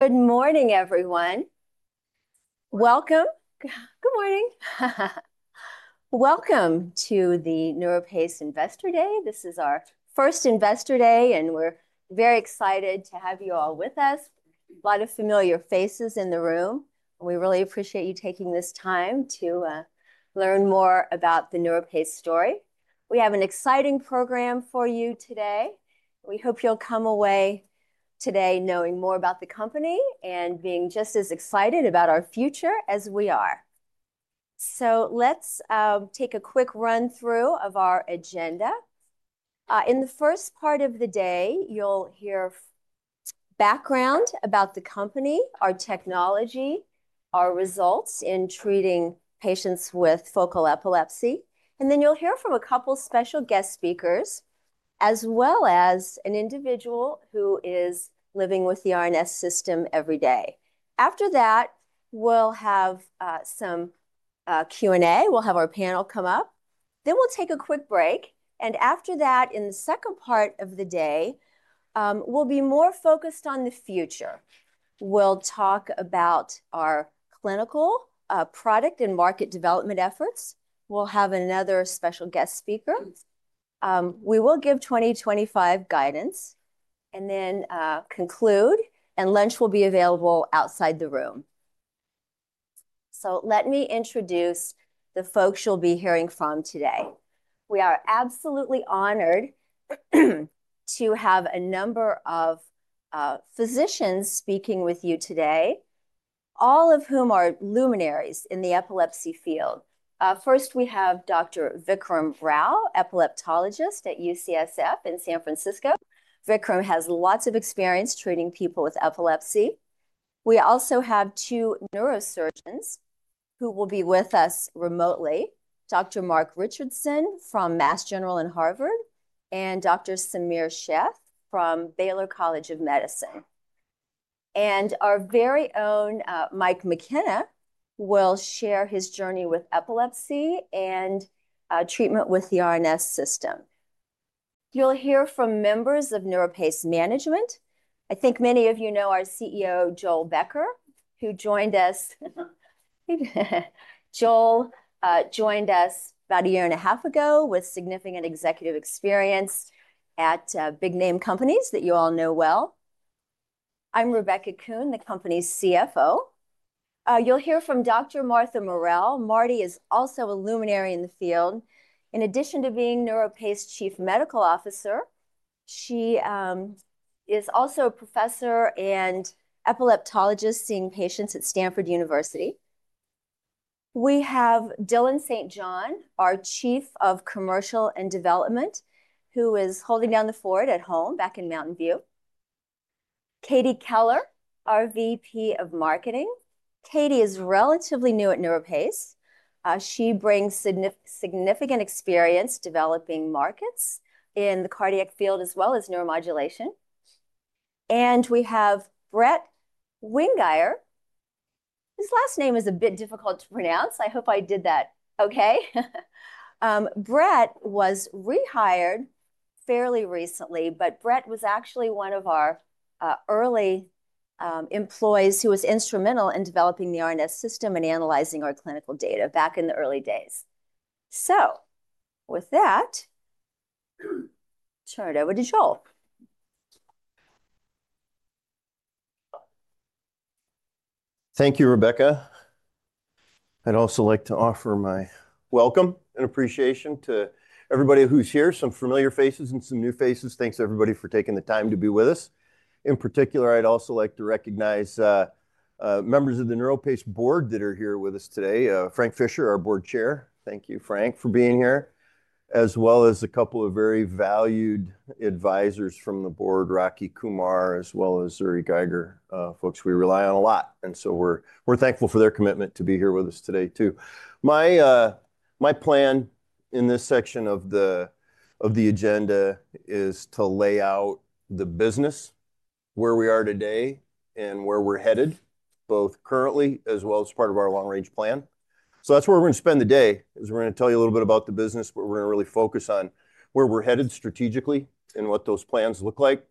Good morning, everyone. Welcome. Good morning. Welcome to the NeuroPace Investor Day. This is our first Investor Day, and we're very excited to have you all with us. A lot of familiar faces in the room. We really appreciate you taking this time to learn more about the NeuroPace story. We have an exciting program for you today. We hope you'll come away today knowing more about the company and being just as excited about our future as we are. So let's take a quick run-through of our agenda. In the first part of the day, you'll hear background about the company, our technology, our results in treating patients with focal epilepsy. And then you'll hear from a couple of special guest speakers, as well as an individual who is living with the RNS System every day. After that, we'll have some Q&A. We'll have our panel come up. Then we'll take a quick break. And after that, in the second part of the day, we'll be more focused on the future. We'll talk about our clinical product and market development efforts. We'll have another special guest speaker. We will give 2025 guidance and then conclude, and lunch will be available outside the room. So let me introduce the folks you'll be hearing from today. We are absolutely honored to have a number of physicians speaking with you today, all of whom are luminaries in the epilepsy field. First, we have Dr. Vikram Rao, epileptologist at UCSF in San Francisco. Vikram has lots of experience treating people with epilepsy. We also have two neurosurgeons who will be with us remotely, Dr. Mark Richardson from Mass General and Harvard and Dr. Sameer Sheth from Baylor College of Medicine. Our very own Mike McKenna will share his journey with epilepsy and treatment with the RNS System. You'll hear from members of NeuroPace Management. I think many of you know our CEO, Joel Becker, who joined us. Joel joined us about a year and a half ago with significant executive experience at big-name companies that you all know well. I'm Rebecca Kuhn, the company's CFO. You'll hear from Dr. Martha Morrell. Marty is also a luminary in the field. In addition to being NeuroPace Chief Medical Officer, she is also a professor and epileptologist seeing patients at Stanford University. We have Dylan St. John, our Chief of Commercial and Development, who is holding down the fort at home back in Mountain View. Katie Keller, our VP of Marketing. Katie is relatively new at NeuroPace. She brings significant experience developing markets in the cardiac field, as well as neuromodulation. And we have Brett Wingeier. His last name is a bit difficult to pronounce. I hope I did that okay. Brett was rehired fairly recently, but Brett was actually one of our early employees who was instrumental in developing the RNS System and analyzing our clinical data back in the early days. So with that, turn it over to Joel. Thank you, Rebecca. I'd also like to offer my welcome and appreciation to everybody who's here, some familiar faces and some new faces. Thanks to everybody for taking the time to be with us. In particular, I'd also like to recognize members of the NeuroPace board that are here with us today, Frank Fischer, our Board Chair. Thank you, Frank, for being here, as well as a couple of very valued advisors from the board, Rocky Kumar, as well as Uri Geiger, folks we rely on a lot, and so we're thankful for their commitment to be here with us today, too. My plan in this section of the agenda is to lay out the business, where we are today and where we're headed, both currently as well as part of our long-range plan. So that's where we're going to spend the day, is we're going to tell you a little bit about the business, but we're going to really focus on where we're headed strategically and what those plans look like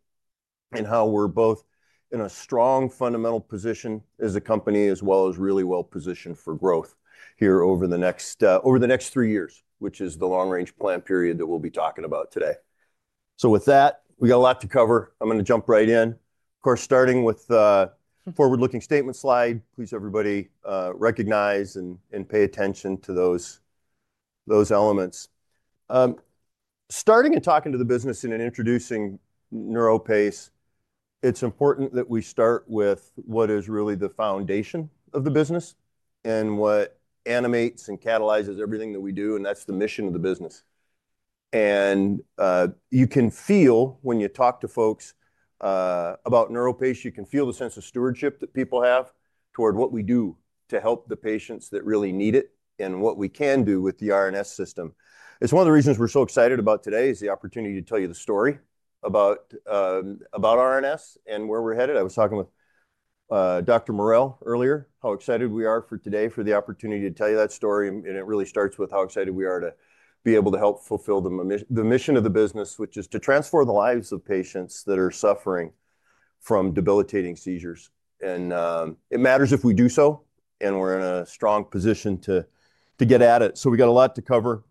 and how we're both in a strong fundamental position as a company, as well as really well positioned for growth here over the next three years, which is the long-range plan period that we'll be talking about today. So with that, we got a lot to cover. I'm going to jump right in. Of course, starting with the forward-looking statement slide, please everybody recognize and pay attention to those elements. Starting and talking to the business and introducing NeuroPace, it's important that we start with what is really the foundation of the business and what animates and catalyzes everything that we do, and that's the mission of the business. And you can feel when you talk to folks about NeuroPace. You can feel the sense of stewardship that people have toward what we do to help the patients that really need it and what we can do with the RNS System. It's one of the reasons we're so excited about today, is the opportunity to tell you the story about RNS and where we're headed. I was talking with Dr. Morrell earlier, how excited we are for today for the opportunity to tell you that story. And it really starts with how excited we are to be able to help fulfill the mission of the business, which is to transform the lives of patients that are suffering from debilitating seizures. And it matters if we do so and we're in a strong position to get at it. So we got a lot to cover.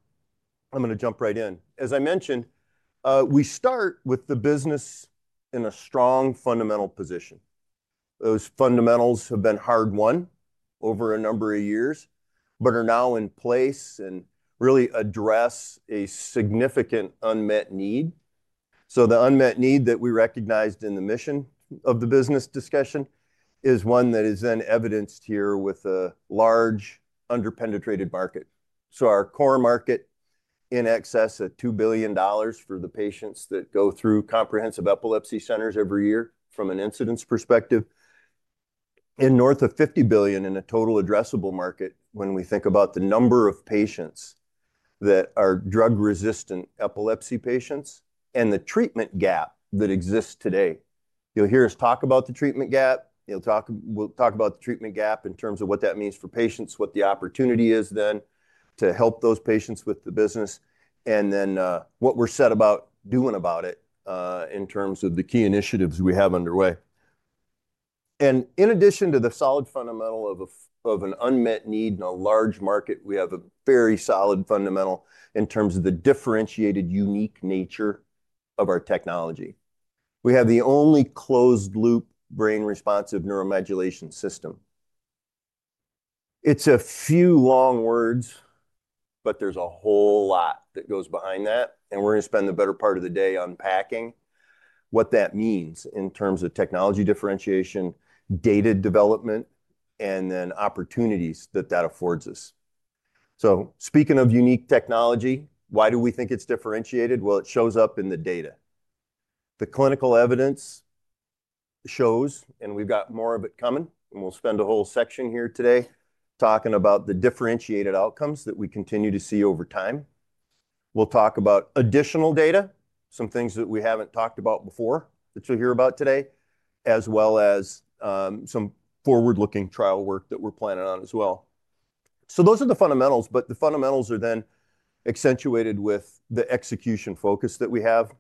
I'm going to jump right in. As I mentioned, we start with the business in a strong fundamental position. Those fundamentals have been hard-won over a number of years, but are now in place and really address a significant unmet need. So the unmet need that we recognized in the mission of the business discussion is one that is then evidenced here with a large under-penetrated market. So our core market in excess of $2 billion for the patients that go through Comprehensive Epilepsy Centers every year from an incidence perspective, and north of $50 billion in a total addressable market when we think about the number of patients that are drug-resistant epilepsy patients and the treatment gap that exists today. You'll hear us talk about the treatment gap. We'll talk about the treatment gap in terms of what that means for patients, what the opportunity is then to help those patients with the business, and then what we're set about doing about it in terms of the key initiatives we have underway, and in addition to the solid fundamental of an unmet need in a large market, we have a very solid fundamental in terms of the differentiated unique nature of our technology. We have the only closed-loop brain-responsive neuromodulation system. It's a few long words, but there's a whole lot that goes behind that, and we're going to spend the better part of the day unpacking what that means in terms of technology differentiation, data development, and then opportunities that that affords us. So speaking of unique technology, why do we think it's differentiated? Well, it shows up in the data. The clinical evidence shows, and we've got more of it coming. And we'll spend a whole section here today talking about the differentiated outcomes that we continue to see over time. We'll talk about additional data, some things that we haven't talked about before that you'll hear about today, as well as some forward-looking trial work that we're planning on as well. So those are the fundamentals, but the fundamentals are then accentuated with the execution focus that we have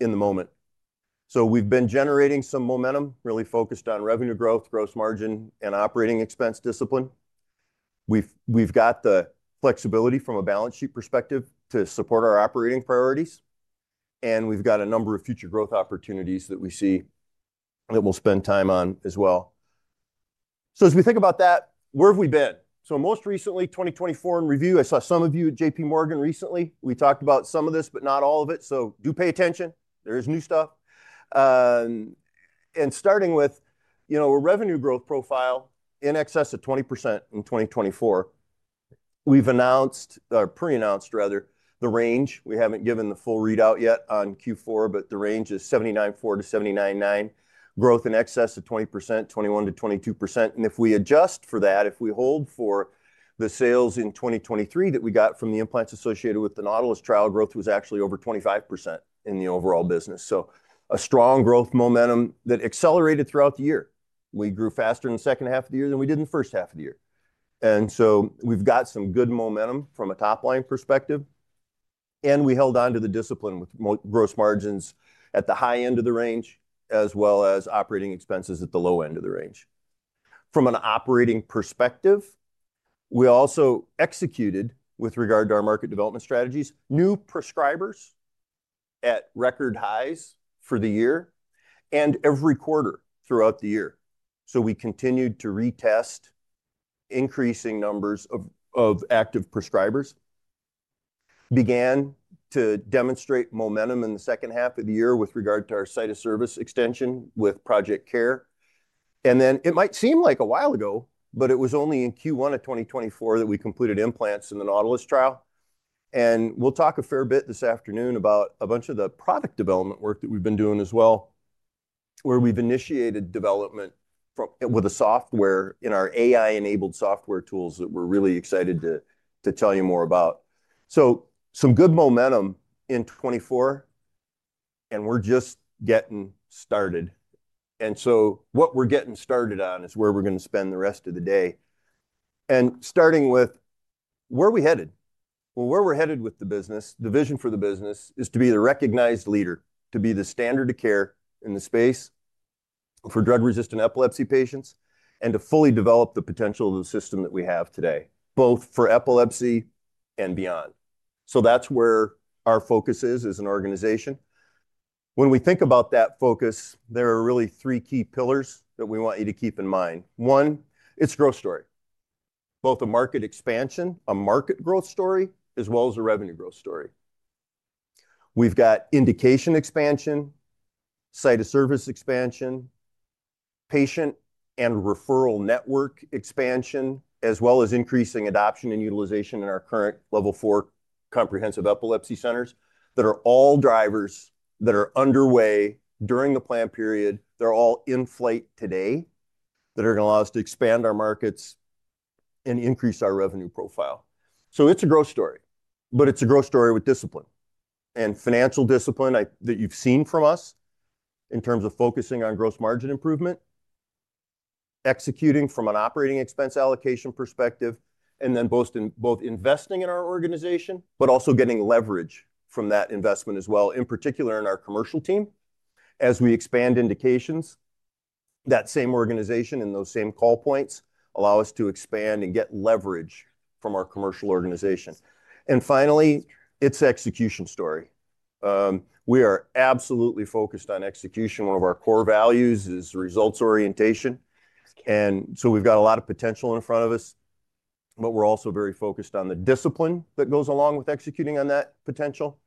in the moment. So we've been generating some momentum really focused on revenue growth, gross margin, and operating expense discipline. We've got the flexibility from a balance sheet perspective to support our operating priorities. And we've got a number of future growth opportunities that we see that we'll spend time on as well. So as we think about that, where have we been? Most recently, 2024 in review, I saw some of you at J.P. Morgan recently. We talked about some of this, but not all of it. Do pay attention. There is new stuff. Starting with a revenue growth profile in excess of 20% in 2024, we've announced, or pre-announced rather, the range. We haven't given the full readout yet on Q4, but the range is $79.4-$79.9, growth in excess of 20%, 21%-22%. If we adjust for that, if we hold for the sales in 2023 that we got from the implants associated with the NAUTILUS trial, growth was actually over 25% in the overall business. A strong growth momentum that accelerated throughout the year. We grew faster in the second half of the year than we did in the first half of the year. And so we've got some good momentum from a top-line perspective. And we held on to the discipline with gross margins at the high end of the range, as well as operating expenses at the low end of the range. From an operating perspective, we also executed, with regard to our market development strategies, new prescribers at record highs for the year and every quarter throughout the year. So we continued to retest increasing numbers of active prescribers. Began to demonstrate momentum in the second half of the year with regard to our site of service extension with Project CARE. And then it might seem like a while ago, but it was only in Q1 of 2024 that we completed implants in the NAUTILUS trial. And we'll talk a fair bit this afternoon about a bunch of the product development work that we've been doing as well, where we've initiated development with a software in our AI-enabled software tools that we're really excited to tell you more about, so some good momentum in 2024, and we're just getting started, and so what we're getting started on is where we're going to spend the rest of the day. And starting with, where are we headed? Well, where we're headed with the business, the vision for the business is to be the recognized leader, to be the standard of care in the space for drug-resistant epilepsy patients, and to fully develop the potential of the system that we have today, both for epilepsy and beyond, so that's where our focus is as an organization. When we think about that focus, there are really three key pillars that we want you to keep in mind. One, it's a growth story. Both a market expansion, a market growth story, as well as a revenue growth story. We've got indication expansion, site of service expansion, patient and referral network expansion, as well as increasing adoption and utilization in our current Level 4 Comprehensive Epilepsy Centers that are all drivers that are underway during the plan period. They're all in flight today that are going to allow us to expand our markets and increase our revenue profile. So it's a growth story, but it's a growth story with discipline and financial discipline that you've seen from us in terms of focusing on gross margin improvement, executing from an operating expense allocation perspective, and then both investing in our organization, but also getting leverage from that investment as well, in particular in our commercial team. As we expand indications, that same organization and those same call points allow us to expand and get leverage from our commercial organization. And finally, it's execution story. We are absolutely focused on execution. One of our core values is results orientation. And so we've got a lot of potential in front of us, but we're also very focused on the discipline that goes along with executing on that potential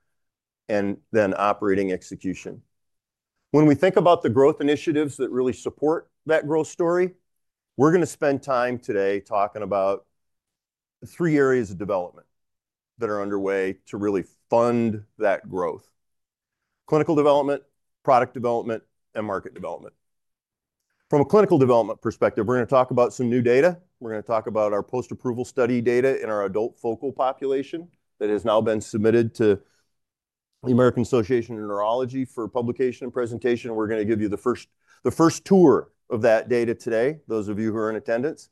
and then operating execution. When we think about the growth initiatives that really support that growth story, we're going to spend time today talking about three areas of development that are underway to really fund that growth: clinical development, product development, and market development. From a clinical development perspective, we're going to talk about some new data. We're going to talk about our post-approval study data in our adult focal population that has now been submitted to the American Academy of Neurology for publication and presentation. We're going to give you the first tour of that data today, those of you who are in attendance.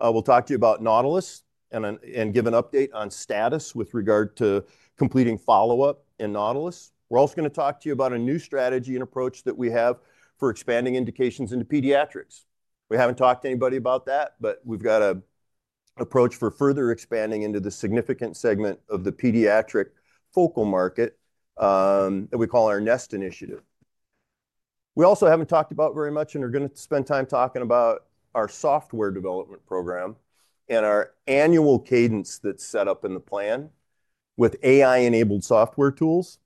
We'll talk to you about Nautilus and give an update on status with regard to completing follow-up in Nautilus. We're also going to talk to you about a new strategy and approach that we have for expanding indications into pediatrics. We haven't talked to anybody about that, but we've got an approach for further expanding into the significant segment of the pediatric focal market that we call our NEST Initiative. We also haven't talked about very much and are going to spend time talking about our software development program and our annual cadence that's set up in the plan with AI-enabled software tools,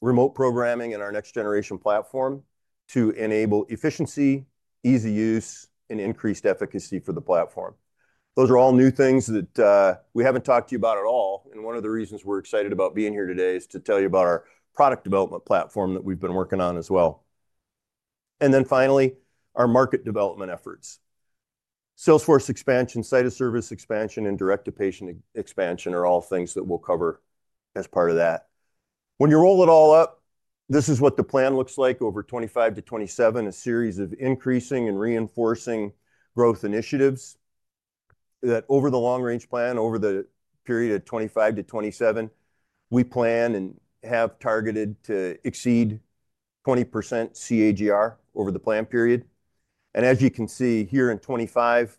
remote programming, and our next-generation platform to enable efficiency, easy use, and increased efficacy for the platform. Those are all new things that we haven't talked to you about at all. And one of the reasons we're excited about being here today is to tell you about our product development platform that we've been working on as well. And then finally, our market development efforts. Sales force expansion, site of service expansion, and direct-to-patient expansion are all things that we'll cover as part of that. When you roll it all up, this is what the plan looks like over 2025 to 2027, a series of increasing and reinforcing growth initiatives that over the long-range plan, over the period of 2025 to 2027, we plan and have targeted to exceed 20% CAGR over the plan period. And as you can see here in 2025,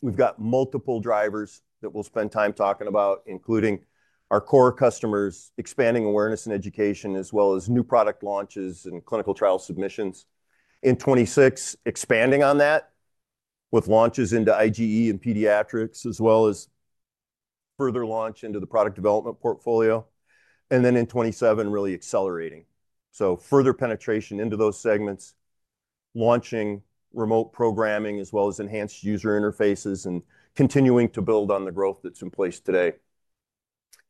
we've got multiple drivers that we'll spend time talking about, including our core customers expanding awareness and education, as well as new product launches and clinical trial submissions. In 2026, expanding on that with launches into IGE and pediatrics, as well as further launch into the product development portfolio. And then in 2027, really accelerating. So further penetration into those segments, launching remote programming, as well as enhanced user interfaces and continuing to build on the growth that's in place today.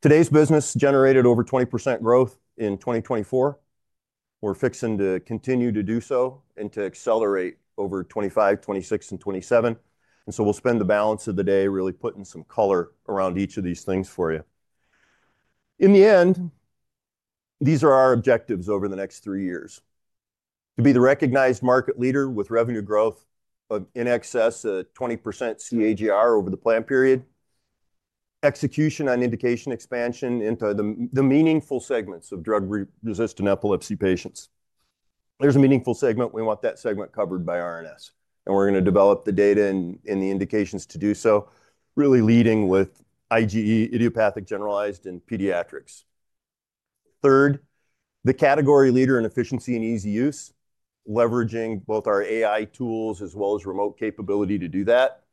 Today's business generated over 20% growth in 2024. We're fixing to continue to do so and to accelerate over 2025, 2026, and 2027. And so we'll spend the balance of the day really putting some color around each of these things for you. In the end, these are our objectives over the next three years: to be the recognized market leader with revenue growth in excess of 20% CAGR over the plan period, execution on indication expansion into the meaningful segments of drug-resistant epilepsy patients. There's a meaningful segment. We want that segment covered by RNS. And we're going to develop the data and the indications to do so, really leading with IGE, idiopathic generalized, and pediatrics. Third, the category leader in efficiency and easy use, leveraging both our AI tools as well as remote capability to do that.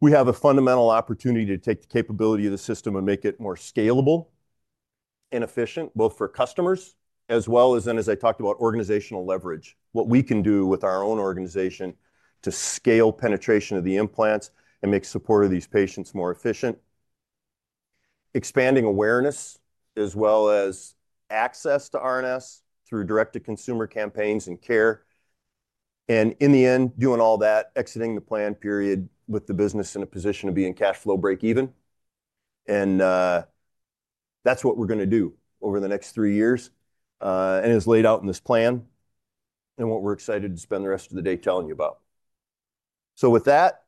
We have a fundamental opportunity to take the capability of the system and make it more scalable and efficient, both for customers as well as, as I talked about, organizational leverage, what we can do with our own organization to scale penetration of the implants and make support of these patients more efficient. Expanding awareness as well as access to RNS through direct-to-consumer campaigns and care. And in the end, doing all that, exiting the plan period with the business in a position to be in cash flow break even. And that's what we're going to do over the next three years and is laid out in this plan and what we're excited to spend the rest of the day telling you about. So with that,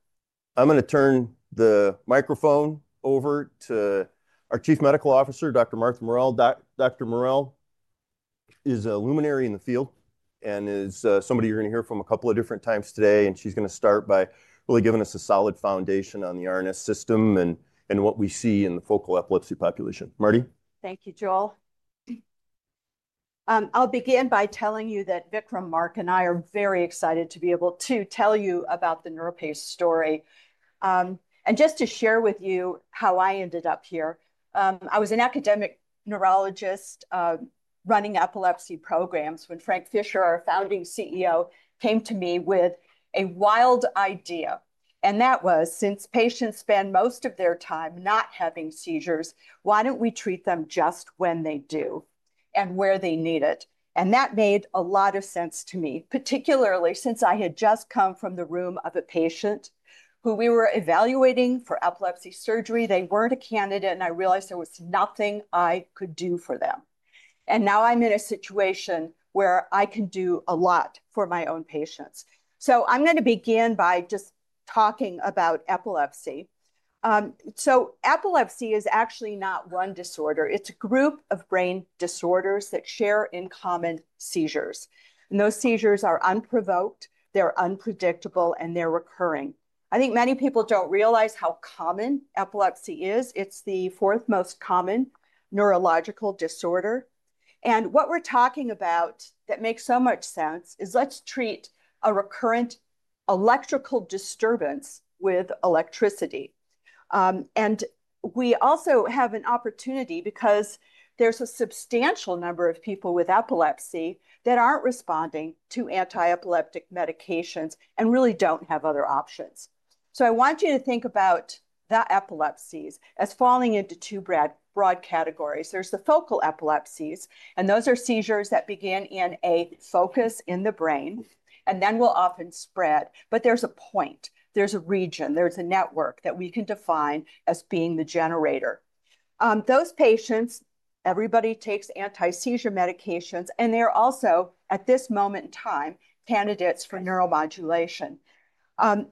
I'm going to turn the microphone over to our Chief Medical Officer, Dr. Martha Morrell. Dr. Morrell is a luminary in the field and is somebody you're going to hear from a couple of different times today. And she's going to start by really giving us a solid foundation on the RNS System and what we see in the focal epilepsy population. Marty? Thank you, Joel. I'll begin by telling you that Vikram, Mark, and I are very excited to be able to tell you about the NeuroPace story. And just to share with you how I ended up here, I was an academic neurologist running epilepsy programs when Frank Fischer, our founding CEO, came to me with a wild idea. And that was, since patients spend most of their time not having seizures, why don't we treat them just when they do and where they need it? And that made a lot of sense to me, particularly since I had just come from the room of a patient who we were evaluating for epilepsy surgery. They weren't a candidate, and I realized there was nothing I could do for them. And now I'm in a situation where I can do a lot for my own patients. So I'm going to begin by just talking about epilepsy. So epilepsy is actually not one disorder. It's a group of brain disorders that share in common seizures. And those seizures are unprovoked, they're unpredictable, and they're recurring. I think many people don't realize how common epilepsy is. It's the fourth most common neurological disorder. And what we're talking about that makes so much sense is let's treat a recurrent electrical disturbance with electricity. We also have an opportunity because there's a substantial number of people with epilepsy that aren't responding to anti-epileptic medications and really don't have other options. I want you to think about the epilepsies as falling into two broad categories. There's the focal epilepsies, and those are seizures that begin in a focus in the brain and then will often spread. There's a point, there's a region, there's a network that we can define as being the generator. Those patients, everybody takes anti-seizure medications, and they're also at this moment in time candidates for neuromodulation.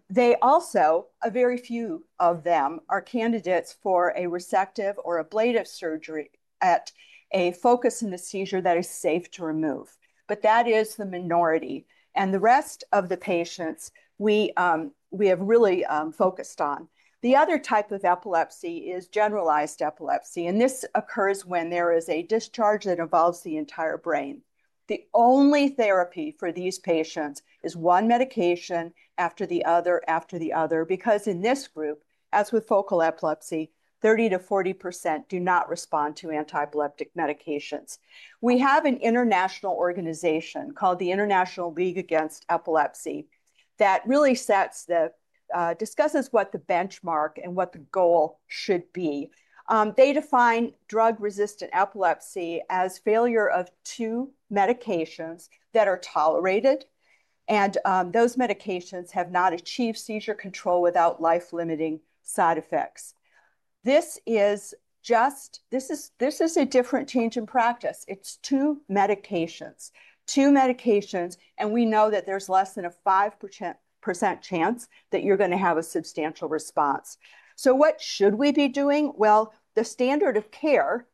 They also, a very few of them, are candidates for a resective or ablative surgery at a focus in the seizure that is safe to remove. That is the minority. The rest of the patients we have really focused on. The other type of epilepsy is generalized epilepsy. This occurs when there is a discharge that involves the entire brain. The only therapy for these patients is one medication after the other, after the other, because in this group, as with focal epilepsy, 30%-40% do not respond to anti-epileptic medications. We have an international organization called the International League Against Epilepsy that really discusses what the benchmark and what the goal should be. They define drug-resistant epilepsy as failure of two medications that are tolerated, and those medications have not achieved seizure control without life-limiting side effects. This is just, this is a different change in practice. It's two medications, two medications, and we know that there's less than a 5% chance that you're going to have a substantial response. So what should we be doing? The standard of care,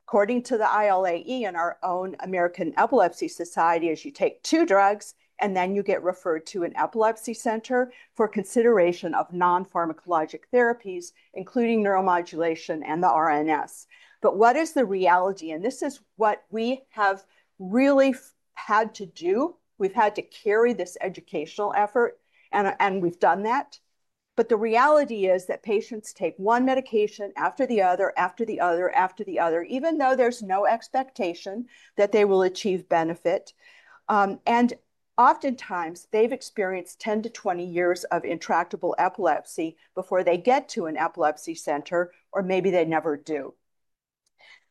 according to the ILAE and our own American Epilepsy Society, is you take two drugs and then you get referred to an epilepsy center for consideration of non-pharmacologic therapies, including neuromodulation and the RNS. What is the reality? This is what we have really had to do. We've had to carry this educational effort, and we've done that. The reality is that patients take one medication after the other, after the other, after the other, even though there's no expectation that they will achieve benefit. Oftentimes, they've experienced 10 to 20 years of intractable epilepsy before they get to an epilepsy center, or maybe they never do.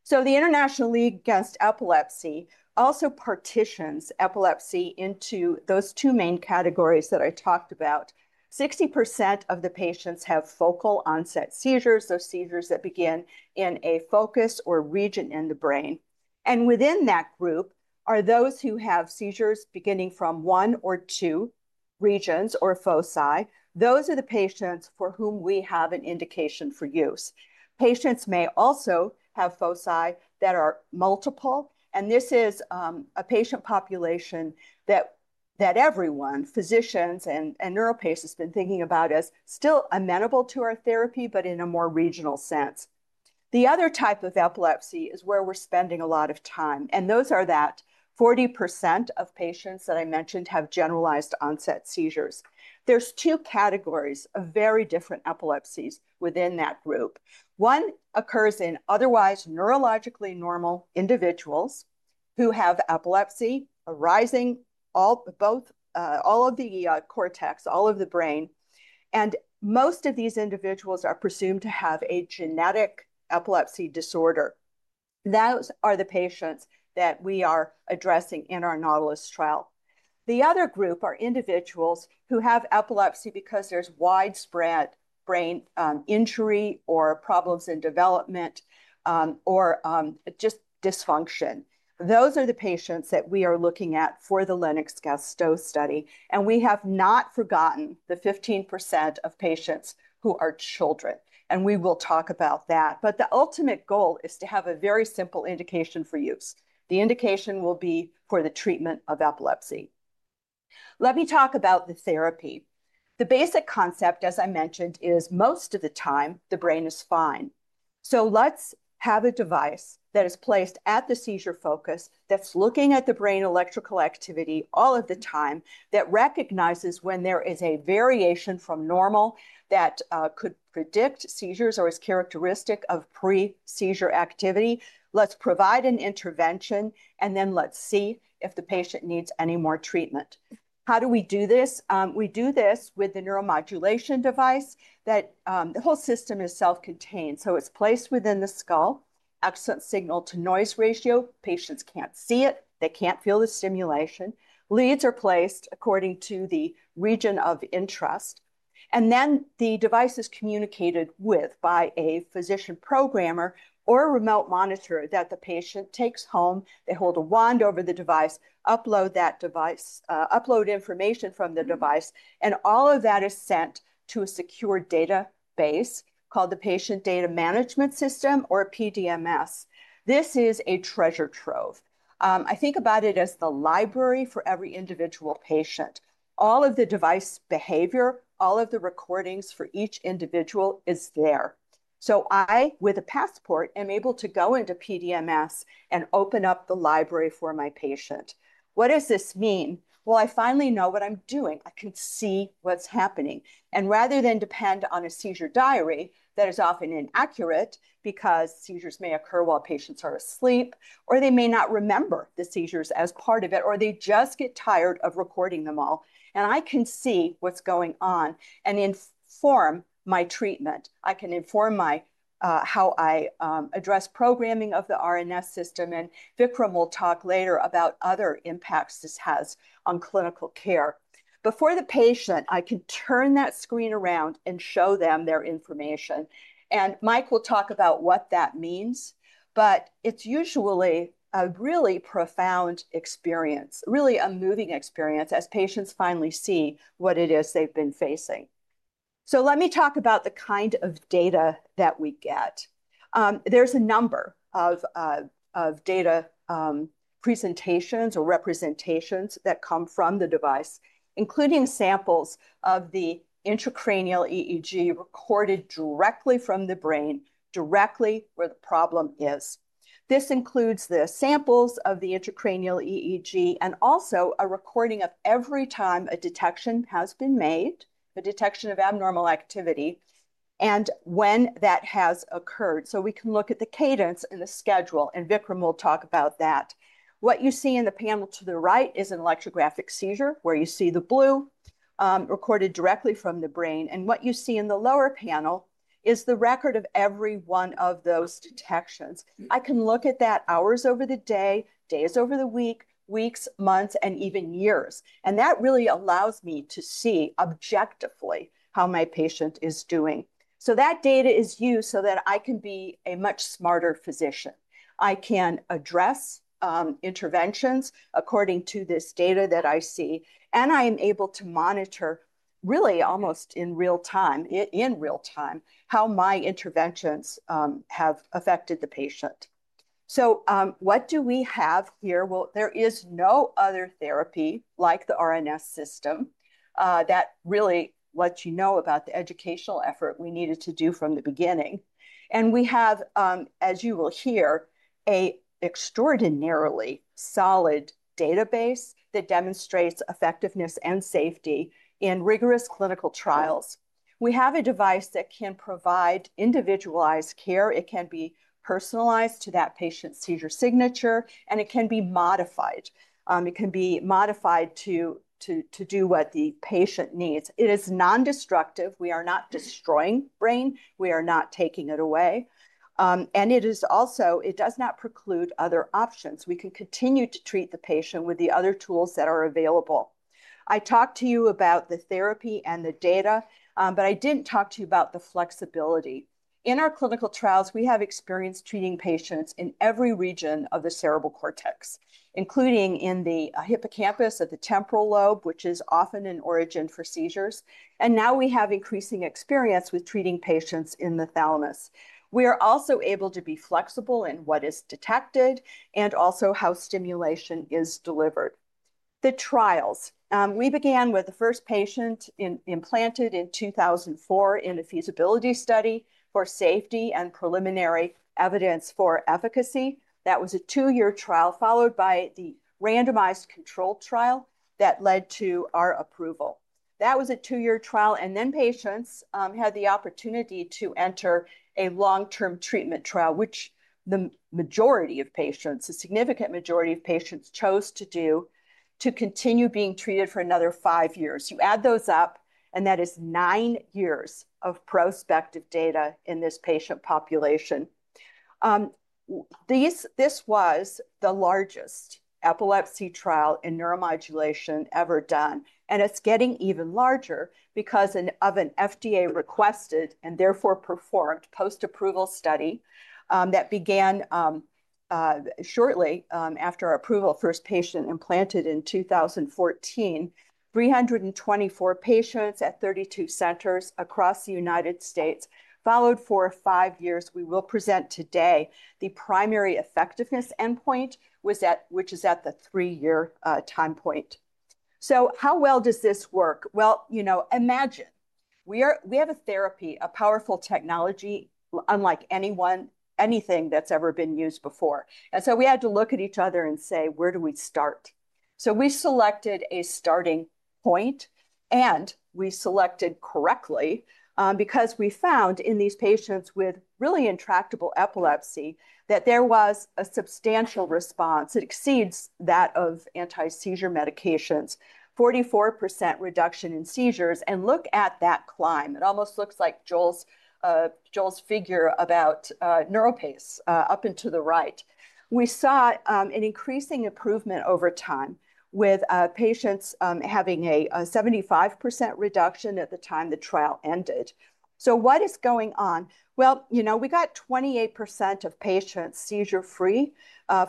The International League Against Epilepsy also partitions epilepsy into those two main categories that I talked about. 60% of the patients have focal onset seizures, those seizures that begin in a focus or region in the brain. And within that group are those who have seizures beginning from one or two regions or foci. Those are the patients for whom we have an indication for use. Patients may also have foci that are multiple. And this is a patient population that everyone, physicians and NeuroPace, has been thinking about as still amenable to our therapy, but in a more regional sense. The other type of epilepsy is where we're spending a lot of time. And those are that 40% of patients that I mentioned have generalized onset seizures. There's two categories of very different epilepsies within that group. One occurs in otherwise neurologically normal individuals who have epilepsy arising all of the cortex, all of the brain. Most of these individuals are presumed to have a genetic epilepsy disorder. Those are the patients that we are addressing in our Nautilus trial. The other group are individuals who have epilepsy because there's widespread brain injury or problems in development or just dysfunction. Those are the patients that we are looking at for the Lennox-Gastaut study. We have not forgotten the 15% of patients who are children. We will talk about that. The ultimate goal is to have a very simple indication for use. The indication will be for the treatment of epilepsy. Let me talk about the therapy. The basic concept, as I mentioned, is most of the time the brain is fine. So let's have a device that is placed at the seizure focus that's looking at the brain electrical activity all of the time that recognizes when there is a variation from normal that could predict seizures or is characteristic of pre-seizure activity. Let's provide an intervention, and then let's see if the patient needs any more treatment. How do we do this? We do this with the neuromodulation device that the whole system is self-contained. So it's placed within the skull, excellent signal-to-noise ratio. Patients can't see it. They can't feel the stimulation. Leads are placed according to the region of interest. And then the device is communicated with by a physician programmer or a remote monitor that the patient takes home. They hold a wand over the device, upload that device, upload information from the device. And all of that is sent to a secure database called the Patient Data Management System or PDMS. This is a treasure trove. I think about it as the library for every individual patient. All of the device behavior, all of the recordings for each individual is there. So I, with a passport, am able to go into PDMS and open up the library for my patient. What does this mean? Well, I finally know what I'm doing. I can see what's happening. And rather than depend on a seizure diary that is often inaccurate because seizures may occur while patients are asleep, or they may not remember the seizures as part of it, or they just get tired of recording them all, and I can see what's going on and inform my treatment. I can inform how I address programming of the RNS System. Vikram will talk later about other impacts this has on clinical care. Before the patient, I can turn that screen around and show them their information. Mike will talk about what that means. It's usually a really profound experience, really a moving experience as patients finally see what it is they've been facing. Let me talk about the kind of data that we get. There's a number of data presentations or representations that come from the device, including samples of the intracranial EEG recorded directly from the brain, directly where the problem is. This includes the samples of the intracranial EEG and also a recording of every time a detection has been made, a detection of abnormal activity, and when that has occurred. We can look at the cadence and the schedule. Vikram will talk about that. What you see in the panel to the right is an electrographic seizure where you see the blue recorded directly from the brain. And what you see in the lower panel is the record of every one of those detections. I can look at that hours over the day, days over the week, weeks, months, and even years. And that really allows me to see objectively how my patient is doing. So that data is used so that I can be a much smarter physician. I can address interventions according to this data that I see, and I am able to monitor really almost in real time, in real time, how my interventions have affected the patient. So what do we have here? Well, there is no other therapy like the RNS System that really lets you know about the educational effort we needed to do from the beginning. We have, as you will hear, an extraordinarily solid database that demonstrates effectiveness and safety in rigorous clinical trials. We have a device that can provide individualized care. It can be personalized to that patient's seizure signature, and it can be modified. It can be modified to do what the patient needs. It is non-destructive. We are not destroying the brain. We are not taking it away. It also does not preclude other options. We can continue to treat the patient with the other tools that are available. I talked to you about the therapy and the data, but I didn't talk to you about the flexibility. In our clinical trials, we have experience treating patients in every region of the cerebral cortex, including in the hippocampus at the temporal lobe, which is often an origin for seizures. And now we have increasing experience with treating patients in the thalamus. We are also able to be flexible in what is detected and also how stimulation is delivered. The trials. We began with the first patient implanted in 2004 in a feasibility study for safety and preliminary evidence for efficacy. That was a two-year trial followed by the randomized control trial that led to our approval. That was a two-year trial. And then patients had the opportunity to enter a long-term treatment trial, which the majority of patients, a significant majority of patients chose to do to continue being treated for another five years. You add those up, and that is nine years of data in this patient population. This was the largest epilepsy trial in neuromodulation ever done. It'sT getting even larger because of an FDA-requested and therefore performed post-approval study that began shortly after approval of first patient implanted in 2014. 324 patients at 32 centers across the United States followed for five years. We will present today the primary effectiveness endpoint, which is at the three-year time point. How well does this work? You know, imagine we have a therapy, a powerful technology, unlike anything that's ever been used before. So we had to look at each other and say, where do we start? We selected a starting point, and we selected correctly because we found in these patients with really intractable epilepsy that there was a substantial response that exceeds that of anti-seizure medications, 44% reduction in seizures. Look at that climb. It almost looks like Joel's figure about NeuroPace up into the right. We saw an increasing improvement over time with patients having a 75% reduction at the time the trial ended. So what is going on? Well, you know, we got 28% of patients seizure-free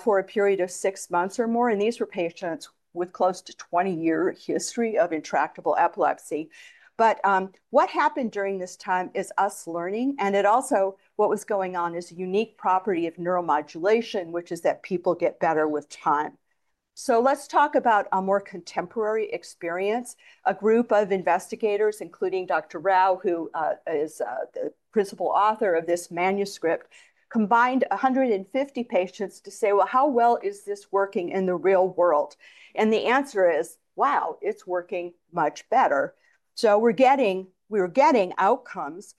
for a period of six months or more. And these were patients with close to 20-year history of intractable epilepsy. But what happened during this time is us learning. And it also, what was going on is a unique property of neuromodulation, which is that people get better with time. So let's talk about a more contemporary experience. A group of investigators, including Dr. Rao, who is the principal author of this manuscript, combined 150 patients to say, well, how well is this working in the real world? And the answer is, wow, it's working much better. So we're getting outcomes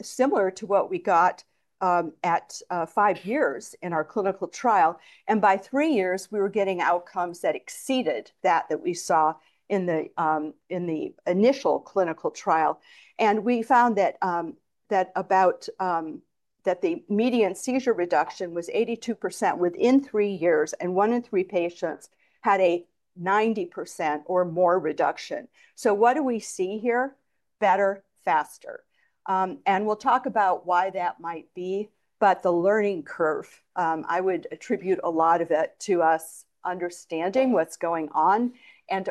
similar to what we got at five years in our clinical trial. By three years, we were getting outcomes that exceeded that we saw in the initial clinical trial. We found that the median seizure reduction was 82% within three years, and one in three patients had a 90% or more reduction. What do we see here? Better, faster. We'll talk about why that might be, but the learning curve, I would attribute a lot of it to us understanding what's going on.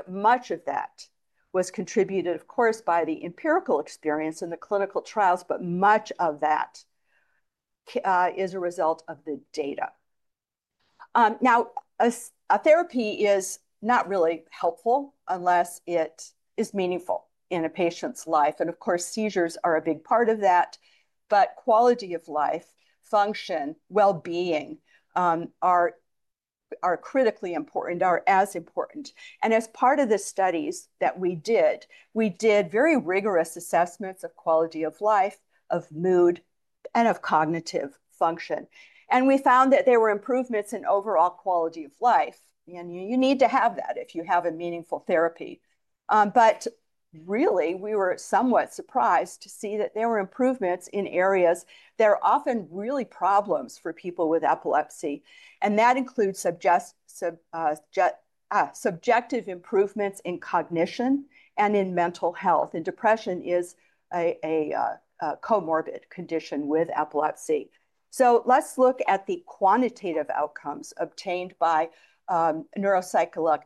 Much of that was contributed, of course, by the empirical experience in the clinical trials, but much of that is a result of thedata. Now, a therapy is not really helpful unless it is meaningful in a patient's life. Of course, seizures are a big part of that. Quality of life, function, well-being are critically important, are as important. As part of the studies that we did, we did very rigorous assessments of quality of life, of mood, and of cognitive function. We found that there were improvements in overall quality of life. You need to have that if you have a meaningful therapy. But really, we were somewhat surprised to see that there were improvements in areas that are often really problems for people with epilepsy. That includes subjective improvements in cognition and in mental health. Depression is a comorbid condition with epilepsy. Let's look at the quantitative outcomes obtained by neuropsychological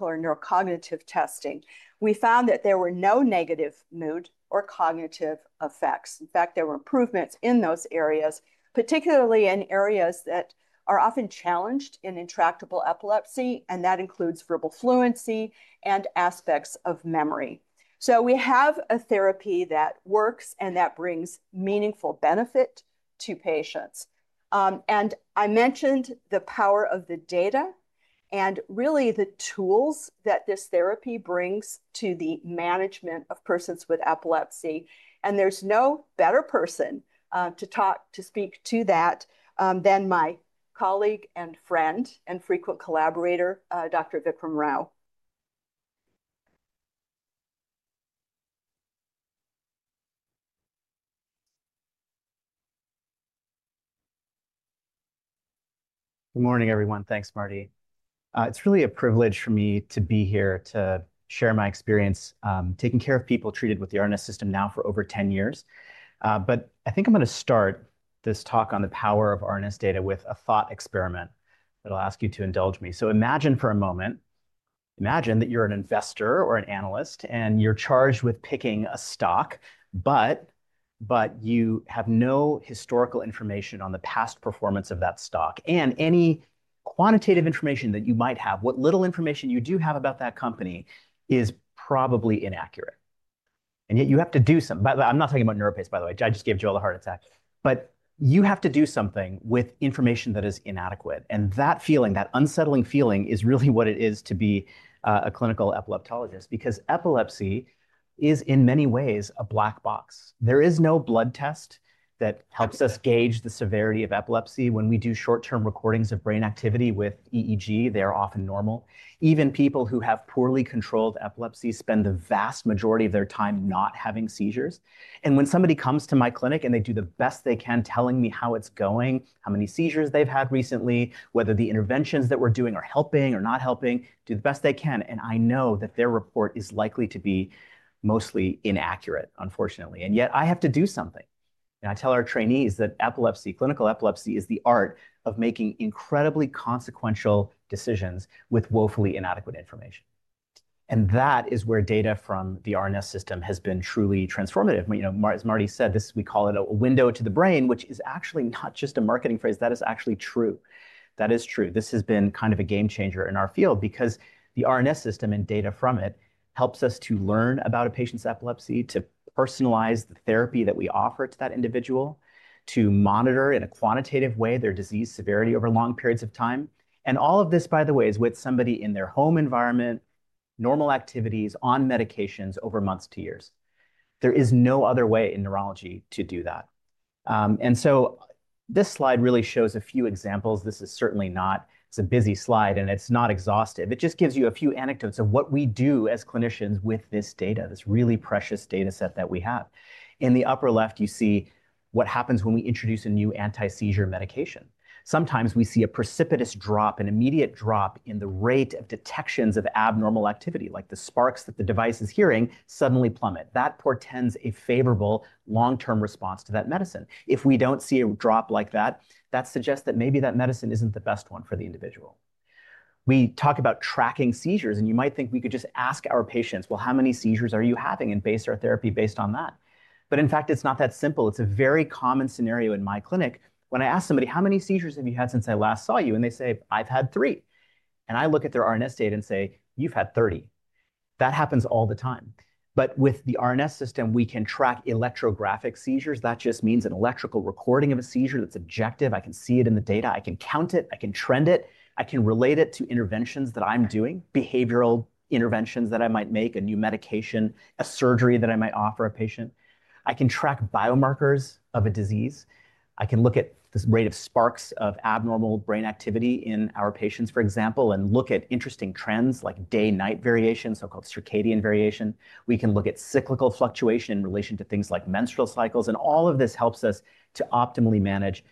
or neurocognitive testing. We found that there were no negative mood or cognitive effects. In fact, there were improvements in those areas, particularly in areas that are often challenged in intractable epilepsy. That includes verbal fluency and aspects of memory. We have a therapy that works and that brings meaningful benefit to patients. And I mentioned the power of the data and really the tools that this therapy brings to the management of persons with epilepsy. And there's no better person to talk, to speak to that than my colleague and friend and frequent collaborator, Dr. Vikram Rao. Good morning, everyone. Thanks, Marty. It's really a privilege for me to be here to share my experience taking care of people treated with the RNS System now for over 10 years. But I think I'm going to start this talk on the power of RNS data with a thought experiment that I'll ask you to indulge me. So imagine for a moment, imagine that you're an investor or an analyst, and you're charged with picking a stock, but you have no historical information on the past performance of that stock. And any quantitative information that you might have, what little information you do have about that company is probably inaccurate. And yet you have to do something. I'm not talking about NeuroPace, by the way. I just gave Joel a heart attack. But you have to do something with information that is inadequate. And that feeling, that unsettling feeling is really what it is to be a clinical epileptologist because epilepsy is, in many ways, a black box. There is no blood test that helps us gauge the severity of epilepsy. When we do short-term recordings of brain activity with EEG, they are often normal. Even people who have poorly controlled epilepsy spend the vast majority of their time not having seizures. And when somebody comes to my clinic and they do the best they can telling me how it's going, how many seizures they've had recently, whether the interventions that we're doing are helping or not helping, do the best they can. And I know that their report is likely to be mostly inaccurate, unfortunately. And yet I have to do something. And I tell our trainees that epilepsy, clinical epilepsy, is the art of making incredibly consequential decisions with woefully inadequate information. And that is where data from the RNS System has been truly transformative. As Marty said, we call it a window to the brain, which is actually not just a marketing phrase. That is actually true. That is true. This has been kind of a game changer in our field because the RNS System and data from it helps us to learn about a patient's epilepsy, to personalize the therapy that we offer to that individual, to monitor in a quantitative way their disease severity over long periods of time. And all of this, by the way, is with somebody in their home environment, normal activities, on medications over months to years. There is no other way in neurology to do that. And so this slide really shows a few examples. This is certainly not, it's a busy slide, and it's not exhaustive. It just gives you a few anecdotes of what we do as clinicians with this data, this really precious data set that we have. In the upper left, you see what happens when we introduce a new anti-seizure medication. Sometimes we see a precipitous drop, an immediate drop in the rate of detections of abnormal activity, like the sparks that the device is hearing, suddenly plummet. That portends a favorable long-term response to that medicine. If we don't see a drop like that, that suggests that maybe that medicine isn't the best one for the individual. We talk about tracking seizures, and you might think we could just ask our patients, well, how many seizures are you having and base our therapy based on that? But in fact, it's not that simple. It's a very common scenario in my clinic. When I ask somebody, how many seizures have you had since I last saw you? And they say, I've had three. And I look at their RNS data and say, you've had 30. That happens all the time. But with the RNS System, we can track electrographic seizures. That just means an electrical recording of a seizure that's objective. I can see it in the data. I can count it. I can trend it. I can relate it to interventions that I'm doing, behavioral interventions that I might make, a new medication, a surgery that I might offer a patient. I can track biomarkers of a disease. I can look at the rate of sparks of abnormal brain activity in our patients, for example, and look at interesting trends like day-night variation, so-called circadian variation. We can look at cyclical fluctuation in relation to things like menstrual cycles. And all of this helps us to optimally manage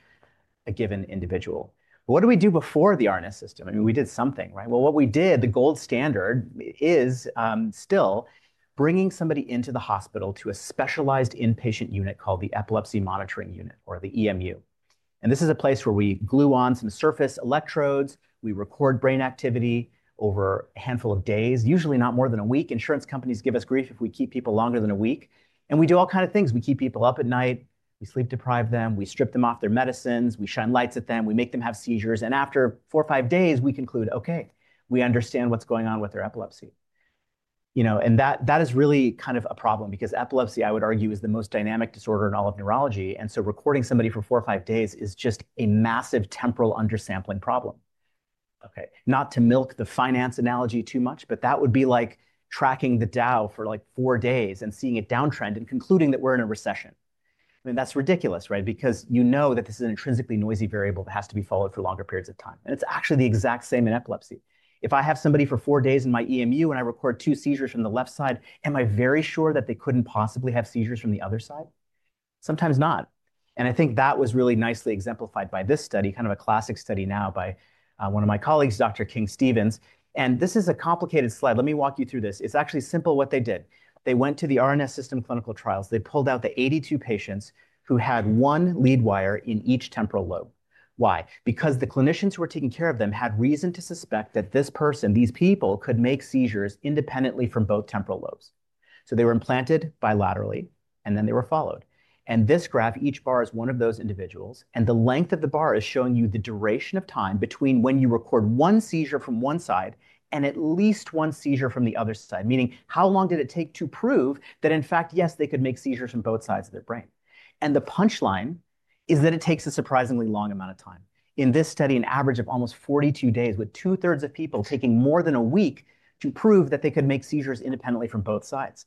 a given individual. What do we do before the RNS System? I mean, we did something, right? What we did, the gold standard is still bringing somebody into the hospital to a specialized inpatient unit called the Epilepsy Monitoring Unit or the EMU. And this is a place where we glue on some surface electrodes. We record brain activity over a handful of days, usually not more than a week. Insurance companies give us grief if we keep people longer than a week. And we do all kinds of things. We keep people up at night. We sleep deprive them. We strip them off their medicines. We shine lights at them. We make them have seizures. And after four or five days, we conclude, okay, we understand what's going on with their epilepsy. And that is really kind of a problem because epilepsy, I would argue, is the most dynamic disorder in all of neurology. And so recording somebody for four or five days is just a massive temporal undersampling problem. Okay, not to milk the finance analogy too much, but that would be like tracking the Dow for like four days and seeing it downtrend and concluding that we're in a recession. I mean, that's ridiculous, right? Because you know that this is an intrinsically noisy variable that has to be followed for longer periods of time. And it's actually the exact same in epilepsy. If I have somebody for four days in my EMU and I record two seizures from the left side, am I very sure that they couldn't possibly have seizures from the other side? Sometimes not. And I think that was really nicely exemplified by this study, kind of a classic study now by one of my colleagues, Dr. King-Stephens. And this is a complicated slide. Let me walk you through this. It's actually simple what they did. They went to the RNS System clinical trials. They pulled out the 82 patients who had one lead wire in each temporal lobe. Why? Because the clinicians who were taking care of them had reason to suspect that this person, these people, could make seizures independently from both temporal lobes. So they were implanted bilaterally, and then they were followed. And this graph, each bar is one of those individuals. And the length of the bar is showing you the duration of time between when you record one seizure from one side and at least one seizure from the other side, meaning how long did it take to prove that, in fact, yes, they could make seizures from both sides of their brain. And the punchline is that it takes a surprisingly long amount of time. In this study, an average of almost 42 days, with two-thirds of people taking more than a week to prove that they could make seizures independently from both sides.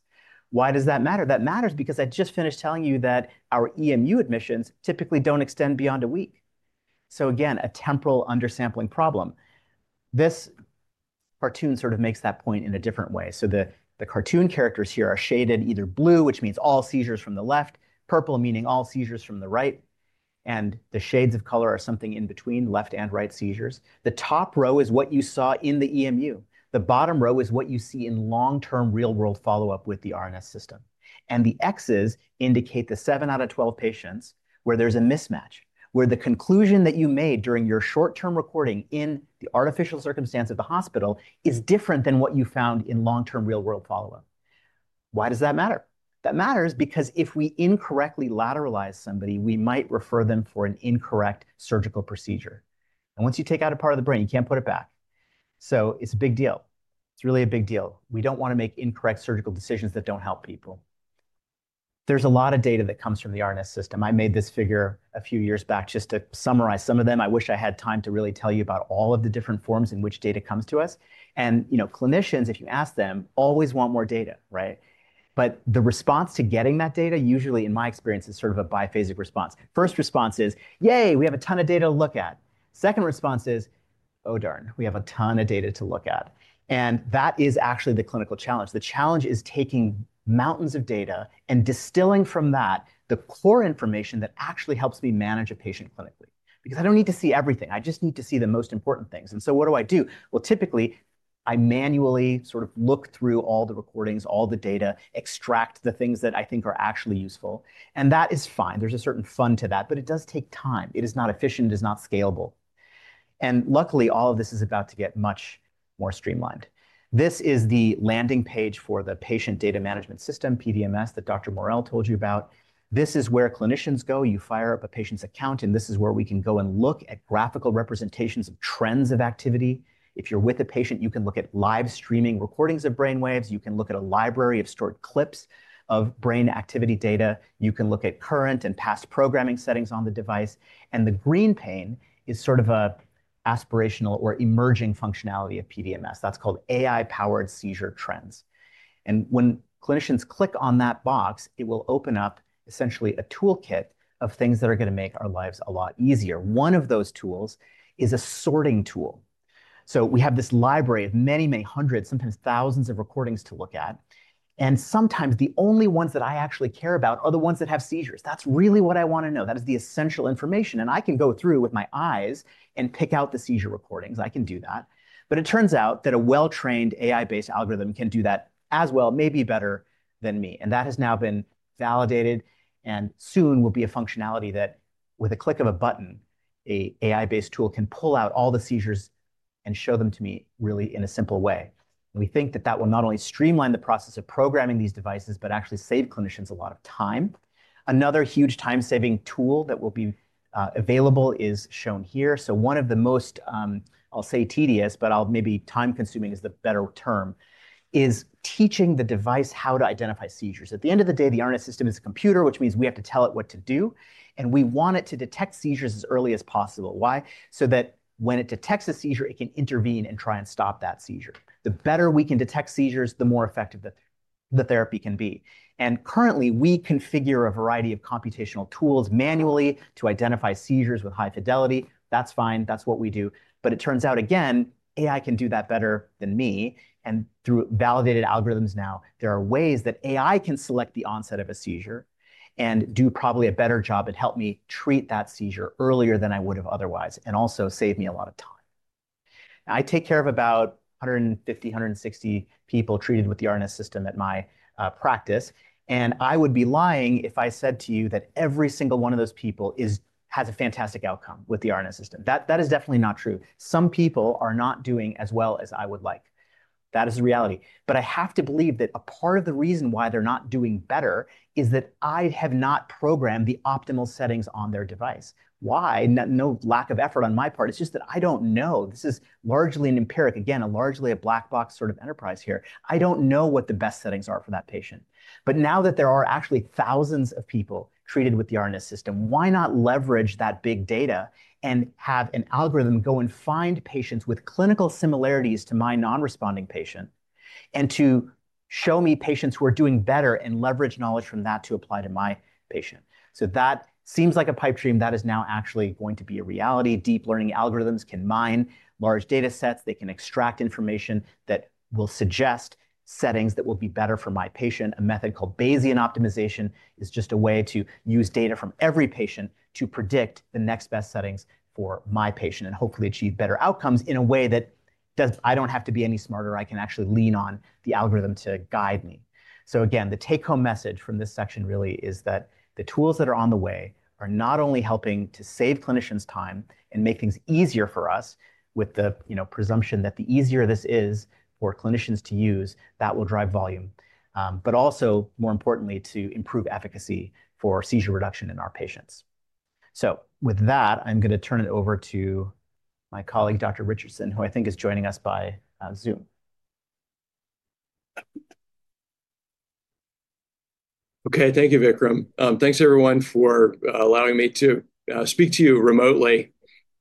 Why does that matter? That matters because I just finished telling you that our EMU admissions typically don't extend beyond a week, so again, a temporal undersampling problem. This cartoon sort of makes that point in a different way, so the cartoon characters here are shaded either blue, which means all seizures from the left, purple meaning all seizures from the right. And the shades of color are something in between left and right seizures. The top row is what you saw in the EMU. The bottom row is what you see in long-term real-world follow-up with the RNS System. And the X's indicate the seven out of 12 patients where there's a mismatch, where the conclusion that you made during your short-term recording in the artificial circumstance of the hospital is different than what you found in long-term real-world follow-up. Why does that matter? That matters because if we incorrectly lateralize somebody, we might refer them for an incorrect surgical procedure. And once you take out a part of the brain, you can't put it back. So it's a big deal. It's really a big deal. We don't want to make incorrect surgical decisions that don't help people. There's a lot of data that comes from the RNS System. I made this figure a few years back just to summarize some of them. I wish I had time to really tell you about all of the different forms in which data comes to us. And clinicians, if you ask them, always want more data, right? But the response to getting that data, usually, in my experience, is sort of a biphasic response. First response is, yay, we have a ton of data to look at. Second response is, oh darn, we have a ton of data to look at. And that is actually the clinical challenge. The challenge is taking mountains of data and distilling from that the core information that actually helps me manage a patient clinically. Because I don't need to see everything. I just need to see the most important things. And so what do I do? Well, typically, I manually sort of look through all the recordings, all the data, extract the things that I think are actually useful. And that is fine. There's a certain fun to that, but it does take time. It is not efficient. It is not scalable, and luckily, all of this is about to get much more streamlined. This is the landing page for the Patient Data Management System, PDMS, that Dr. Morrell told you about. This is where clinicians go. You fire up a patient's account, and this is where we can go and look at graphical representations of trends of activity. If you're with a patient, you can look at live streaming recordings of brain waves. You can look at a library of stored clips of brain activity data. You can look at current and past programming settings on the device, and the green pane is sort of an aspirational or emerging functionality of PDMS. That's called AI-Powered Seizure Trends, and when clinicians click on that box, it will open up essentially a toolkit of things that are going to make our lives a lot easier. One of those tools is a sorting tool. So we have this library of many, many hundreds, sometimes thousands of recordings to look at. And sometimes the only ones that I actually care about are the ones that have seizures. That's really what I want to know. That is the essential information. And I can go through with my eyes and pick out the seizure recordings. I can do that. But it turns out that a well-trained AI-based algorithm can do that as well, maybe better than me. And that has now been validated and soon will be a functionality that, with a click of a button, an AI-based tool can pull out all the seizures and show them to me really in a simple way. And we think that that will not only streamline the process of programming these devices, but actually save clinicians a lot of time. Another huge time-saving tool that will be available is shown here, so one of the most, I'll say tedious, but I'll maybe time-consuming is the better term, is teaching the device how to identify seizures. At the end of the day, the RNS System is a computer, which means we have to tell it what to do, and we want it to detect seizures as early as possible. Why? So that when it detects a seizure, it can intervene and try and stop that seizure. The better we can detect seizures, the more effective the therapy can be, and currently, we configure a variety of computational tools manually to identify seizures with high fidelity. That's fine. That's what we do, but it turns out, again, AI can do that better than me. Through validated algorithms now, there are ways that AI can select the onset of a seizure and do probably a better job at helping me treat that seizure earlier than I would have otherwise and also save me a lot of time. I take care of about 150-160 people treated with the RNS System at my practice. I would be lying if I said to you that every single one of those people has a fantastic outcome with the RNS System. That is definitely not true. Some people are not doing as well as I would like. That is the reality. But I have to believe that a part of the reason why they're not doing better is that I have not programmed the optimal settings on their device. Why? No lack of effort on my part. It's just that I don't know. This is largely empirical. Again, it's a largely black box sort of enterprise here. I don't know what the best settings are for that patient. But now that there are actually thousands of people treated with the RNS System, why not leverage that big data and have an algorithm go and find patients with clinical similarities to my non-responding patient and to show me patients who are doing better and leverage knowledge from that to apply to my patient? That seems like a pipe dream that is now actually going to be a reality. Deep learning algorithms can mine large data sets. They can extract information that will suggest settings that will be better for my patient. A method called Bayesian optimization is just a way to use data from every patient to predict the next best settings for my patient and hopefully achieve better outcomes in a way that I don't have to be any smarter. I can actually lean on the algorithm to guide me, so again, the take-home message from this section really is that the tools that are on the way are not only helping to save clinicians' time and make things easier for us with the presumption that the easier this is for clinicians to use, that will drive volume, but also, more importantly, to improve efficacy for seizure reduction in our patients, so with that, I'm going to turn it over to my colleague, Dr. Richardson, who I think is joining us by Zoom. Okay, thank you, Vikram. Thanks, everyone, for allowing me to speak to you remotely.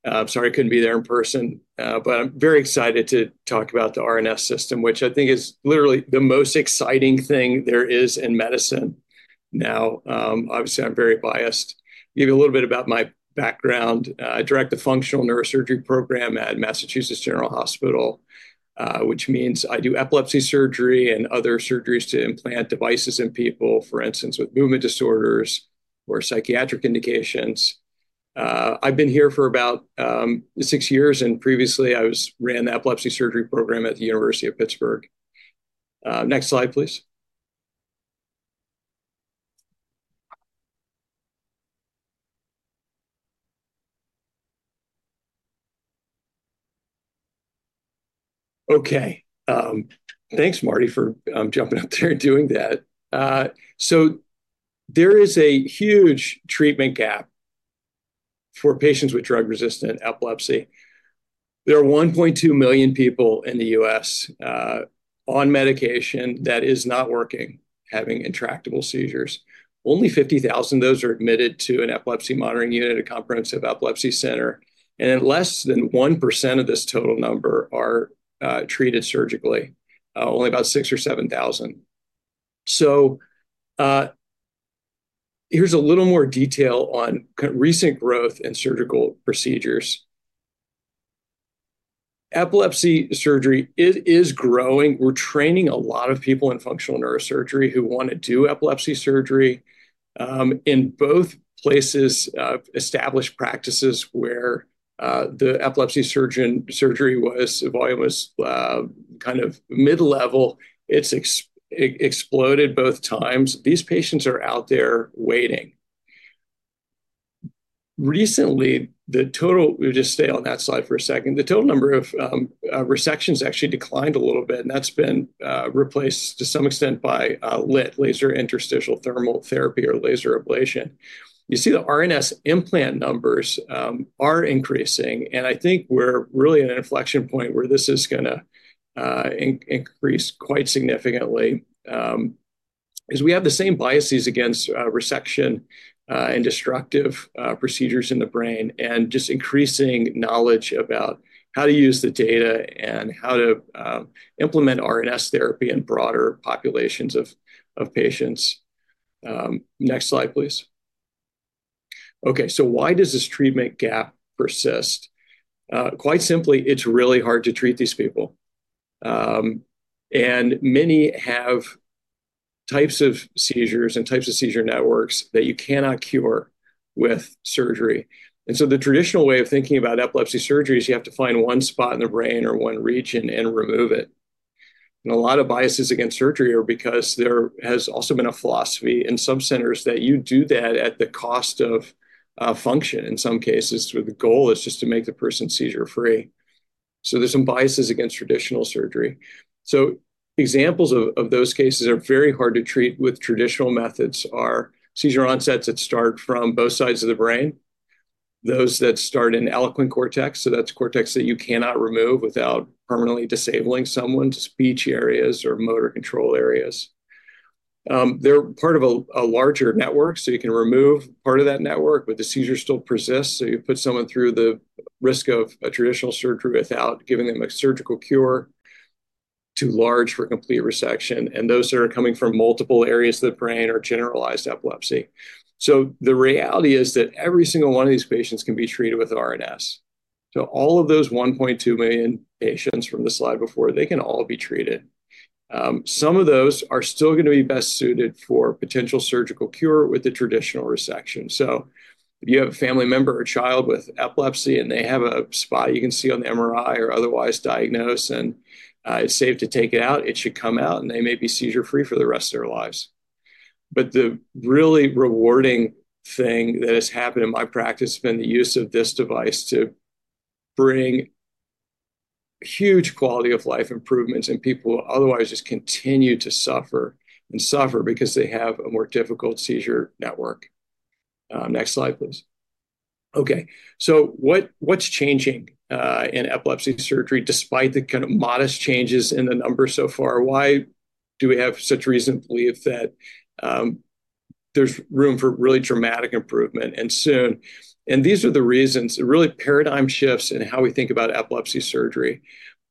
I'm sorry I couldn't be there in person, but I'm very excited to talk about the RNS System, which I think is literally the most exciting thing there is in medicine. Now, obviously, I'm very biased. I'll give you a little bit about my background. I direct the functional neurosurgery program at Massachusetts General Hospital, which means I do epilepsy surgery and other surgeries to implant devices in people, for instance, with movement disorders or psychiatric indications. I've been here for about six years, and previously, I ran the epilepsy surgery program at the University of Pittsburgh. Next slide, please. Okay. Thanks, Marty, for jumping up there and doing that. So there is a huge treatment gap for patients with drug-resistant epilepsy. There are 1.2 million people in the U.S. on medication that is not working, having intractable seizures. Only 50,000 of those are admitted to an epilepsy monitoring unit, a comprehensive epilepsy center. And less than 1% of this total number are treated surgically, only about 6,000 or 7,000. So here's a little more detail on recent growth in surgical procedures. Epilepsy surgery is growing. We're training a lot of people in functional neurosurgery who want to do epilepsy surgery. In both places, established practices where the epilepsy surgery volume was kind of mid-level, it's exploded both times. These patients are out there waiting. Recently, the total—we'll just stay on that slide for a second—the total number of resections actually declined a little bit. And that's been replaced to some extent by LITT, laser interstitial thermal therapy or laser ablation. You see the RNS implant numbers are increasing. I think we're really at an inflection point where this is going to increase quite significantly as we have the same biases against resection and destructive procedures in the brain and just increasing knowledge about how to use the data and how to implement RNS therapy in broader populations of patients. Next slide, please. Okay, so why does this treatment gap persist? Quite simply, it's really hard to treat these people. And many have types of seizures and types of seizure networks that you cannot cure with surgery. And so the traditional way of thinking about epilepsy surgery is you have to find one spot in the brain or one region and remove it. A lot of biases against surgery are because there has also been a philosophy in some centers that you do that at the cost of function in some cases, where the goal is just to make the person seizure-free. There's some biases against traditional surgery. Examples of those cases that are very hard to treat with traditional methods are seizure onsets that start from both sides of the brain, those that start in eloquent cortex. That's cortex that you cannot remove without permanently disabling someone's speech areas or motor control areas. They're part of a larger network. You can remove part of that network, but the seizure still persists. You put someone through the risk of a traditional surgery without giving them a surgical cure too large for complete resection. Those that are coming from multiple areas of the brain are generalized epilepsy. The reality is that every single one of these patients can be treated with RNS. All of those 1.2 million patients from the slide before, they can all be treated. Some of those are still going to be best suited for potential surgical cure with the traditional resection. If you have a family member or child with epilepsy and they have a spot you can see on the MRI or otherwise diagnosed and it's safe to take it out, it should come out, and they may be seizure-free for the rest of their lives. But the really rewarding thing that has happened in my practice has been the use of this device to bring huge quality-of-life improvements in people who otherwise just continue to suffer and suffer because they have a more difficult seizure network. Next slide, please. Okay, so what's changing in epilepsy surgery despite the kind of modest changes in the numbers so far? Why do we have such reason to believe that there's room for really dramatic improvement and soon? And these are the reasons, really paradigm shifts in how we think about epilepsy surgery.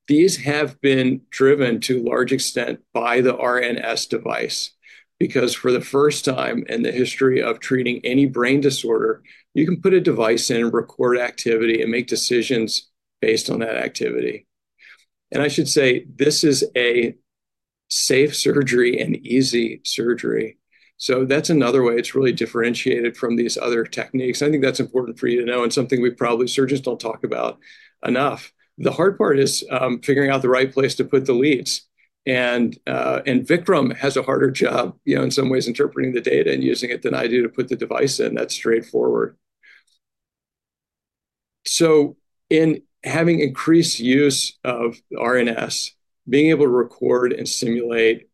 These have been driven to a large extent by the RNS device because for the first time in the history of treating any brain disorder, you can put a device in and record activity and make decisions based on that activity. And I should say this is a safe surgery and easy surgery. So that's another way it's really differentiated from these other techniques. I think that's important for you to know and something we probably surgeons don't talk about enough. The hard part is figuring out the right place to put the leads. Vikram has a harder job in some ways interpreting the data and using it than I do to put the device in. That's straightforward. In having increased use of RNS, being able to record and simulate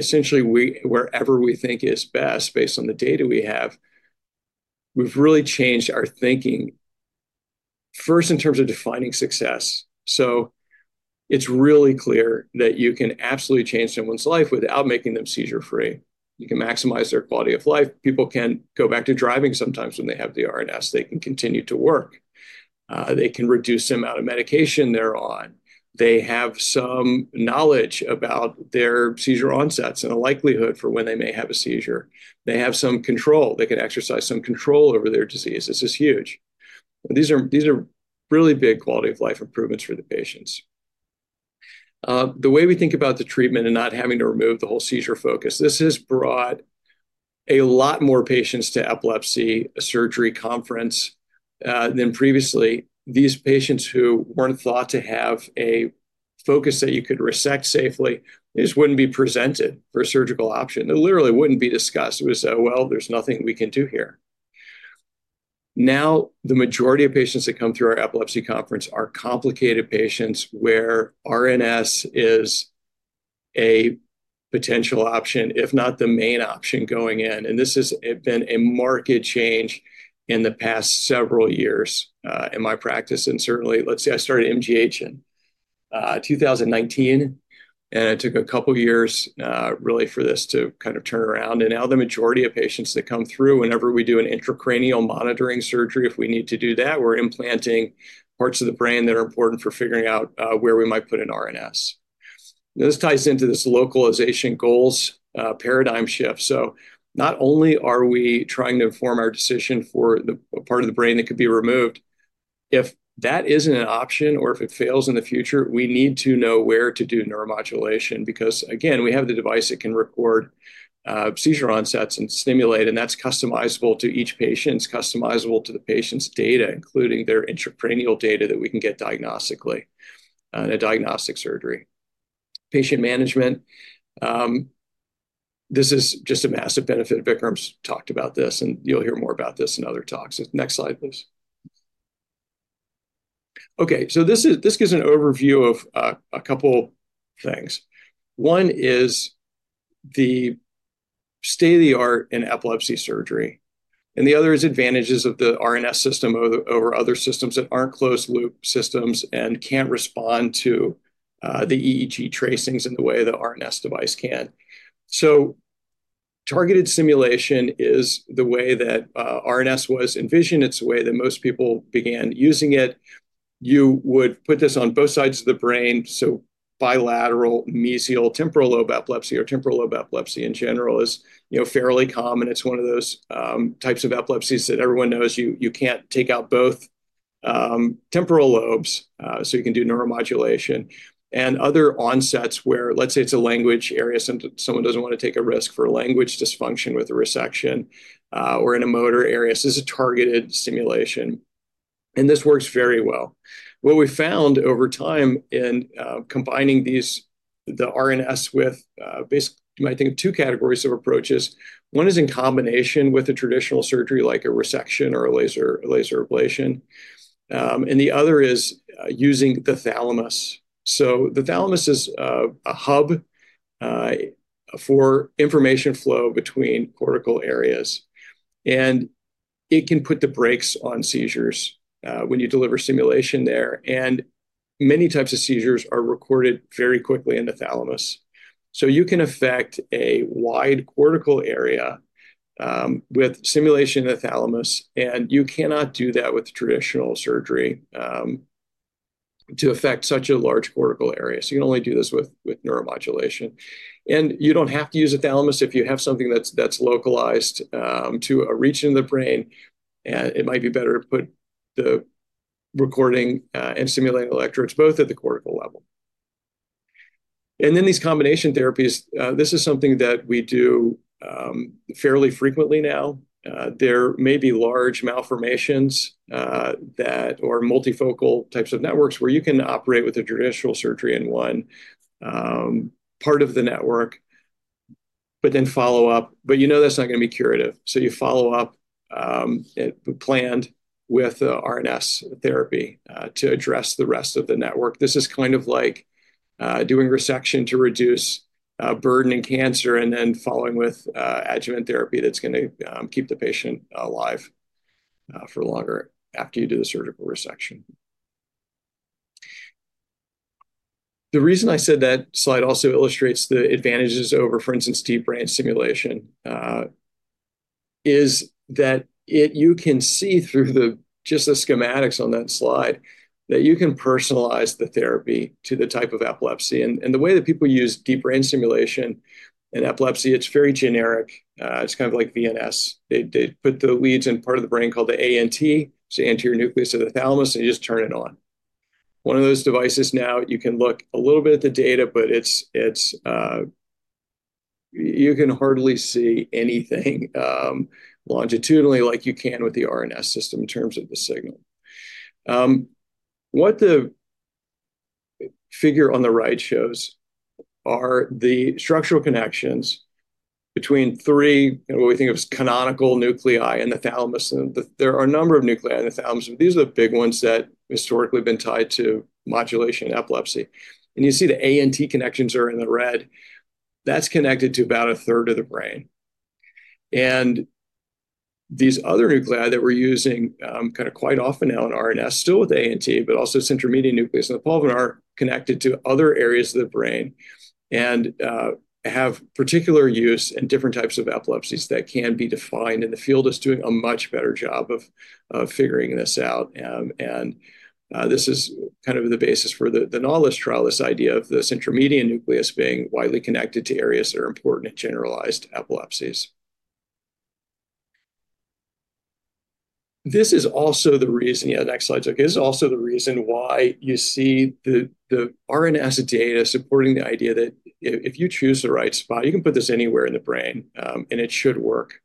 essentially wherever we think is best based on the data we have, we've really changed our thinking, first in terms of defining success. It's really clear that you can absolutely change someone's life without making them seizure-free. You can maximize their quality of life. People can go back to driving sometimes when they have the RNS. They can continue to work. They can reduce the amount of medication they're on. They have some knowledge about their seizure onsets and a likelihood for when they may have a seizure. They have some control. They can exercise some control over their disease. This is huge. These are really big quality-of-life improvements for the patients. The way we think about the treatment and not having to remove the whole seizure focus, this has brought a lot more patients to epilepsy surgery conference than previously. These patients who weren't thought to have a focus that you could resect safely just wouldn't be presented for a surgical option. It literally wouldn't be discussed. It was, well, there's nothing we can do here. Now, the majority of patients that come through our epilepsy conference are complicated patients where RNS is a potential option, if not the main option going in. And this has been a marked change in the past several years in my practice. And certainly, let's say I started MGH in 2019, and it took a couple of years really for this to kind of turn around. And now the majority of patients that come through, whenever we do an intracranial monitoring surgery, if we need to do that, we're implanting parts of the brain that are important for figuring out where we might put an RNS. This ties into this localization goals paradigm shift. So not only are we trying to inform our decision for the part of the brain that could be removed, if that isn't an option or if it fails in the future, we need to know where to do neuromodulation because, again, we have the device that can record seizure onsets and stimulate, and that's customizable to each patient's data, including their intracranial data that we can get diagnostically in a diagnostic surgery. Patient management. This is just a massive benefit. Vikram's talked about this, and you'll hear more about this in other talks. Next slide, please. Okay, so this gives an overview of a couple of things. One is the state of the art in epilepsy surgery, and the other is advantages of the RNS System over other systems that aren't closed-loop systems and can't respond to the EEG tracings in the way the RNS device can, so targeted stimulation is the way that RNS was envisioned. It's the way that most people began using it. You would put this on both sides of the brain, so bilateral mesial temporal lobe epilepsy or temporal lobe epilepsy in general is fairly common. It's one of those types of epilepsies that everyone knows you can't take out both temporal lobes, so you can do neuromodulation and other options where, let's say, it's a language area. Someone doesn't want to take a risk for language dysfunction with a resection or in a motor area. This is a targeted stimulation. This works very well. What we found over time in combining the RNS with, you might think of two categories of approaches. One is in combination with a traditional surgery like a resection or a laser ablation. The other is using the thalamus. The thalamus is a hub for information flow between cortical areas. It can put the brakes on seizures when you deliver stimulation there. Many types of seizures are recorded very quickly in the thalamus. You can affect a wide cortical area with stimulation in the thalamus. You cannot do that with traditional surgery to affect such a large cortical area. You can only do this with neuromodulation. You don't have to use a thalamus if you have something that's localized to a region of the brain. It might be better to put the recording and stimulating electrodes both at the cortical level, and then these combination therapies. This is something that we do fairly frequently now. There may be large malformations or multifocal types of networks where you can operate with a traditional surgery in one part of the network, but then follow up, but you know that's not going to be curative, so you follow up planned with RNS therapy to address the rest of the network. This is kind of like doing resection to reduce burden in cancer and then following with adjuvant therapy that's going to keep the patient alive for longer after you do the surgical resection. The reason I said that slide also illustrates the advantages over, for instance, deep brain stimulation is that you can see through just the schematics on that slide that you can personalize the therapy to the type of epilepsy. The way that people use deep brain stimulation in epilepsy, it's very generic. It's kind of like VNS. They put the leads in part of the brain called the ANT, so Anterior Nucleus of the Thalamus, and you just turn it on. One of those devices now, you can look a little bit at the data, but you can hardly see anything longitudinally like you can with the RNS System in terms of the signal. What the figure on the right shows are the structural connections between three, what we think of as canonical nuclei in the thalamus. There are a number of nuclei in the thalamus. These are the big ones that historically have been tied to modulation in epilepsy. And you see the ANT connections are in the red. That's connected to about a third of the brain. And these other nuclei that we're using kind of quite often now in RNS, still with ANT, but also centromedian nucleus and the pulvinar, are connected to other areas of the brain and have particular use in different types of epilepsies that can be defined. And the field is doing a much better job of figuring this out. And this is kind of the basis for the Nautilus trial, this idea of the centromedian nucleus being widely connected to areas that are important in generalized epilepsies. This is also the reason. Yeah, next slide, Zoe. This is also the reason why you see the RNS data supporting the idea that if you choose the right spot, you can put this anywhere in the brain, and it should work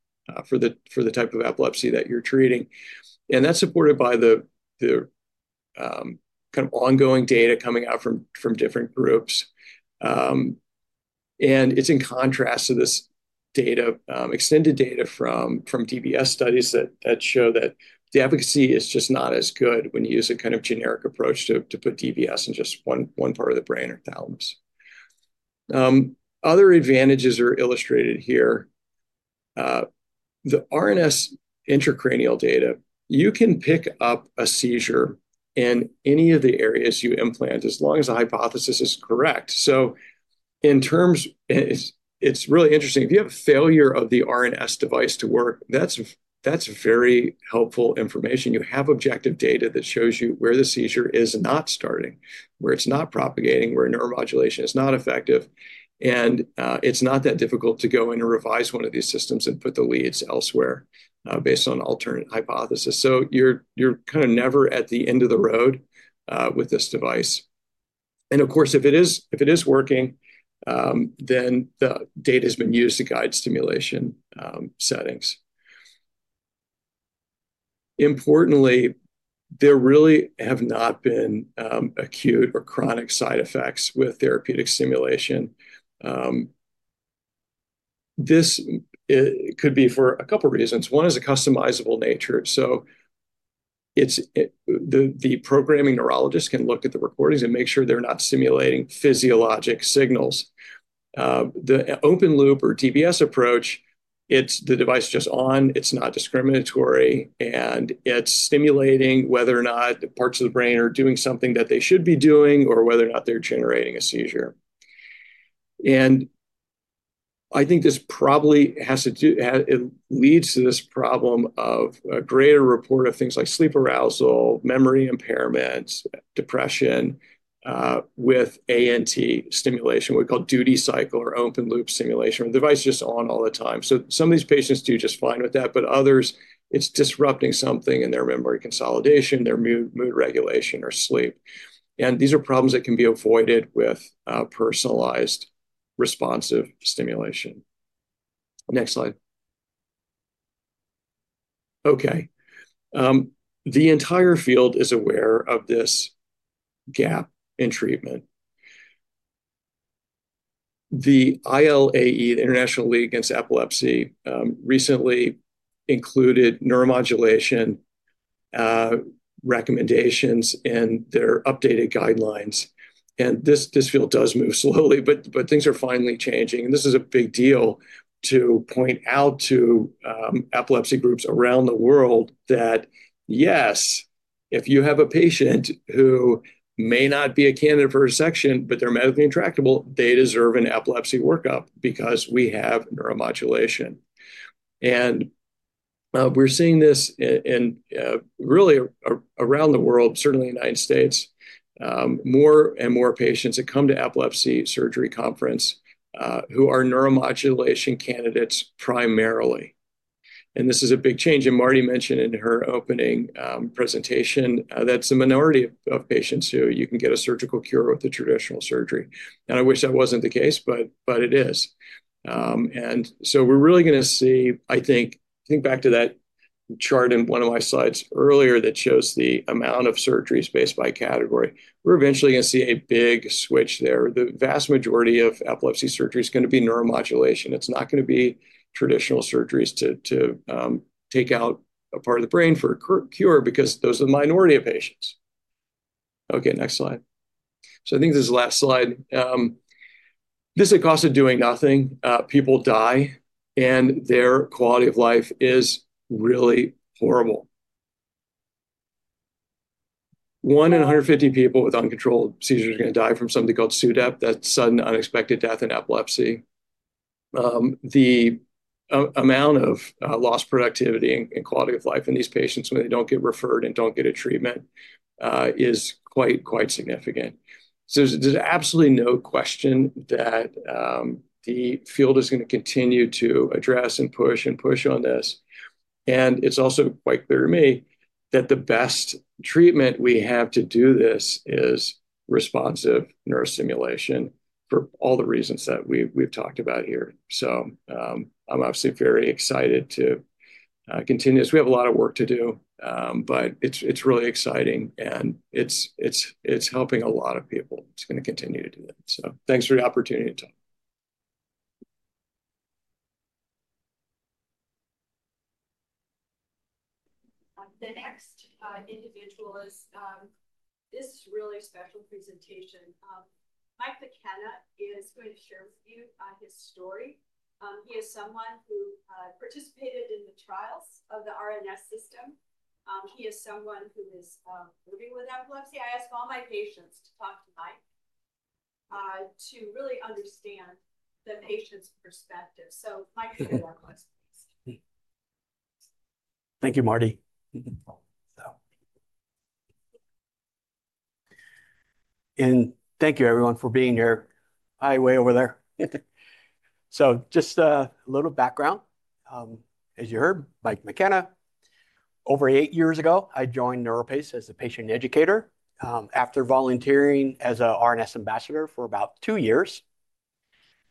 for the type of epilepsy that you're treating. And that's supported by the kind of ongoing data coming out from different groups. And it's in contrast to this extended data from DBS studies that show that the efficacy is just not as good when you use a kind of generic approach to put DBS in just one part of the brain or thalamus. Other advantages are illustrated here. The RNS intracranial data, you can pick up a seizure in any of the areas you implant as long as the hypothesis is correct. So in terms, it's really interesting. If you have failure of the RNS device to work, that's very helpful information. You have objective data that shows you where the seizure is not starting, where it's not propagating, where neuromodulation is not effective. And it's not that difficult to go in and revise one of these systems and put the leads elsewhere based on alternative hypotheses. So you're kind of never at the end of the road with this device. And of course, if it is working, then the data has been used to guide stimulation settings. Importantly, there really have not been acute or chronic side effects with therapeutic stimulation. This could be for a couple of reasons. One is a customizable nature. So the programming neurologist can look at the recordings and make sure they're not stimulating physiologic signals. The open loop or DBS approach, it's the device just on. It's not discriminatory. It's stimulating whether or not the parts of the brain are doing something that they should be doing or whether or not they're generating a seizure. I think this probably has to do. It leads to this problem of a greater report of things like sleep arousal, memory impairments, depression with ANT stimulation, what we call duty cycle or open loop stimulation. The device is just on all the time. Some of these patients do just fine with that, but others, it's disrupting something in their memory consolidation, their mood regulation, or sleep. These are problems that can be avoided with personalized responsive stimulation. Next slide. Okay. The entire field is aware of this gap in treatment. The ILAE, the International League Against Epilepsy, recently included neuromodulation recommendations in their updated guidelines. This field does move slowly, but things are finally changing. And this is a big deal to point out to epilepsy groups around the world that, yes, if you have a patient who may not be a candidate for resection, but they're medically intractable, they deserve an epilepsy workup because we have neuromodulation. And we're seeing this really around the world, certainly in the United States, more and more patients that come to epilepsy surgery conference who are neuromodulation candidates primarily. And this is a big change. And Marty mentioned in her opening presentation that's the minority of patients who you can get a surgical cure with the traditional surgery. And I wish that wasn't the case, but it is. And so we're really going to see, I think, think back to that chart in one of my slides earlier that shows the amount of surgeries based by category. We're eventually going to see a big switch there. The vast majority of epilepsy surgery is going to be neuromodulation. It's not going to be traditional surgeries to take out a part of the brain for a cure because those are the minority of patients. Okay, next slide. So I think this is the last slide. This is the cost of doing nothing. People die, and their quality of life is really horrible. One in 150 people with uncontrolled seizures are going to die from something called SUDEP, that's sudden unexpected death in epilepsy. The amount of lost productivity and quality of life in these patients when they don't get referred and don't get a treatment is quite significant. So there's absolutely no question that the field is going to continue to address and push and push on this. And it's also quite clear to me that the best treatment we have to do this is responsive neurostimulation for all the reasons that we've talked about here. So I'm obviously very excited to continue. We have a lot of work to do, but it's really exciting, and it's helping a lot of people. It's going to continue to do that. So thanks for the opportunity to talk. The next individual is this really special presentation. Mike McKenna is going to share with you his story. He is someone who participated in the trials of the RNS System. He is someone who is living with epilepsy. I ask all my patients to talk to Mike to really understand the patient's perspective. So Mike's going to walk us, please. Thank you, Marty. And thank you, everyone, for being here. Hi, way over there. So just a little background. As you heard, Mike McKenna. Over eight years ago, I joined NeuroPace as a patient educator after volunteering as an RNS ambassador for about two years.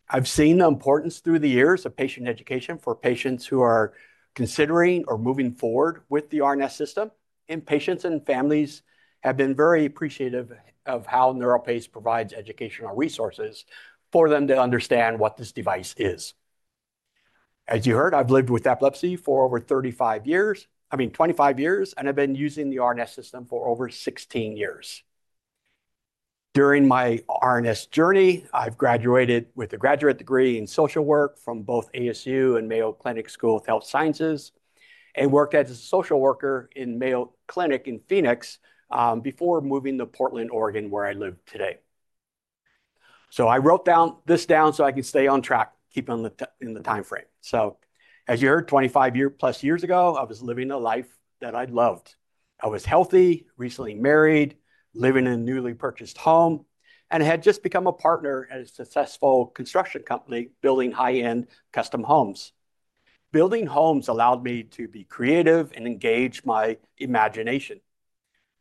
I've seen the importance through the years of patient education for patients who are considering or moving forward with the RNS System. And patients and families have been very appreciative of how NeuroPace provides educational resources for them to understand what this device is. As you heard, I've lived with epilepsy for over 35 years. I mean, 25 years, and I've been using the RNS System for over 16 years. During my RNS journey, I've graduated with a graduate degree in social work from both ASU and Mayo Clinic School of Health Sciences and worked as a social worker in Mayo Clinic in Phoenix before moving to Portland, Oregon, where I live today. I wrote this down so I can stay on track, keep on the time frame. As you heard, 25 plus years ago, I was living a life that I loved. I was healthy, recently married, living in a newly purchased home, and had just become a partner at a successful construction company building high-end custom homes. Building homes allowed me to be creative and engage my imagination.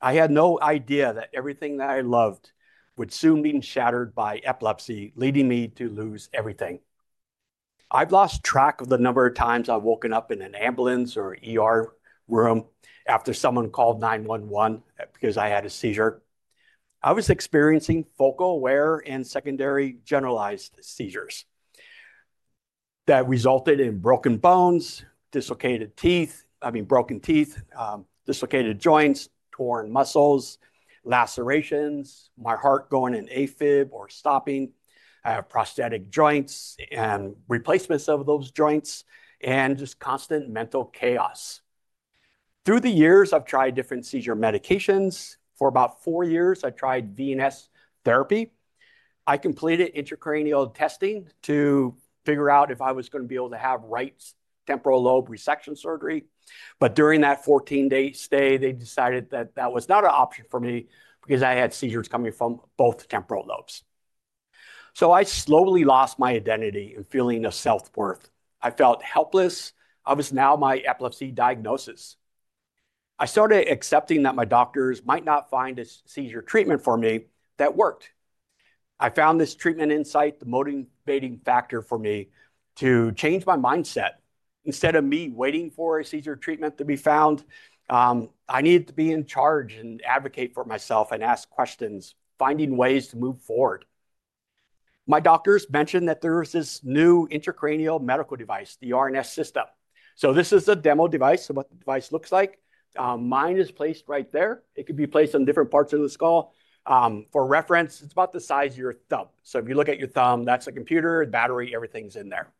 I had no idea that everything that I loved would soon be shattered by epilepsy, leading me to lose everything. I've lost track of the number of times I've woken up in an ambulance or room after someone called 911 because I had a seizure. I was experiencing focal aware and secondary generalized seizures that resulted in broken bones, dislocated teeth, I mean, broken teeth, dislocated joints, torn muscles, lacerations, my heart going in AFib or stopping, prosthetic joints and replacements of those joints, and just constant mental chaos. Through the years, I've tried different seizure medications. For about four years, I tried VNS therapy. I completed intracranial testing to figure out if I was going to be able to have right temporal lobe resection surgery, but during that 14-day stay, they decided that that was not an option for me because I had seizures coming from both temporal lobes, so I slowly lost my identity and feeling of self-worth. I felt helpless. I was now my epilepsy diagnosis. I started accepting that my doctors might not find a seizure treatment for me that worked. I found this treatment insight the motivating factor for me to change my mindset. Instead of me waiting for a seizure treatment to be found, I needed to be in charge and advocate for myself and ask questions, finding ways to move forward. My doctors mentioned that there was this new intracranial medical device, the RNS System. So this is a demo device of what the device looks like. Mine is placed right there. It could be placed on different parts of the skull. For reference, it's about the size of your thumb. So if you look at your thumb, that's a computer, battery, everything's in there.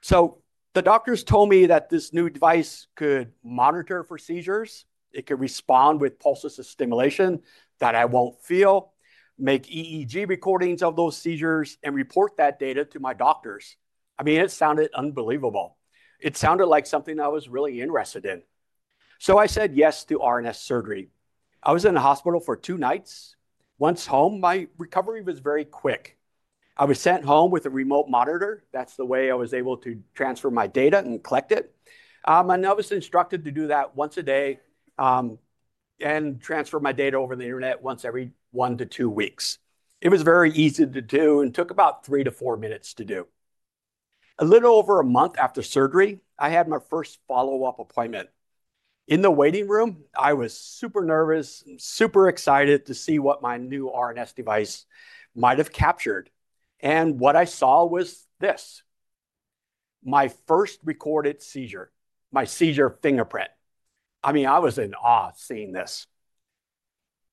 So the doctors told me that this new device could monitor for seizures. It could respond with pulses of stimulation that I won't feel, make EEG recordings of those seizures, and report that data to my doctors. I mean, it sounded unbelievable. It sounded like something I was really interested in. So I said yes to RNS surgery. I was in the hospital for two nights. Once home, my recovery was very quick. I was sent home with a remote monitor. That's the way I was able to transfer my data and collect it. And I was instructed to do that once a day and transfer my data over the internet once every one to two weeks. It was very easy to do and took about three to four minutes to do. A little over a month after surgery, I had my first follow-up appointment. In the waiting room, I was super nervous and super excited to see what my new RNS device might have captured. And what I saw was this: my first recorded seizure, my seizure fingerprint. I mean, I was in awe seeing this.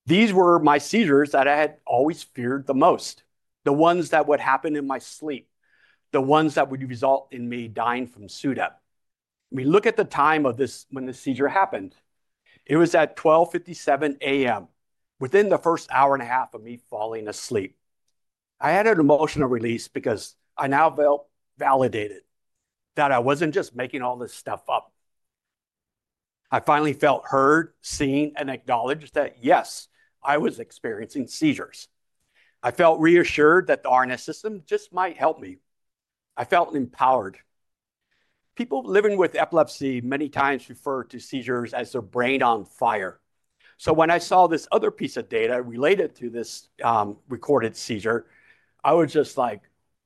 These were my seizures that I had always feared the most, the ones that would happen in my sleep, the ones that would result in me dying from SUDEP. I mean, look at the time of this when the seizure happened. It was at 12:57 A.M., within the first hour and a half of me falling asleep. I had an emotional release because I now felt validated that I wasn't just making all this stuff up. I finally felt heard, seen, and acknowledged that, yes, I was experiencing seizures. I felt reassured that the RNS System just might help me. I felt empowered. People living with epilepsy many times refer to seizures as their brain on fire. So when I saw this other piece of data related to this recorded seizure, I was just like,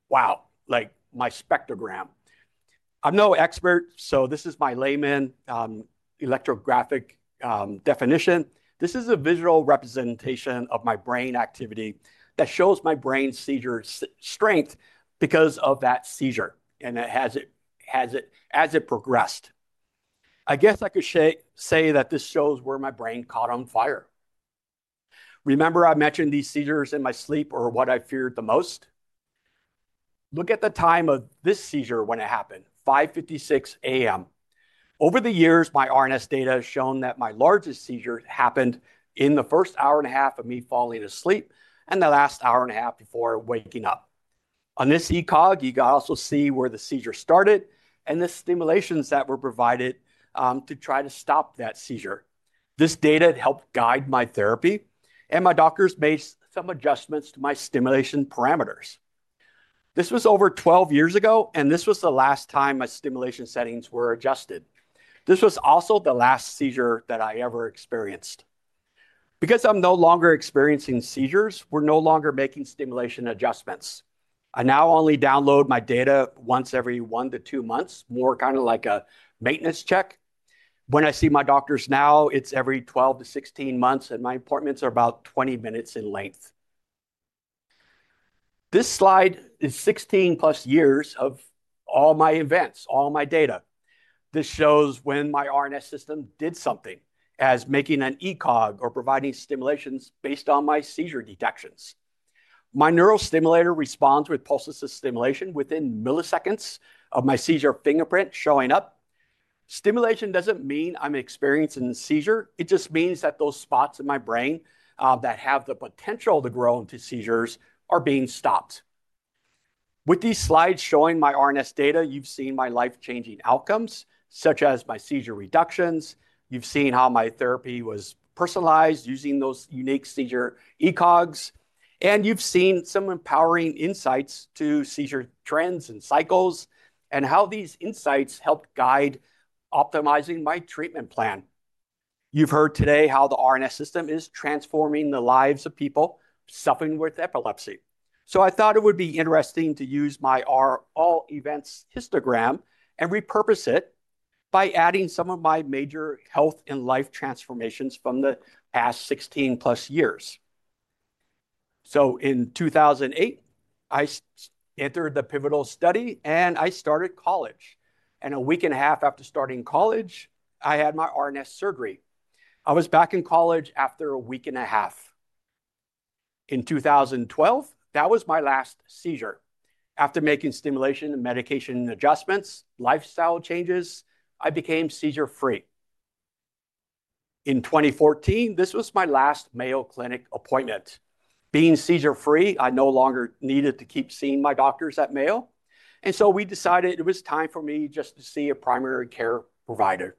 "Wow, like my spectrogram." I'm no expert, so this is my layman's electrographic definition. This is a visual representation of my brain activity that shows my brain seizure strength because of that seizure and as it progressed. I guess I could say that this shows where my brain caught on fire. Remember I mentioned these seizures in my sleep or what I feared the most? Look at the time of this seizure when it happened, 5:56 A.M. Over the years, my RNS data has shown that my largest seizure happened in the first hour and a half of me falling asleep and the last hour and a half before waking up. On this ECoG, you can also see where the seizure started and the stimulations that were provided to try to stop that seizure. This data helped guide my therapy, and my doctors made some adjustments to my stimulation parameters. This was over 12 years ago, and this was the last time my stimulation settings were adjusted. This was also the last seizure that I ever experienced. Because I'm no longer experiencing seizures, we're no longer making stimulation adjustments. I now only download my data once every one to two months, more kind of like a maintenance check. When I see my doctors now, it's every 12 to 16 months, and my appointments are about 20 minutes in length. This slide is 16 plus years of all my events, all my data. This shows when my RNS System did something as making an ECoG or providing stimulations based on my seizure detections. My neurostimulator responds with pulses of stimulation within milliseconds of my seizure fingerprint showing up. Stimulation doesn't mean I'm experiencing seizure. It just means that those spots in my brain that have the potential to grow into seizures are being stopped. With these slides showing my RNS data, you've seen my life-changing outcomes, such as my seizure reductions. You've seen how my therapy was personalized using those unique seizure ECoGs. And you've seen some empowering insights to seizure trends and cycles and how these insights helped guide optimizing my treatment plan. You've heard today how the RNS System is transforming the lives of people suffering with epilepsy. So I thought it would be interesting to use my all events histogram and repurpose it by adding some of my major health and life transformations from the past 16 plus years. So in 2008, I entered the pivotal study, and I started college. And a week and a half after starting college, I had my RNS surgery. I was back in college after a week and a half. In 2012, that was my last seizure. After making stimulation and medication adjustments, lifestyle changes, I became seizure-free. In 2014, this was my last Mayo Clinic appointment. Being seizure-free, I no longer needed to keep seeing my doctors at Mayo, and so we decided it was time for me just to see a primary care provider.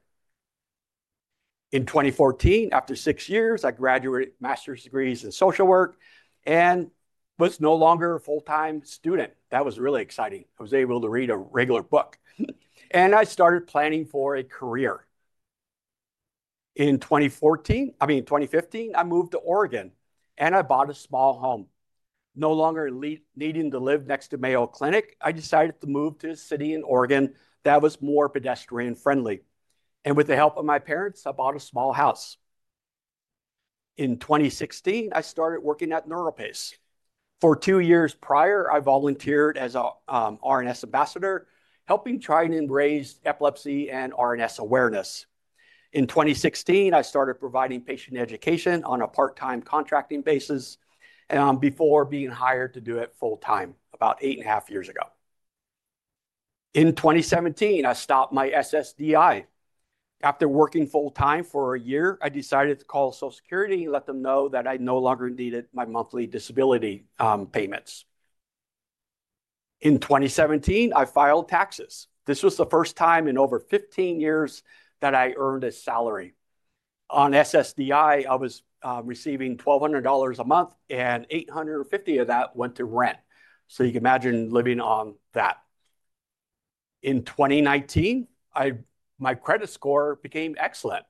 In 2014, after six years, I graduated with master's degrees in social work and was no longer a full-time student. That was really exciting. I was able to read a regular book, and I started planning for a career. In 2014, I mean, 2015, I moved to Oregon, and I bought a small home. No longer needing to live next to Mayo Clinic, I decided to move to a city in Oregon that was more pedestrian-friendly. With the help of my parents, I bought a small house. In 2016, I started working at NeuroPace. For two years prior, I volunteered as an RNS ambassador, helping try and embrace epilepsy and RNS awareness. In 2016, I started providing patient education on a part-time contracting basis before being hired to do it full-time about eight and a half years ago. In 2017, I stopped my SSDI. After working full-time for a year, I decided to call Social Security and let them know that I no longer needed my monthly disability payments. In 2017, I filed taxes. This was the first time in over 15 years that I earned a salary. On SSDI, I was receiving $1,200 a month, and $850 of that went to rent. So you can imagine living on that. In 2019, my credit score became excellent.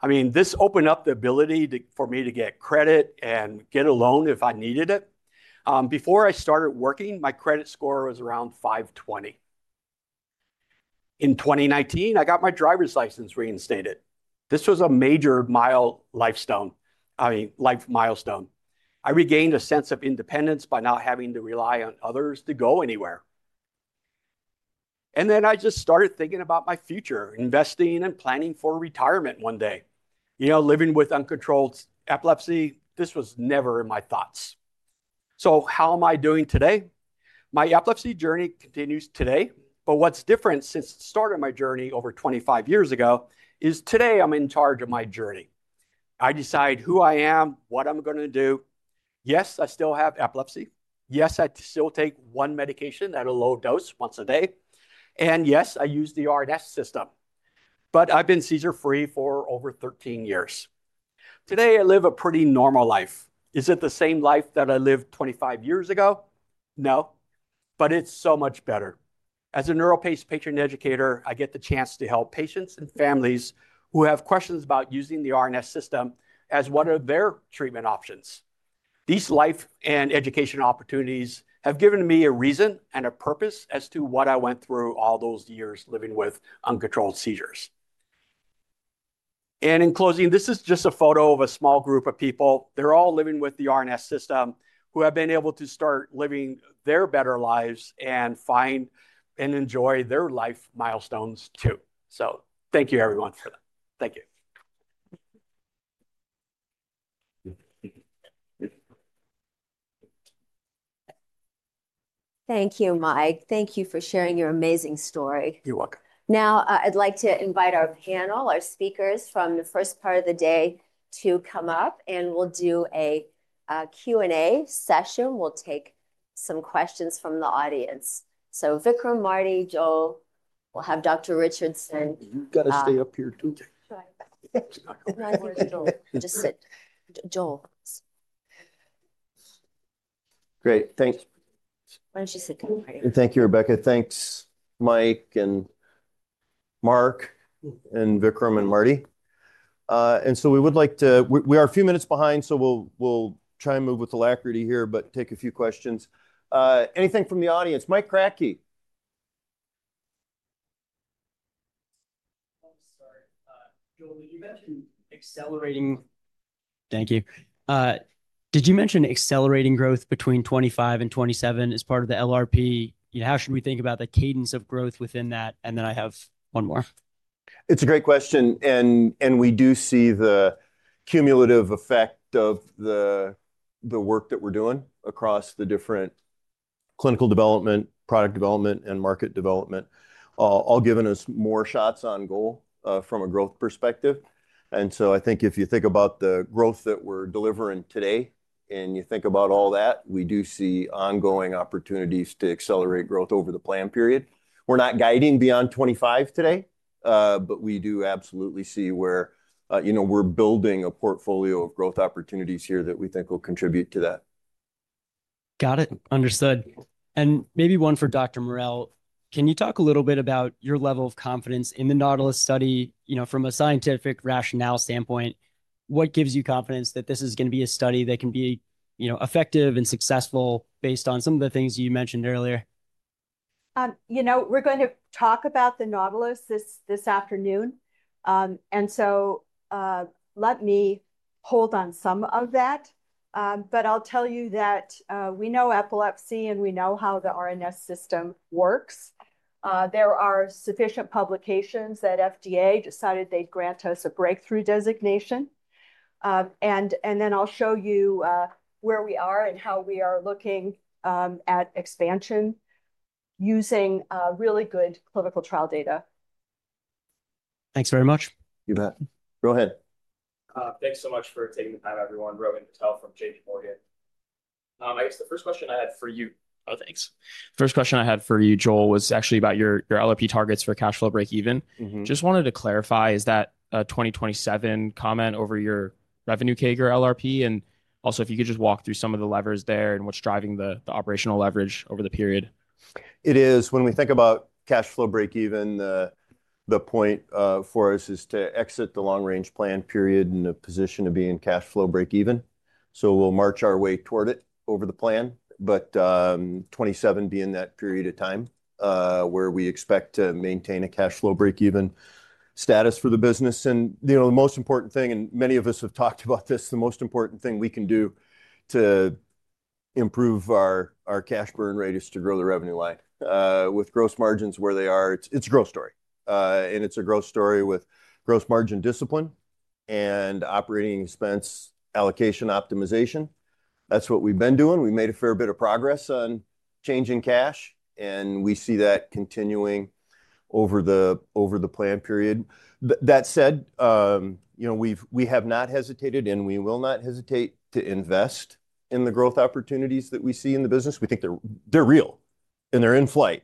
I mean, this opened up the ability for me to get credit and get a loan if I needed it. Before I started working, my credit score was around 520. In 2019, I got my driver's license reinstated. This was a major milestone, I mean, life milestone. I regained a sense of independence by not having to rely on others to go anywhere, and then I just started thinking about my future, investing and planning for retirement one day. You know, living with uncontrolled epilepsy, this was never in my thoughts. So how am I doing today? My epilepsy journey continues today, but what's different since the start of my journey over 25 years ago is today I'm in charge of my journey. I decide who I am, what I'm going to do. Yes, I still have epilepsy. Yes, I still take one medication at a low dose once a day. And yes, I use the RNS System. But I've been seizure-free for over 13 years. Today, I live a pretty normal life. Is it the same life that I lived 25 years ago? No, but it's so much better. As a NeuroPace patient educator, I get the chance to help patients and families who have questions about using the RNS System as one of their treatment options. These life and education opportunities have given me a reason and a purpose as to what I went through all those years living with uncontrolled seizures. And in closing, this is just a photo of a small group of people. They're all living with the RNS System who have been able to start living their better lives and find and enjoy their life milestones too. So thank you, everyone, for that. Thank you. Thank you, Mike. Thank you for sharing your amazing story. You're welcome. Now, I'd like to invite our panel, our speakers from the first part of the day to come up, and we'll do a Q&A session. We'll take some questions from the audience. So Vikram, Marty, Joel, we'll have Dr. Richardson. You've got to stay up here too. Just sit. Joel. Great. Thanks. Why don't you sit down, Marty? Thank you, Rebecca. Thanks, Mike and Mark and Vikram and Marty. And so we would like to, we are a few minutes behind, so we'll try and move with alacrity here, but take a few questions. Anything from the audience? Mike Kratky. I'll start. Joel, did you mention accelerating? Thank you. Did you mention accelerating growth between 25 and 27 as part of the LRP? How should we think about the cadence of growth within that? And then I have one more. It's a great question. And we do see the cumulative effect of the work that we're doing across the different clinical development, product development, and market development all giving us more shots on goal from a growth perspective. And so I think if you think about the growth that we're delivering today and you think about all that, we do see ongoing opportunities to accelerate growth over the planned period. We're not guiding beyond 25 today, but we do absolutely see where we're building a portfolio of growth opportunities here that we think will contribute to that. Got it. Understood. And maybe one for Dr. Morrell. Can you talk a little bit about your level of confidence in the Nautilus Study from a scientific rationale standpoint? What gives you confidence that this is going to be a study that can be effective and successful based on some of the things you mentioned earlier? You know, we're going to talk about the NAUTILIST this afternoon. And so let me hold on some of that. But I'll tell you that we know epilepsy and we know how the RNS System works. There are sufficient publications that FDA decided they'd grant us a breakthrough designation. And then I'll show you where we are and how we are looking at expansion using really good clinical trial data. Thanks very much. You bet. Go ahead. Thanks so much for taking the time, everyone. Rohan Patel from J.P. Morgan. I guess the first question I had for you. Oh, thanks. The first question I had for you, Joel, was actually about your LRP targets for cash flow break-even. Just wanted to clarify, is that a 2027 comment over your revenue CAGR LRP? Ad also, if you could just walk through some of the levers there and what's driving the operational leverage over the period. It is. When we think about cash flow break-even, the point for us is to exit the long-range plan period in a position of being cash flow break-even. So we'll march our way toward it over the plan, but 27 being that period of time where we expect to maintain a cash flow break-even status for the business. And the most important thing, and many of us have talked about this, the most important thing we can do to improve our cash burn rate is to grow the revenue line with gross margins where they are. It's a growth story. And it's a growth story with gross margin discipline and operating expense allocation optimization. That's what we've been doing. We've made a fair bit of progress on changing cash, and we see that continuing over the plan period. That said, we have not hesitated, and we will not hesitate to invest in the growth opportunities that we see in the business. We think they're real, and they're in flight.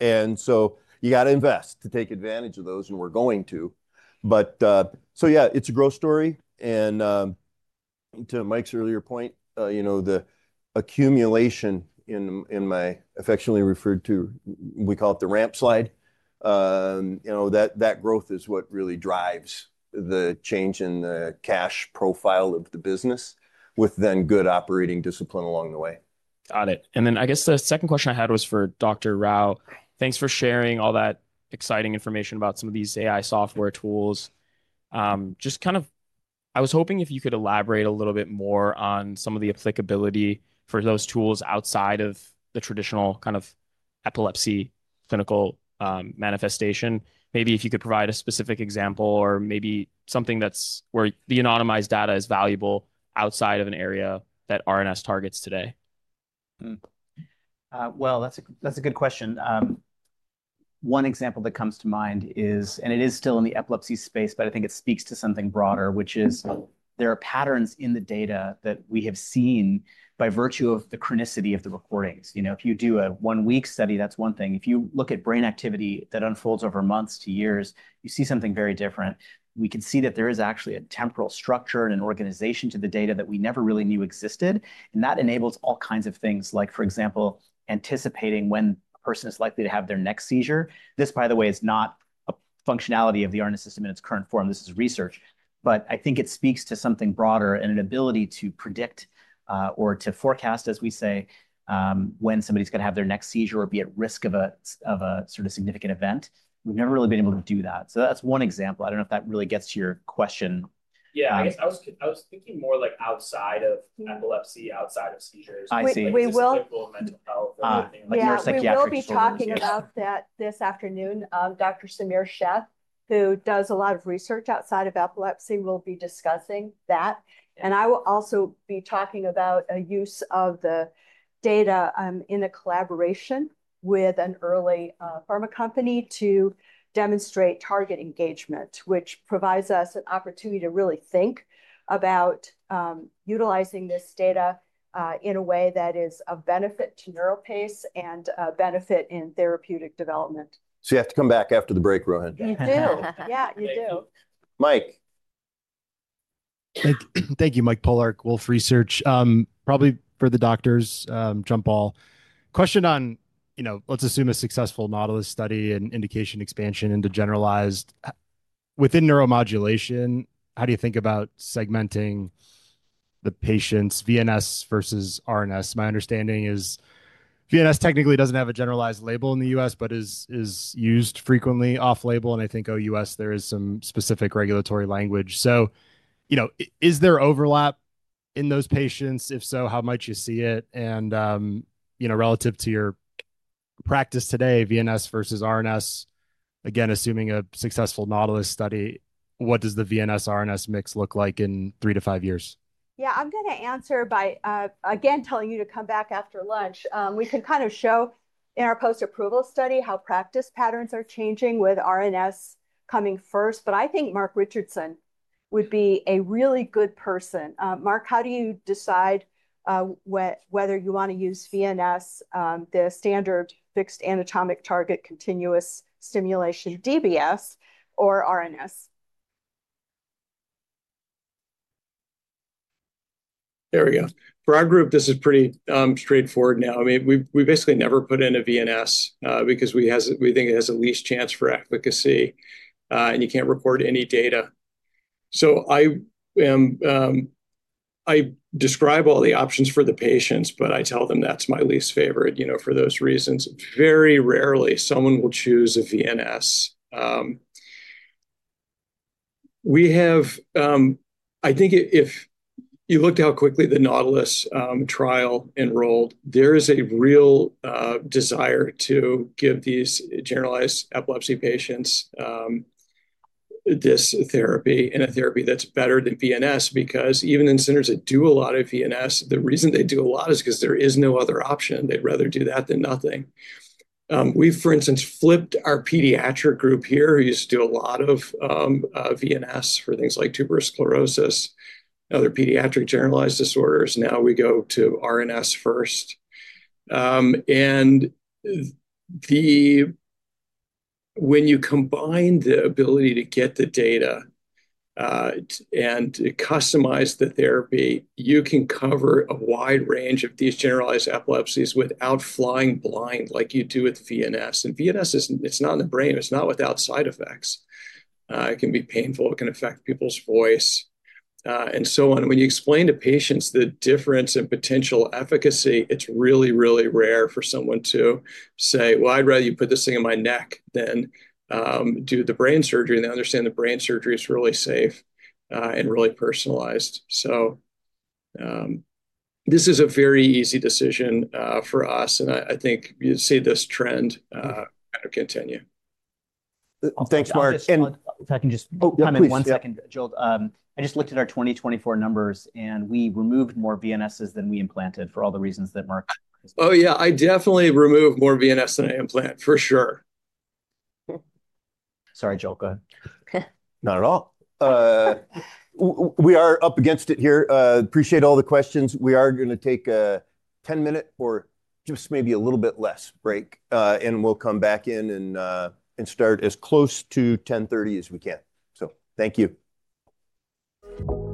And so you got to invest to take advantage of those, and we're going to. But so yeah, it's a growth story. And to Mike's earlier point, the accumulation in my affectionately referred to, we call it the ramp slide, that growth is what really drives the change in the cash profile of the business with then good operating discipline along the way. Got it. And then I guess the second question I had was for Dr. Rao. Thanks for sharing all that exciting information about some of these AI software tools. Just kind of, I was hoping if you could elaborate a little bit more on some of the applicability for those tools outside of the traditional kind of epilepsy clinical manifestation. Maybe if you could provide a specific example or maybe something that's where the anonymized data is valuable outside of an area that RNS targets today. Well, that's a good question. One example that comes to mind is, and it is still in the epilepsy space, but I think it speaks to something broader, which is there are patterns in the data that we have seen by virtue of the chronicity of the recordings. If you do a one-week study, that's one thing. If you look at brain activity that unfolds over months to years, you see something very different. We can see that there is actually a temporal structure and an organization to the data that we never really knew existed, and that enables all kinds of things, like, for example, anticipating when a person is likely to have their next seizure. This, by the way, is not a functionality of the RNS System in its current form. This is research, but I think it speaks to something broader and an ability to predict or to forecast, as we say, when somebody's going to have their next seizure or be at risk of a sort of significant event. We've never really been able to do that, so that's one example. I don't know if that really gets to your question. Yeah, I guess I was thinking more like outside of epilepsy, outside of seizures. I see. We will mental health and everything. Like neuropsychiatric seizures. We'll be talking about that this afternoon. Dr. Sameer Sheth, who does a lot of research outside of epilepsy, will be discussing that. And I will also be talking about a use of the data in a collaboration with an early pharma company to demonstrate target engagement, which provides us an opportunity to really think about utilizing this data in a way that is of benefit to NeuroPace and benefit in therapeutic development. So you have to come back after the break, Rohan. You do. Yeah, you do. Mike. Thank you, Mike Polark, Wolfe Research. Probably for the doctors, jump ball. Question on, let's assume a successful Nautilus study and indication expansion into generalized within neuromodulation. How do you think about segmenting the patient's VNS versus RNS? My understanding is VNS technically doesn't have a generalized label in the U.S., but is used frequently off-label. I think OUS, there is some specific regulatory language. Is there overlap in those patients? If so, how much you see it? Relative to your practice today, VNS versus RNS, again, assuming a successful Nautilus study, what does the VNS-RNS mix look like in three to five years? Yeah, I'm going to answer by, again, telling you to come back after lunch. We can kind of show in our post-approval study how practice patterns are changing with RNS coming first. I think Mark Richardson would be a really good person. Mark, how do you decide whether you want to use VNS, the standard fixed anatomic target continuous stimulation DBS, or RNS? There we go. For our group, this is pretty straightforward now. I mean, we basically never put in a VNS because we think it has the least chance for efficacy, and you can't report any data. So I describe all the options for the patients, but I tell them that's my least favorite for those reasons. Very rarely someone will choose a VNS. I think if you looked at how quickly the Nautilus trial enrolled, there is a real desire to give these generalized epilepsy patients this therapy and a therapy that's better than VNS because even in centers that do a lot of VNS, the reason they do a lot is because there is no other option. They'd rather do that than nothing. We've, for instance, flipped our pediatric group here who used to do a lot of VNS for things like tuberous sclerosis, other pediatric generalized disorders. Now we go to RNS first. When you combine the ability to get the data and customize the therapy, you can cover a wide range of these generalized epilepsies without flying blind like you do with VNS. VNS is not in the brain. It's not without side effects. It can be painful. It can affect people's voice and so on. When you explain to patients the difference in potential efficacy, it's really, really rare for someone to say, "Well, I'd rather you put this thing in my neck than do the brain surgery." They understand the brain surgery is really safe and really personalized. This is a very easy decision for us. I think you'd see this trend kind of continue. Thanks, Mark. And if I can just comment one second, Joel, I just looked at our 2024 numbers, and we removed more VNSs than we implanted for all the reasons that Mark. Oh, yeah, I definitely remove more VNS than I implant, for sure. Sorry, Joel, go ahead. Not at all. We are up against it here. Appreciate all the questions. We are going to take a 10-minute or just maybe a little bit less break, and we'll come back in and start as close to 10:30 A.M. as we can. So thank you. And we'll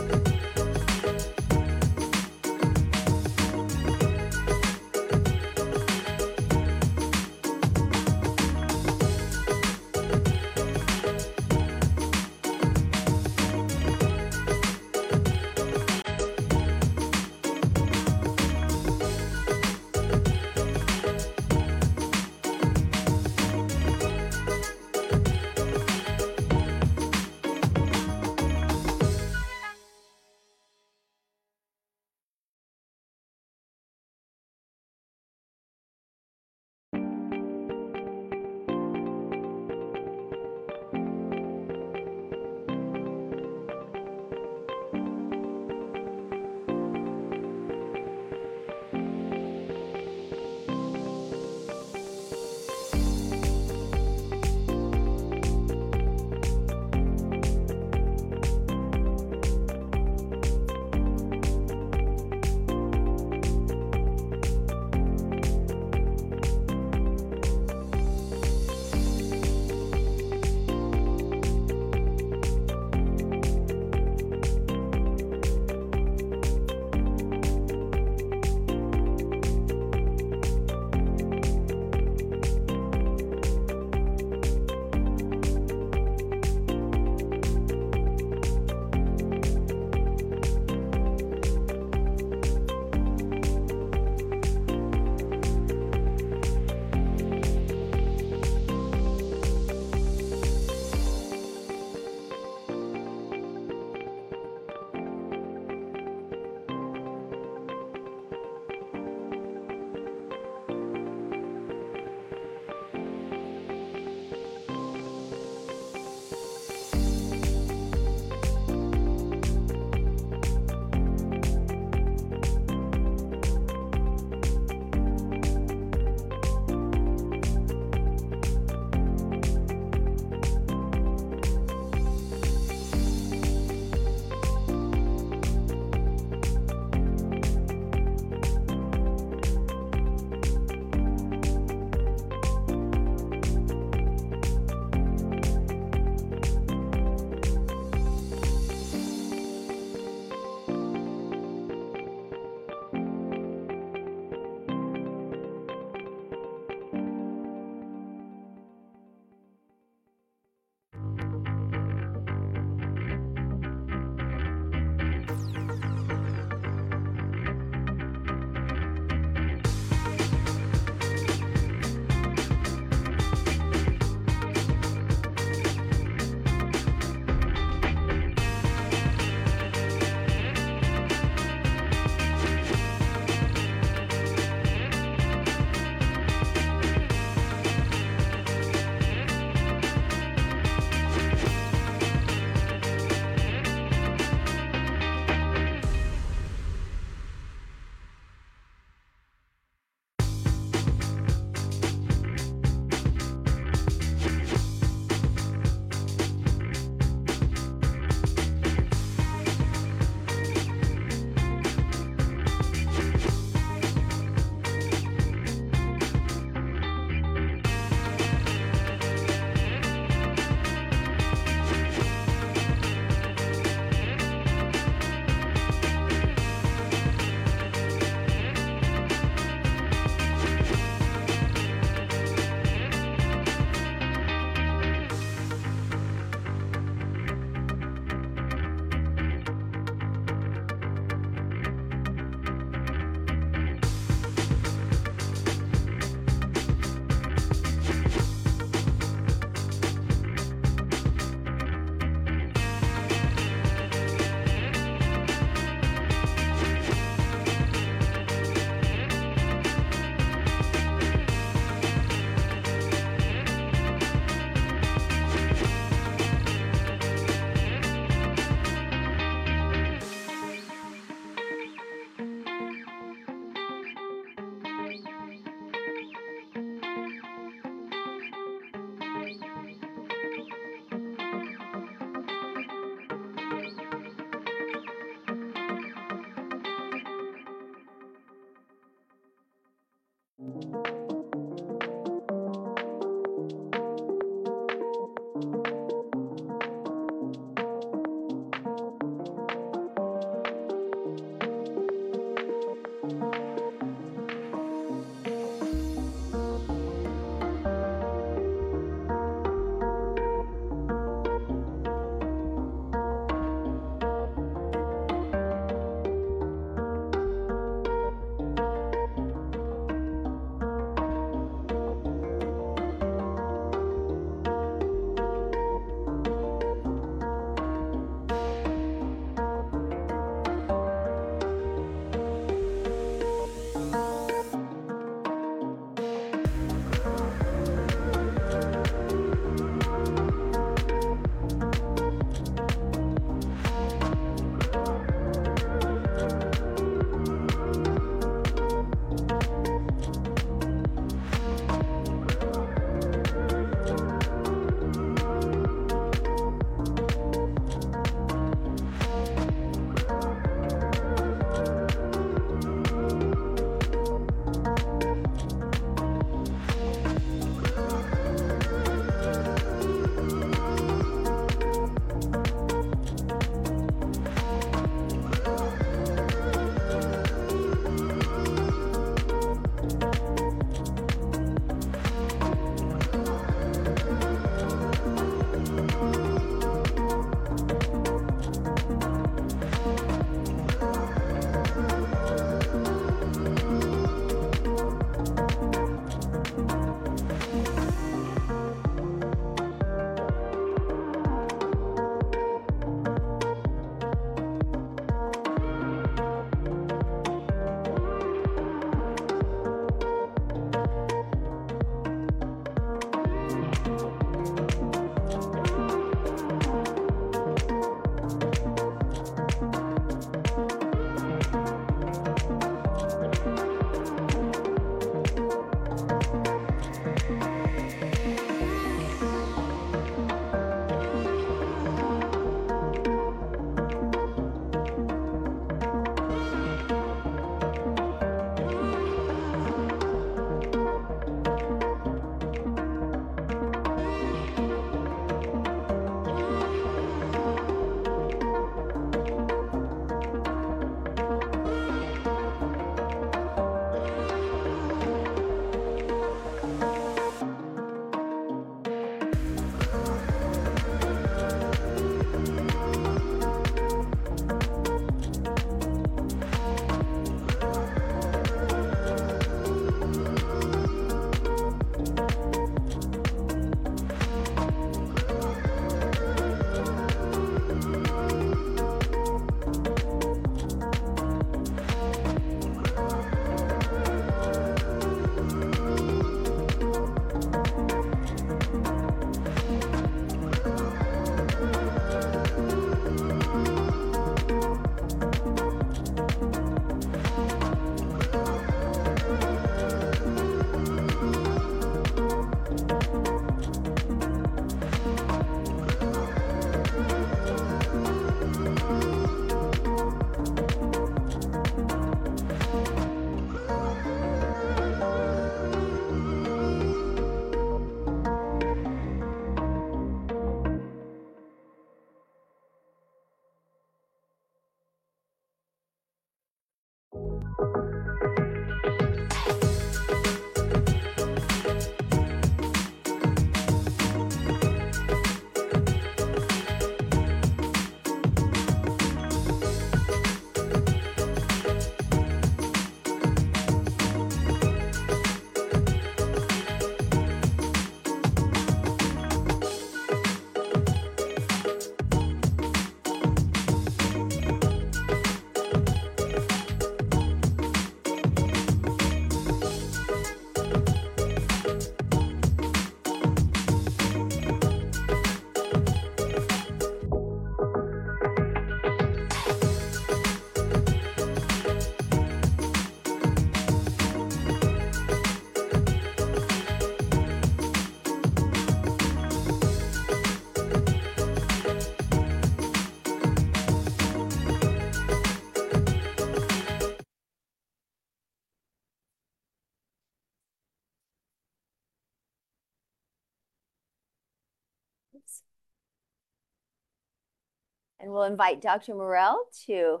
invite Dr. Morrell to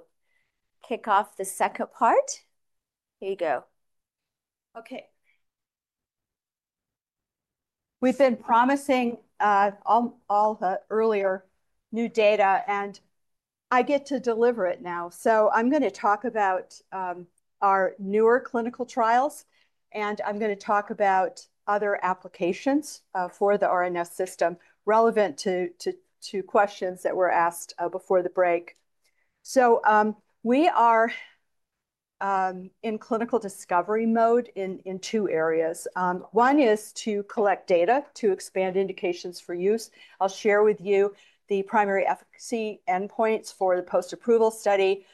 kick off the second part. Here you go. Okay. We've been promising all the earlier new data, and I get to deliver it now. So I'm going to talk about our newer clinical trials, and I'm going to talk about other applications for the RNS system relevant to questions that were asked before the break. We are in clinical discovery mode in two areas. One is to collect data to expand indications for use. I'll share with you the primary efficacy endpoints for the post-approval study.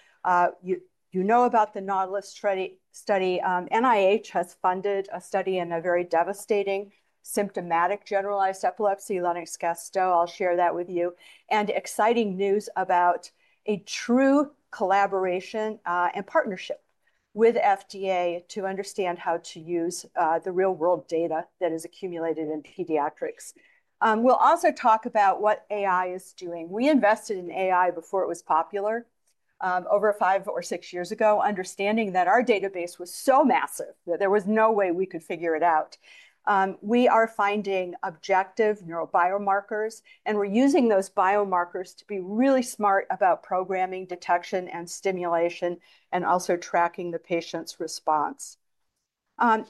You know about the Nautilus study. NIH has funded a study in a very devastating symptomatic generalized epilepsy, Lennox-Gastaut. I'll share that with you, and exciting news about a true collaboration and partnership with FDA to understand how to use the real-world data that is accumulated in pediatrics. We'll also talk about what AI is doing. We invested in AI before it was popular over five or six years ago, understanding that our database was so massive that there was no way we could figure it out. We are finding objective neurobiomarkers, and we're using those biomarkers to be really smart about programming, detection, and stimulation, and also tracking the patient's response.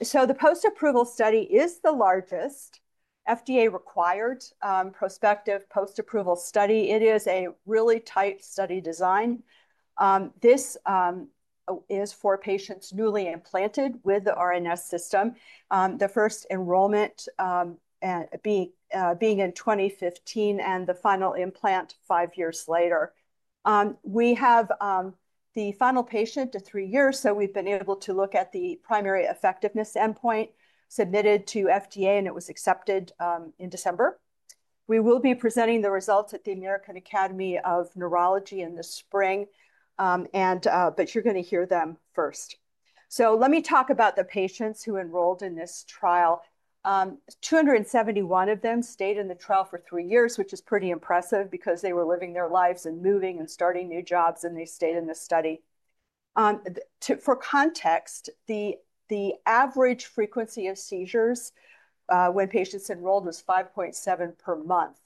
So the post-approval study is the largest FDA-required prospective post-approval study. It is a really tight study design. This is for patients newly implanted with the RNS System, the first enrollment being in 2015, and the final implant five years later. We have the final patient to three years, so we've been able to look at the primary effectiveness endpoint submitted to FDA, and it was accepted in December. We will be presenting the results at the American Academy of Neurology in the spring, but you're going to hear them first. So let me talk about the patients who enrolled in this trial. 271 of them stayed in the trial for three years, which is pretty impressive because they were living their lives and moving and starting new jobs, and they stayed in the study. For context, the average frequency of seizures when patients enrolled was 5.7 per month.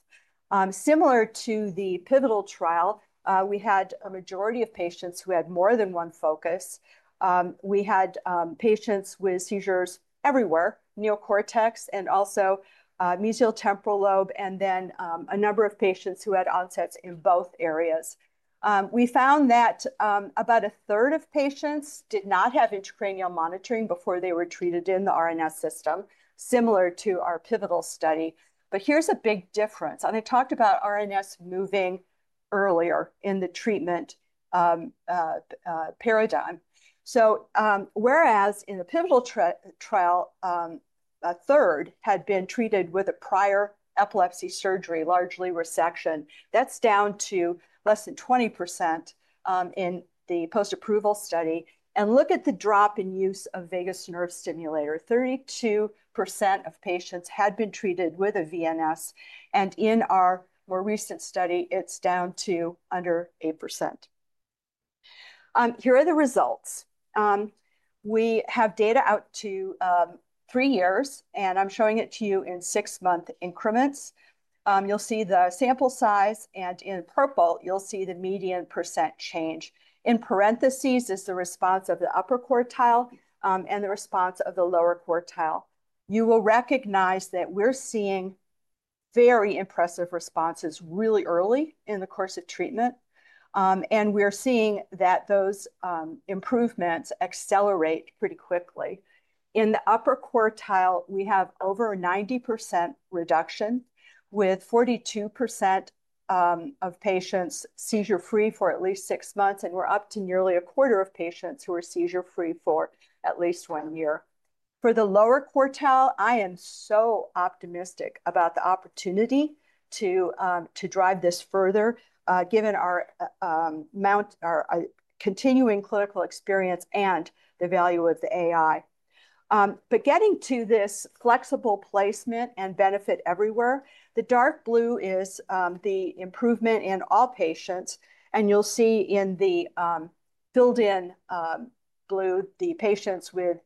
Similar to the pivotal trial, we had a majority of patients who had more than one focus. We had patients with seizures everywhere, neocortex and also mesial temporal lobe, and then a number of patients who had onsets in both areas. We found that about a third of patients did not have intracranial monitoring before they were treated in the RNS System, similar to our pivotal study, but here's a big difference, and I talked about RNS moving earlier in the treatment paradigm. So whereas in the pivotal trial, a third had been treated with a prior epilepsy surgery, largely resection, that's down to less than 20% in the post-approval study. And look at the drop in use of vagus nerve stimulator. 32% of patients had been treated with a VNS, and in our more recent study, it's down to under 8%. Here are the results. We have data out to three years, and I'm showing it to you in six-month increments. You'll see the sample size, and in purple, you'll see the median percent change. In parentheses is the response of the upper quartile and the response of the lower quartile. You will recognize that we're seeing very impressive responses really early in the course of treatment, and we're seeing that those improvements accelerate pretty quickly. In the upper quartile, we have over a 90% reduction with 42% of patients seizure-free for at least six months, and we're up to nearly a quarter of patients who are seizure-free for at least one year. For the lower quartile, I am so optimistic about the opportunity to drive this further given our continuing clinical experience and the value of the AI. But getting to this flexible placement and benefit everywhere, the dark blue is the improvement in all patients, and you'll see in the filled-in blue, the patients with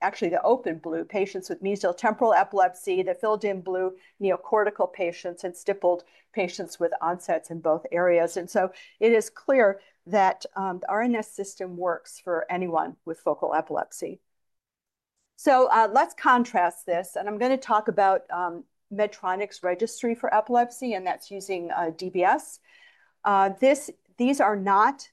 actually the open blue, patients with mesial temporal epilepsy, the filled-in blue, neocortical patients, and stippled patients with onsets in both areas. And so it is clear that the RNS System works for anyone with focal epilepsy. So let's contrast this, and I'm going to talk about Medtronic's registry for epilepsy, and that's using DBS. These are not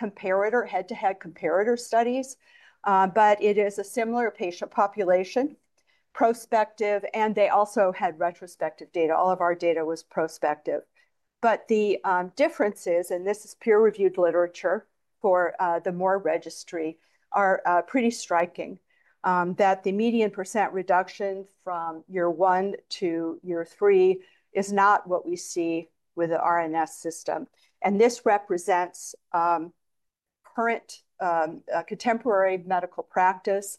comparator, head-to-head comparator studies, but it is a similar patient population, prospective, and they also had retrospective data. All of our data was prospective, but the differences, and this is peer-reviewed literature for the MORE registry, are pretty striking that the median % reduction from year one to year three is not what we see with the RNS System, and this represents current contemporary medical practice.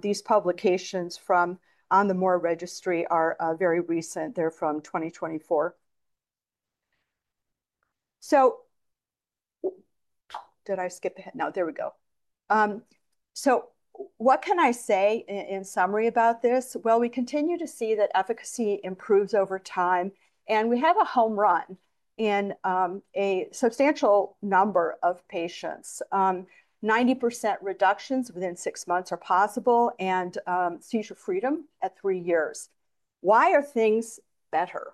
These publications from the MORE registry are very recent. They're from 2024. Did I skip ahead? No, there we go. What can I say in summary about this? We continue to see that efficacy improves over time, and we have a home run in a substantial number of patients. 90% reductions within six months are possible and seizure freedom at three years. Why are things better?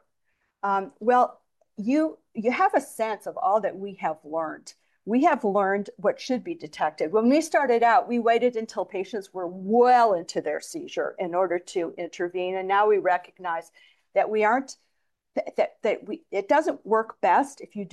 You have a sense of all that we have learned. We have learned what should be detected. When we started out, we waited until patients were well into their seizure in order to intervene, and now we recognize that it doesn't work best if you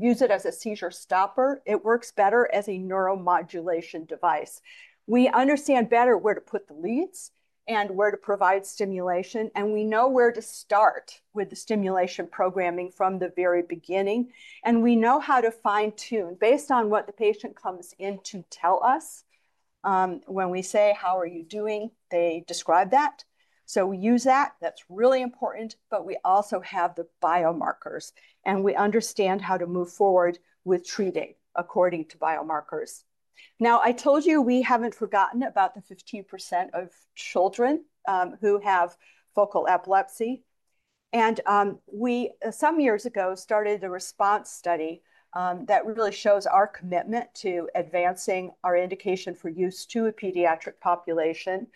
use it as a seizure stopper. It works better as a neuromodulation device. We understand better where to put the leads and where to provide stimulation, and we know where to start with the stimulation programming from the very beginning, and we know how to fine-tune based on what the patient comes in to tell us. When we say, "How are you doing?" they describe that. So we use that. That's really important, but we also have the biomarkers, and we understand how to move forward with treating according to biomarkers. Now, I told you we haven't forgotten about the 15% of children who have focal epilepsy. And we, some years ago, started th RESPONSE Study that really shows our commitment to advancing our indication for use to a pediatric population.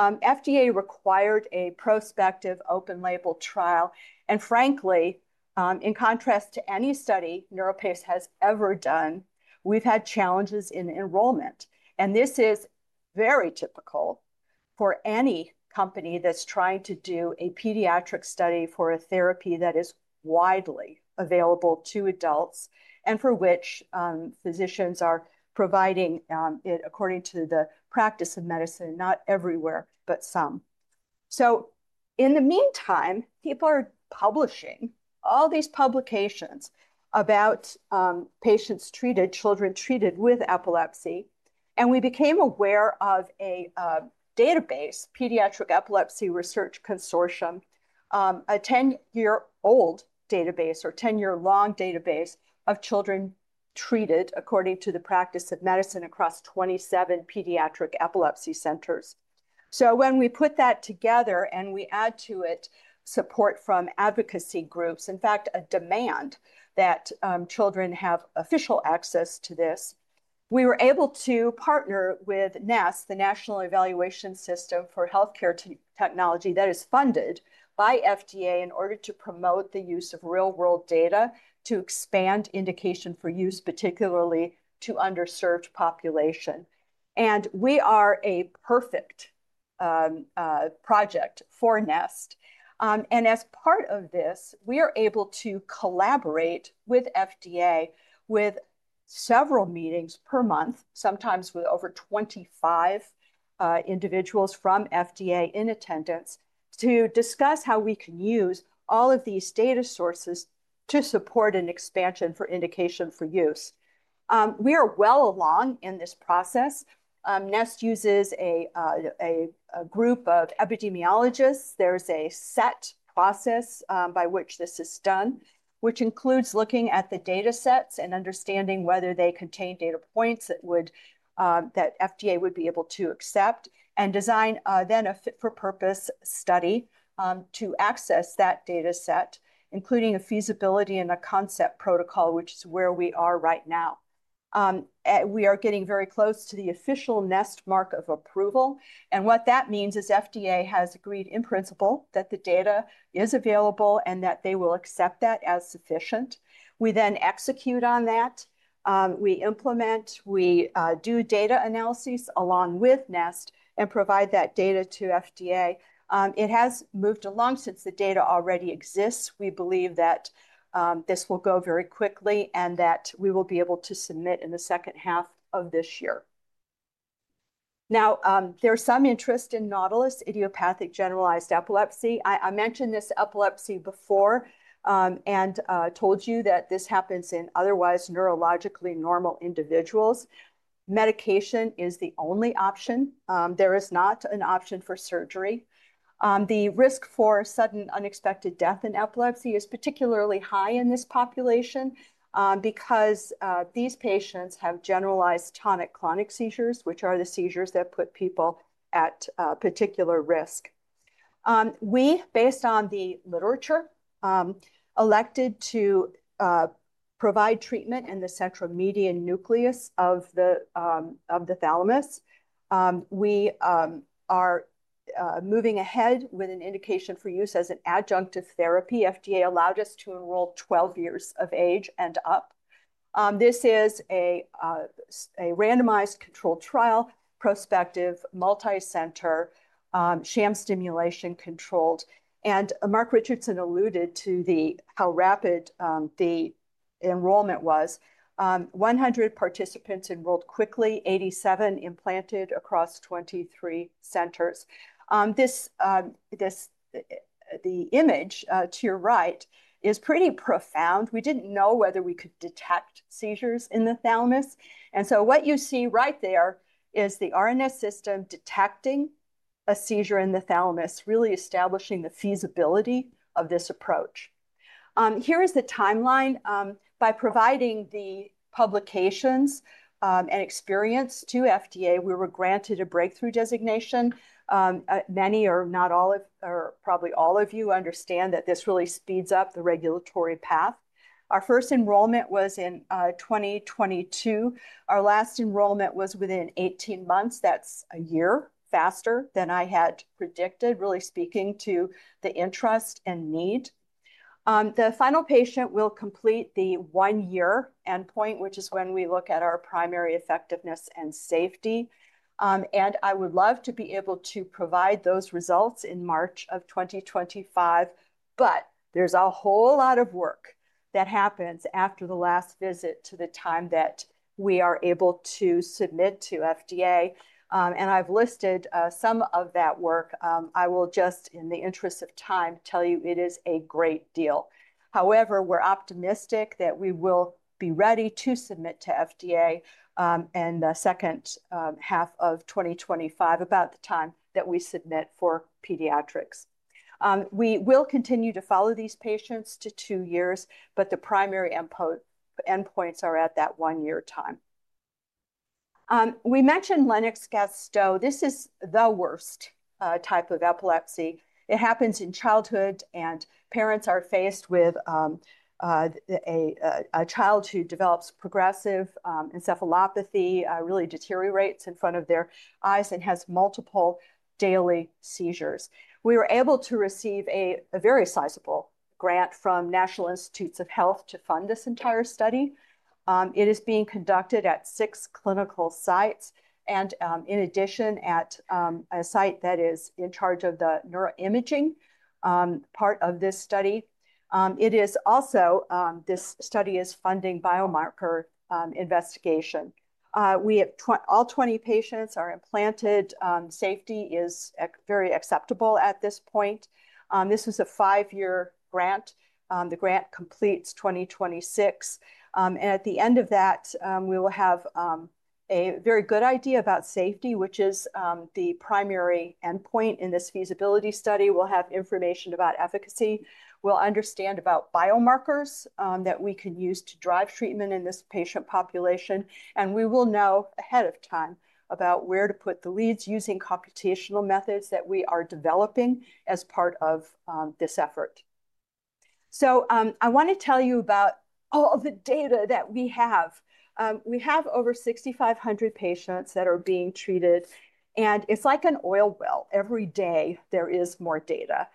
FDA required a prospective open-label trial, and frankly, in contrast to any study NeuroPace has ever done, we've had challenges in enrollment. And this is very typical for any company that's trying to do a pediatric study for a therapy that is widely available to adults and for which physicians are providing it according to the practice of medicine, not everywhere, but some. So in the meantime, people are publishing all these publications about patients treated, children treated with epilepsy. And we became aware of a database, Pediatric Epilepsy Research Consortium, a 10-year-old database or 10-year-long database of children treated according to the practice of medicine across 27 pediatric epilepsy centers. So when we put that together and we add to it support from advocacy groups, in fact, a demand that children have official access to this, we were able to partner with NESTcc, the National Evaluation System for health Technology that is funded by FDA in order to promote the use of real-world data to expand indication for use, particularly to underserved population. And we are a perfect project for NESTcc. And as part of this, we are able to collaborate with FDA with several meetings per month, sometimes with over 25 individuals from FDA in attendance to discuss how we can use all of these data sources to support an expansion for indication for use. We are well along in this process. NESTcc uses a group of epidemiologists. There's a set process by which this is done, which includes looking at the data sets and understanding whether they contain data points that FDA would be able to accept and then design a fit-for-purpose study to access that data set, including a feasibility and a concept protocol, which is where we are right now. We are getting very close to the official NEST mark of approval, and what that means is FDA has agreed in principle that the data is available and that they will accept that as sufficient. We then execute on that. We implement, we do data analysis along with NEST and provide that data to FDA. It has moved along since the data already exists. We believe that this will go very quickly and that we will be able to submit in the second half of this year. Now, there's some interest in NAUTILIST, idiopathic generalized epilepsy. I mentioned this epilepsy before and told you that this happens in otherwise neurologically normal individuals. Medication is the only option. There is not an option for surgery. The risk for sudden unexpected death in epilepsy is particularly high in this population because these patients have generalized tonic-clonic seizures, which are the seizures that put people at particular risk. We, based on the literature, elected to provide treatment in the centromedian nucleus of the thalamus. We are moving ahead with an indication for use as an adjunctive therapy. FDA allowed us to enroll 12 years of age and up. This is a randomized controlled trial, prospective, multi-center sham stimulation controlled. And Mark Richardson alluded to how rapid the enrollment was. 100 participants enrolled quickly, 87 implanted across 23 centers. The image to your right is pretty profound. We didn't know whether we could detect seizures in the thalamus. And so what you see right there is the RNS System detecting a seizure in the thalamus, really establishing the feasibility of this approach. Here is the timeline. By providing the publications and experience to FDA, we were granted a breakthrough designation. Many, if not all of you understand that this really speeds up the regulatory path. Our first enrollment was in 2022. Our last enrollment was within 18 months. That's a year faster than I had predicted, really speaking to the interest and need. The final patient will complete the one-year endpoint, which is when we look at our primary effectiveness and safety. I would love to be able to provide those results in March of 2025, but there's a whole lot of work that happens after the last visit to the time that we are able to submit to FDA. I've listed some of that work. I will just, in the interest of time, tell you it is a great deal. However, we're optimistic that we will be ready to submit to FDA in the second half of 2025, about the time that we submit for pediatrics. We will continue to follow these patients to two years, but the primary endpoints are at that one-year time. We mentioned Lennox-Gastaut. This is the worst type of epilepsy. It happens in childhood, and parents are faced with a child who develops progressive encephalopathy, really deteriorates in front of their eyes, and has multiple daily seizures. We were able to receive a very sizable grant from National Institutes of Health to fund this entire study. It is being conducted at six clinical sites and, in addition, at a site that is in charge of the neuroimaging part of this study. It is also this study is funding biomarker investigation. All 20 patients are implanted. Safety is very acceptable at this point. This was a five-year grant. The grant completes 2026, and at the end of that, we will have a very good idea about safety, which is the primary endpoint in this feasibility study. We'll have information about efficacy. We'll understand about biomarkers that we can use to drive treatment in this patient population, and we will know ahead of time about where to put the leads using computational methods that we are developing as part of this effort. So I want to tell you about all the data that we have. We have over 6,500 patients that are being treated, and it's like an oil well. Every day, there is more data.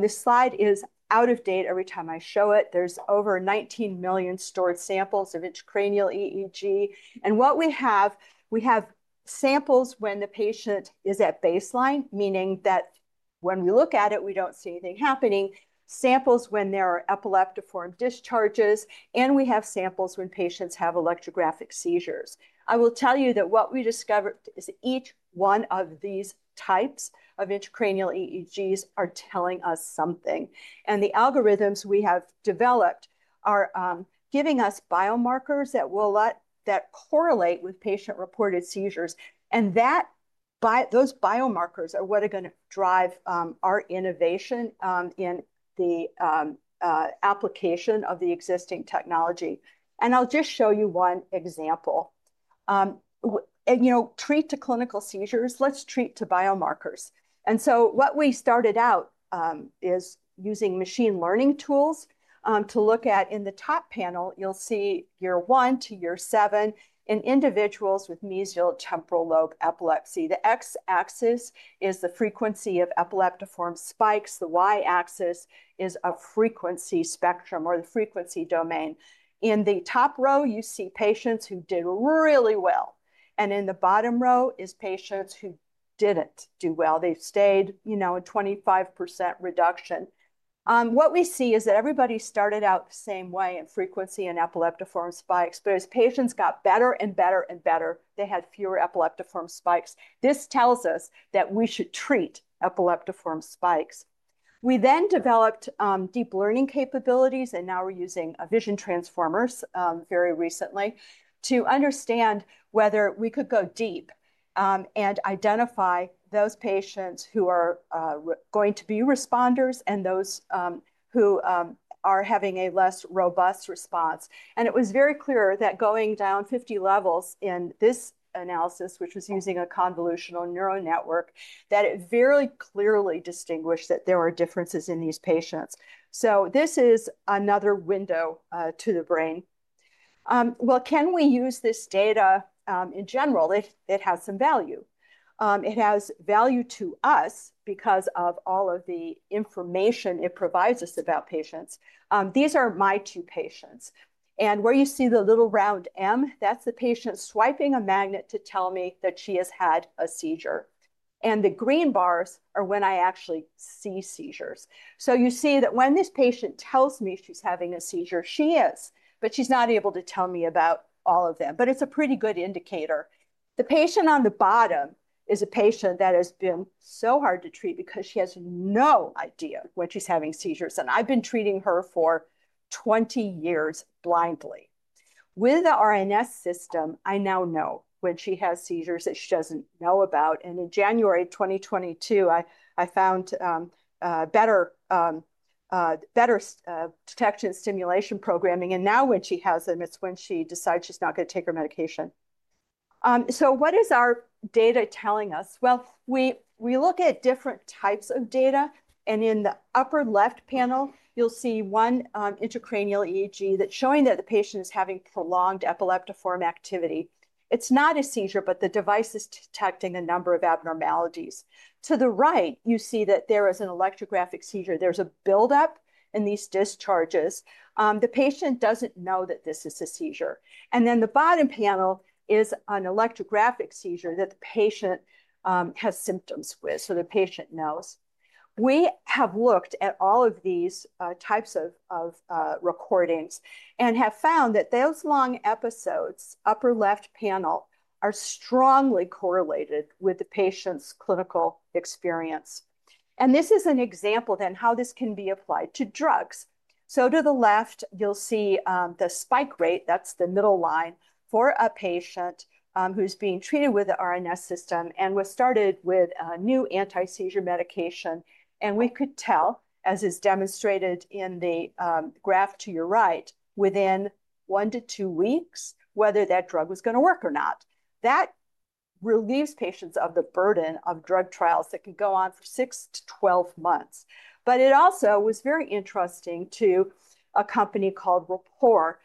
This slide is out of date every time I show it. There's over 19 million stored samples of intracranial EEG. And what we have, we have samples when the patient is at baseline, meaning that when we look at it, we don't see anything happening, samples when there are epileptiform discharges, and we have samples when patients have electrographic seizures. I will tell you that what we discovered is each one of these types of intracranial EEGs are telling us something. And the algorithms we have developed are giving us biomarkers that will correlate with patient-reported seizures. And those biomarkers are what are going to drive our innovation in the application of the existing technology. I'll just show you one example. Treat to clinical seizures, let's treat to biomarkers. So what we started out is using machine learning tools to look at. In the top panel, you'll see year one to year seven in individuals with mesial temporal lobe epilepsy. The x-axis is the frequency of epileptiform spikes. The y-axis is a frequency spectrum or the frequency domain. In the top row, you see patients who did really well. In the bottom row is patients who didn't do well. They stayed at 25% reduction. What we see is that everybody started out the same way in frequency and epileptiform spikes, but as patients got better and better and better, they had fewer epileptiform spikes. This tells us that we should treat epileptiform spikes. We then developed deep learning capabilities, and now we're using vision transformers very recently to understand whether we could go deep and identify those patients who are going to be responders and those who are having a less robust response. It was very clear that going down 50 levels in this analysis, which was using a convolutional neural network, that it very clearly distinguished that there are differences in these patients. This is another window to the brain. Can we use this data in general? It has some value. It has value to us because of all of the information it provides us about patients. These are my two patients. Where you see the little round M, that's the patient swiping a magnet to tell me that she has had a seizure. The green bars are when I actually see seizures. So you see that when this patient tells me she's having a seizure, she is, but she's not able to tell me about all of them. But it's a pretty good indicator. The patient on the bottom is a patient that has been so hard to treat because she has no idea when she's having seizures. And I've been treating her for 20 years blindly. With the RNS System, I now know when she has seizures that she doesn't know about. And in January 2022, I found better detection stimulation programming. And now when she has them, it's when she decides she's not going to take her medication. So what is our data telling us? Well, we look at different types of data. And in the upper left panel, you'll see one Intracranial EEG that's showing that the patient is having prolonged epileptiform activity. It's not a seizure, but the device is detecting a number of abnormalities. To the right, you see that there is an electrographic seizure. There's a buildup in these discharges. The patient doesn't know that this is a seizure, and then the bottom panel is an electrographic seizure that the patient has symptoms with, so the patient knows. We have looked at all of these types of recordings and have found that those long episodes, upper left panel, are strongly correlated with the patient's clinical experience, and this is an example then how this can be applied to drugs, so to the left, you'll see the spike rate. That's the middle line for a patient who's being treated with the RNS System and was started with a new anti-seizure medication. We could tell, as is demonstrated in the graph to your right, within one to two weeks whether that drug was going to work or not. That relieves patients of the burden of drug trials that could go on for six to 12 months. It also was very interesting to a company called Rapport.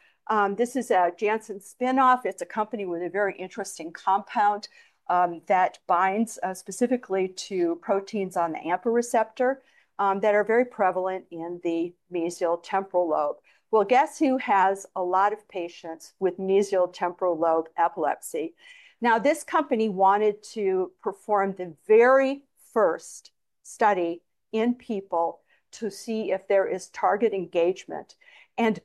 This is a Janssen spinoff. It's a company with a very interesting compound that binds specifically to proteins on the AMPA receptor that are very prevalent in the mesial temporal lobe. We'll guess who has a lot of patients with mesial temporal lobe epilepsy. Now, this company wanted to perform the very first study in people to see if there is target engagement.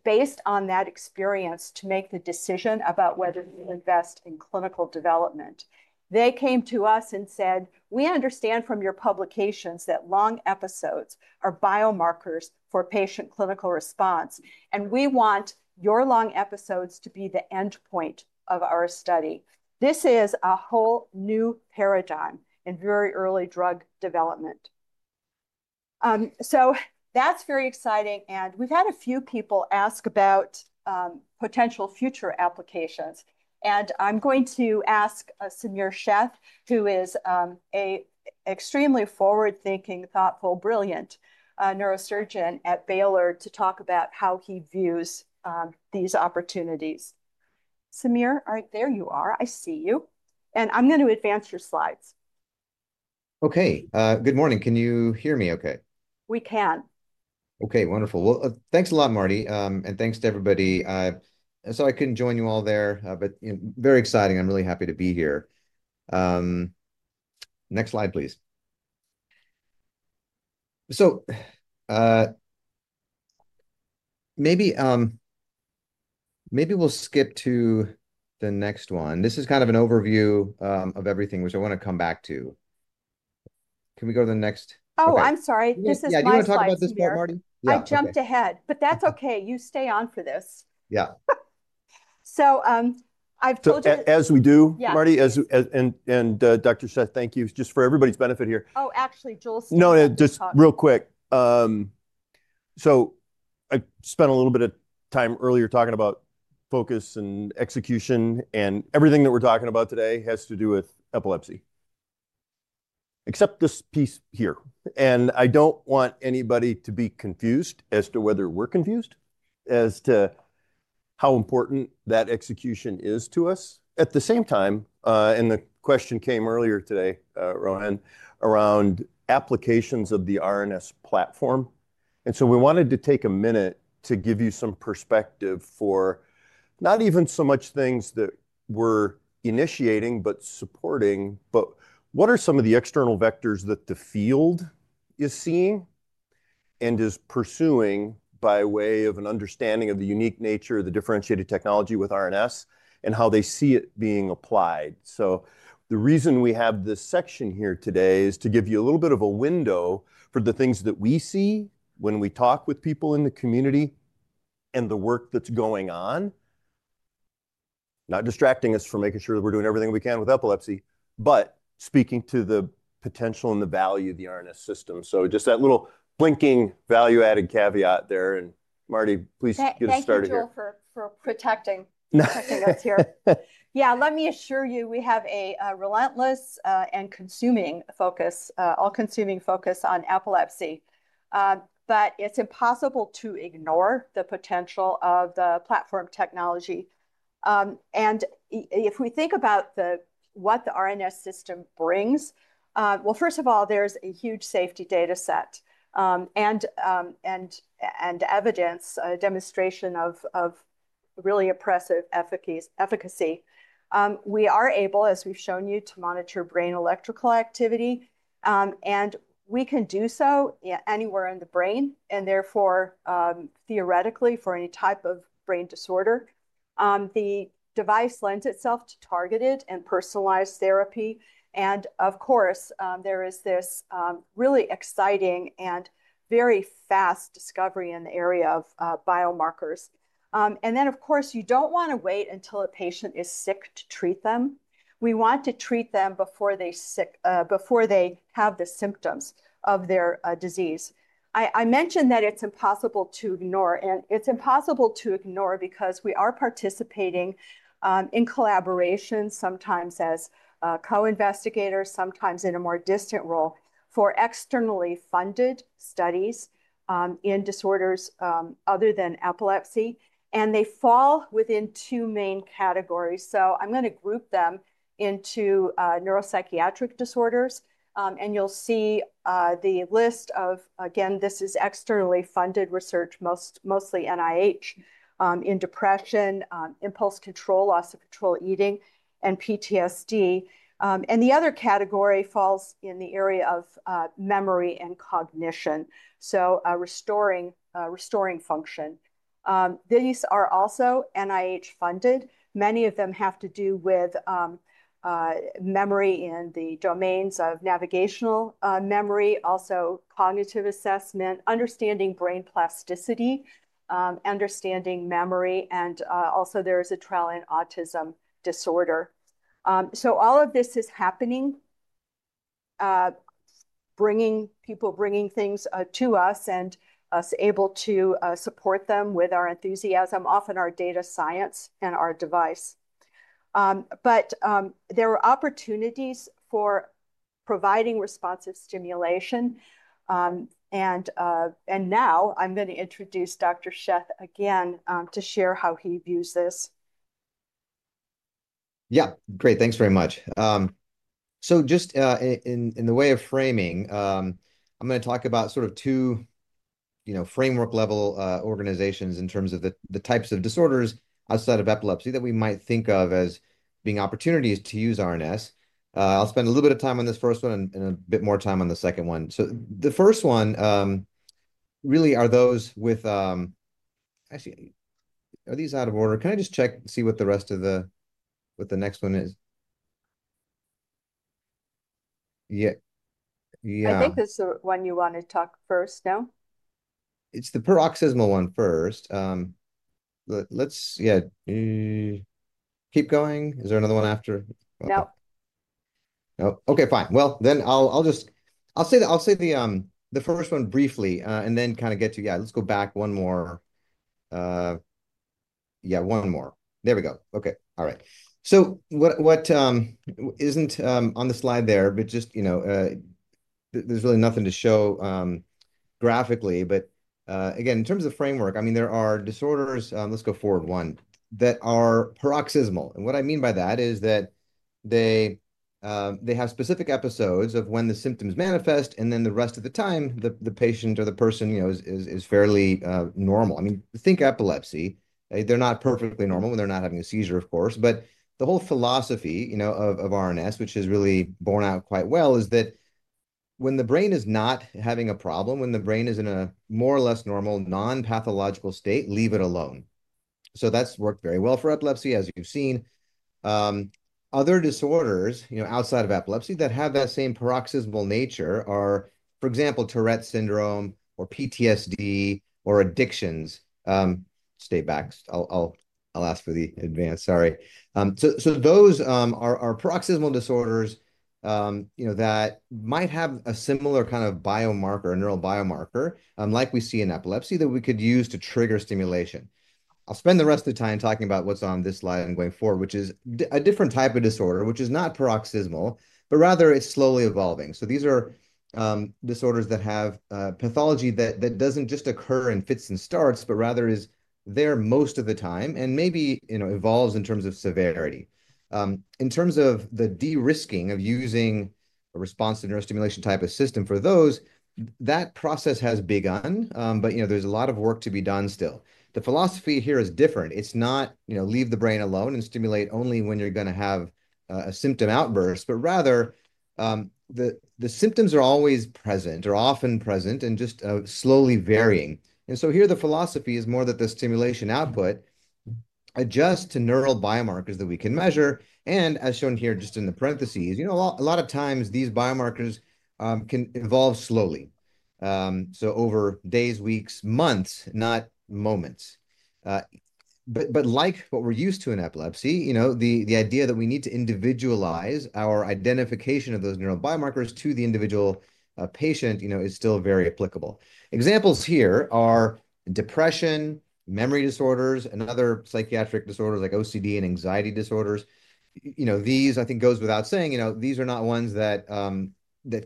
Based on that experience to make the decision about whether to invest in clinical development, they came to us and said, "We understand from your publications that long episodes are biomarkers for patient clinical response. And we want your long episodes to be the endpoint of our study." This is a whole new paradigm in very early drug development. So that's very exciting. And we've had a few people ask about potential future applications. And I'm going to ask Samir Sheth, who is an extremely forward-thinking, thoughtful, brilliant neurosurgeon at Baylor, to talk about how he views these opportunities. Samir, there you are. I see you. And I'm going to advance your slides. Okay. Good morning. Can you hear me okay? We can. Okay. Wonderful. Well, thanks a lot, Marty. And thanks to everybody. Sorry, I couldn't join you all there, but very exciting. I'm really happy to be here. Next slide, please. So maybe we'll skip to the next one. This is kind of an overview of everything, which I want to come back to. Can we go to the next? Oh, I'm sorry. This is my turn. Yeah. Do you want to talk about this part, Marty? I jumped ahead, but that's okay. You stay on for this. As we do, Marty, and Dr. Sheth, thank you. It's just for everybody's benefit here. Oh, actually, Joel didn't talk. No, just real quick. So I spent a little bit of time earlier talking about focus and execution. And everything that we're talking about today has to do with epilepsy, except this piece here. And I don't want anybody to be confused as to whether we're confused as to how important that execution is to us. At the same time, and the question came earlier today, Rohan, around applications of the RNS platform. And so we wanted to take a minute to give you some perspective for not even so much things that we're initiating, but supporting. But what are some of the external vectors that the field is seeing and is pursuing by way of an understanding of the unique nature of the differentiated technology with RNS and how they see it being applied? So the reason we have this section here today is to give you a little bit of a window for the things that we see when we talk with people in the community and the work that's going on, not distracting us from making sure that we're doing everything we can with epilepsy, but speaking to the potential and the value of the RNS system. So just that little blinking value-added caveat there. And Marty, please get us started. T Thank you for protecting us here. Yeah. Let me assure you, we have a relentless and consuming focus, all-consuming focus on epilepsy. But it's impossible to ignore the potential of the platform technology. And if we think about what the RNS System brings, well, first of all, there's a huge safety data set and evidence, demonstration of really impressive efficacy. We are able, as we've shown you, to monitor brain electrical activity. And we can do so anywhere in the brain and therefore, theoretically, for any type of brain disorder. The device lends itself to targeted and personalized therapy. And of course, there is this really exciting and very fast discovery in the area of biomarkers. And then, of course, you don't want to wait until a patient is sick to treat them. We want to treat them before they have the symptoms of their disease. I mentioned that it's impossible to ignore, and it's impossible to ignore because we are participating in collaboration, sometimes as co-investigators, sometimes in a more distant role for externally funded studies in disorders other than epilepsy, and they fall within two main categories, so I'm going to group them into neuropsychiatric disorders, and you'll see the list of, again, this is externally funded research, mostly NIH in depression, impulse control, loss of control, eating, and PTSD, and the other category falls in the area of memory and cognition, so restoring function. These are also NIH-funded. Many of them have to do with memory in the domains of navigational memory, also cognitive assessment, understanding brain plasticity, understanding memory, and also, there is a trial in autism disorder. So all of this is happening, bringing people, bringing things to us and us able to support them with our enthusiasm, often our data science and our device. But there are opportunities for providing responsive stimulation. And now I'm going to introduce Dr. Sheth again to share how he views this. Yeah. Great. Thanks very much. So just in the way of framing, I'm going to talk about sort of two framework-level organizations in terms of the types of disorders outside of epilepsy that we might think of as being opportunities to use RNS. I'll spend a little bit of time on this first one and a bit more time on the second one. So the first one really are those with actually, are these out of order? Can I just check and see what the rest of the next one is? Yeah. Yeah. I think this is the one you want to talk first now. It's the paroxysmal one first. Yeah. Keep going. Is there another one after? No. No. Okay. Fine, well, then I'll say the first one briefly and then kind of get to, yeah, let's go back one more. Yeah, one more. There we go. Okay. All right. So what isn't on the slide there, but just, there's really nothing to show graphically. But again, in terms of the framework, I mean, there are disorders, let's go forward one, that are paroxysmal, and what I mean by that is that they have specific episodes of when the symptoms manifest, and then the rest of the time, the patient or the person is fairly normal. I mean, think epilepsy. They're not perfectly normal when they're not having a seizure, of course. But the whole philosophy of RNS, which has really borne out quite well, is that when the brain is not having a problem, when the brain is in a more or less normal, non-pathological state, leave it alone. So that's worked very well for epilepsy, as you've seen. Other disorders outside of epilepsy that have that same paroxysmal nature are, for example, Tourette syndrome or PTSD or addictions. Stay back. I'll ask for the advance. Sorry. So those are paroxysmal disorders that might have a similar kind of biomarker or neural biomarker like we see in epilepsy that we could use to trigger stimulation. I'll spend the rest of the time talking about what's on this slide and going forward, which is a different type of disorder, which is not paroxysmal, but rather it's slowly evolving. These are disorders that have pathology that doesn't just occur in fits and starts, but rather is there most of the time and maybe evolves in terms of severity. In terms of the de-risking of using a responsive neurostimulation type of system for those, that process has begun, but there's a lot of work to be done still. The philosophy here is different. It's not leave the brain alone and stimulate only when you're going to have a symptom outburst, but rather the symptoms are always present or often present and just slowly varying. And so here, the philosophy is more that the stimulation output adjusts to neural biomarkers that we can measure. And as shown here, just in the parentheses, a lot of times, these biomarkers can evolve slowly. So over days, weeks, months, not moments. But like what we're used to in epilepsy, the idea that we need to individualize our identification of those neural biomarkers to the individual patient is still very applicable. Examples here are depression, memory disorders, and other psychiatric disorders like OCD and anxiety disorders. These, I think, goes without saying. These are not ones that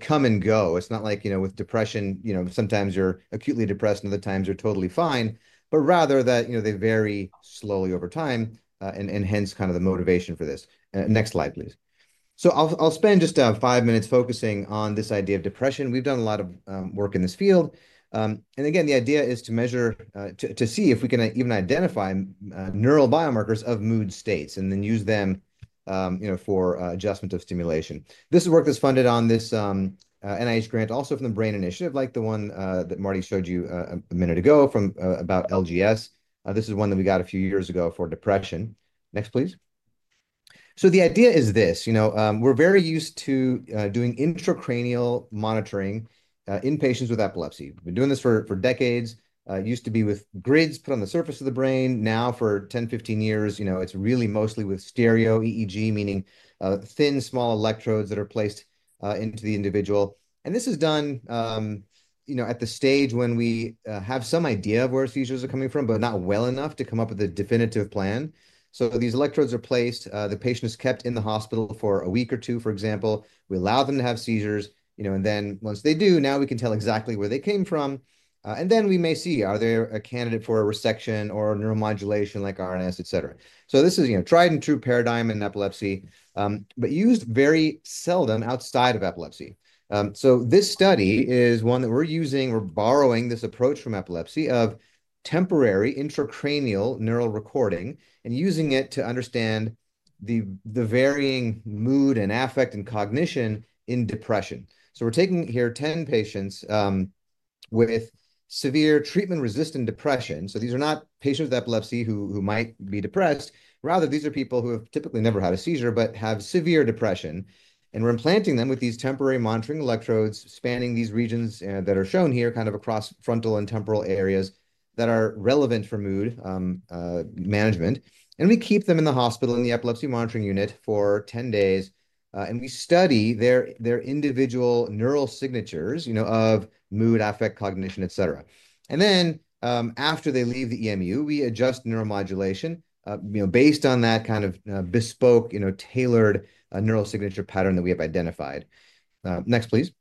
come and go. It's not like with depression, sometimes you're acutely depressed, and other times you're totally fine, but rather that they vary slowly over time, and hence kind of the motivation for this. Next slide, please. So I'll spend just five minutes focusing on this idea of depression. We've done a lot of work in this field. And again, the idea is to measure to see if we can even identify neural biomarkers of mood states and then use them for adjustment of stimulation. This is work that's funded on this NIH grant, also from the Brain Initiative, like the one that Marty showed you a minute ago from about LGS. This is one that we got a few years ago for depression. Next, please. So the idea is this. We're very used to doing intracranial monitoring in patients with epilepsy. We've been doing this for decades. It used to be with grids put on the surface of the brain. Now, for 10, 15 years, it's really mostly with stereo EEG, meaning thin, small electrodes that are placed into the individual. And this is done at the stage when we have some idea of where seizures are coming from, but not well enough to come up with a definitive plan. So these electrodes are placed. The patient is kept in the hospital for a week or two, for example. We allow them to have seizures. And then once they do, now we can tell exactly where they came from. And then we may see, are they a candidate for a resection or neuromodulation like RNS, etc.? So this is a tried-and-true paradigm in epilepsy, but used very seldom outside of epilepsy. So this study is one that we're using. We're borrowing this approach from epilepsy of temporary intracranial neural recording and using it to understand the varying mood and affect and cognition in depression. So we're taking here 10 patients with severe treatment-resistant depression. So these are not patients with epilepsy who might be depressed. Rather, these are people who have typically never had a seizure but have severe depression. And we're implanting them with these temporary monitoring electrodes, spanning these regions that are shown here, kind of across frontal and temporal areas that are relevant for mood management. We keep them in the hospital in the Epilepsy Monitoring Unit for 10 days. We study their individual neural signatures of mood, affect, cognition, etc. Then after they leave the EMU, we adjust neuromodulation based on that kind of bespoke, tailored neural signature pattern that we have identified. Next, please.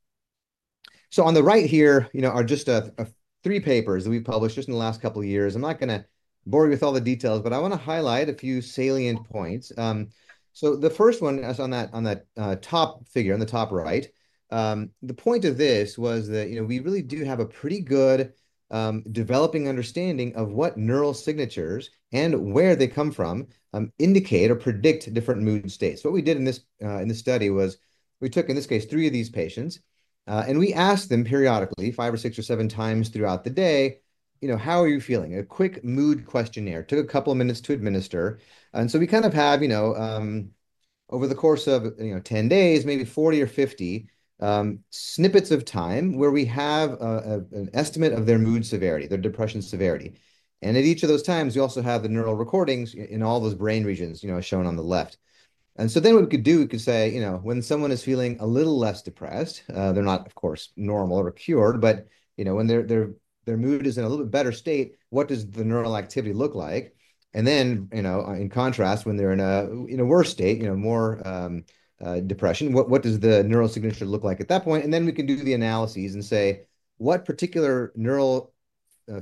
On the right here are just three papers that we've published just in the last couple of years. I'm not going to bore you with all the details, but I want to highlight a few salient points. The first one is on that top figure on the top right. The point of this was that we really do have a pretty good developing understanding of what neural signatures and where they come from indicate or predict different mood states. What we did in this study was we took, in this case, three of these patients. We asked them periodically, five or six or seven times throughout the day, "How are you feeling?" A quick mood questionnaire. It took a couple of minutes to administer. We kind of have, over the course of 10 days, maybe 40 or 50 snippets of time where we have an estimate of their mood severity, their depression severity. At each of those times, we also have the neural recordings in all those brain regions shown on the left. Then what we could do, we could say, "When someone is feeling a little less depressed," they're not, of course, normal or cured, "but when their mood is in a little bit better state, what does the neural activity look like?" In contrast, when they're in a worse state, more depression, what does the neural signature look like at that point? And then we can do the analyses and say, "What particular neural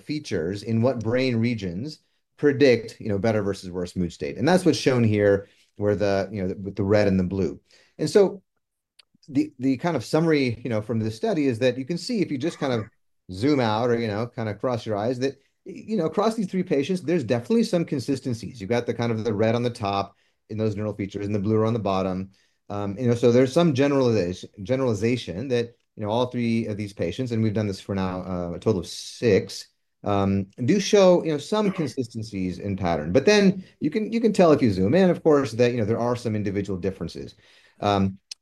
features in what brain regions predict better versus worse mood state?" And that's what's shown here with the red and the blue. And so the kind of summary from this study is that you can see if you just kind of zoom out or kind of cross your eyes that across these three patients, there's definitely some consistencies. You've got kind of the red on the top in those neural features and the blue on the bottom. So there's some generalization that all three of these patients, and we've done this for now a total of six, do show some consistencies in pattern. But then you can tell if you zoom in, of course, that there are some individual differences.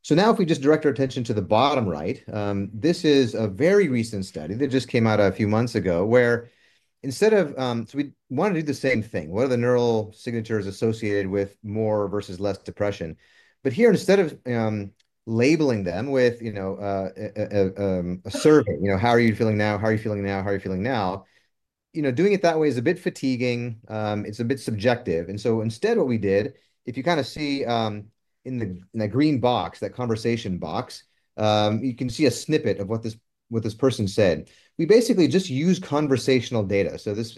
So now, if we just direct our attention to the bottom right, this is a very recent study that just came out a few months ago, where instead of so we want to do the same thing. What are the neural signatures associated with more versus less depression? But here, instead of labeling them with a survey, "How are you feeling now? How are you feeling now? How are you feeling now?" doing it that way is a bit fatiguing. It's a bit subjective. And so instead, what we did, if you kind of see in the green box, that conversation box, you can see a snippet of what this person said. We basically just use conversational data. So this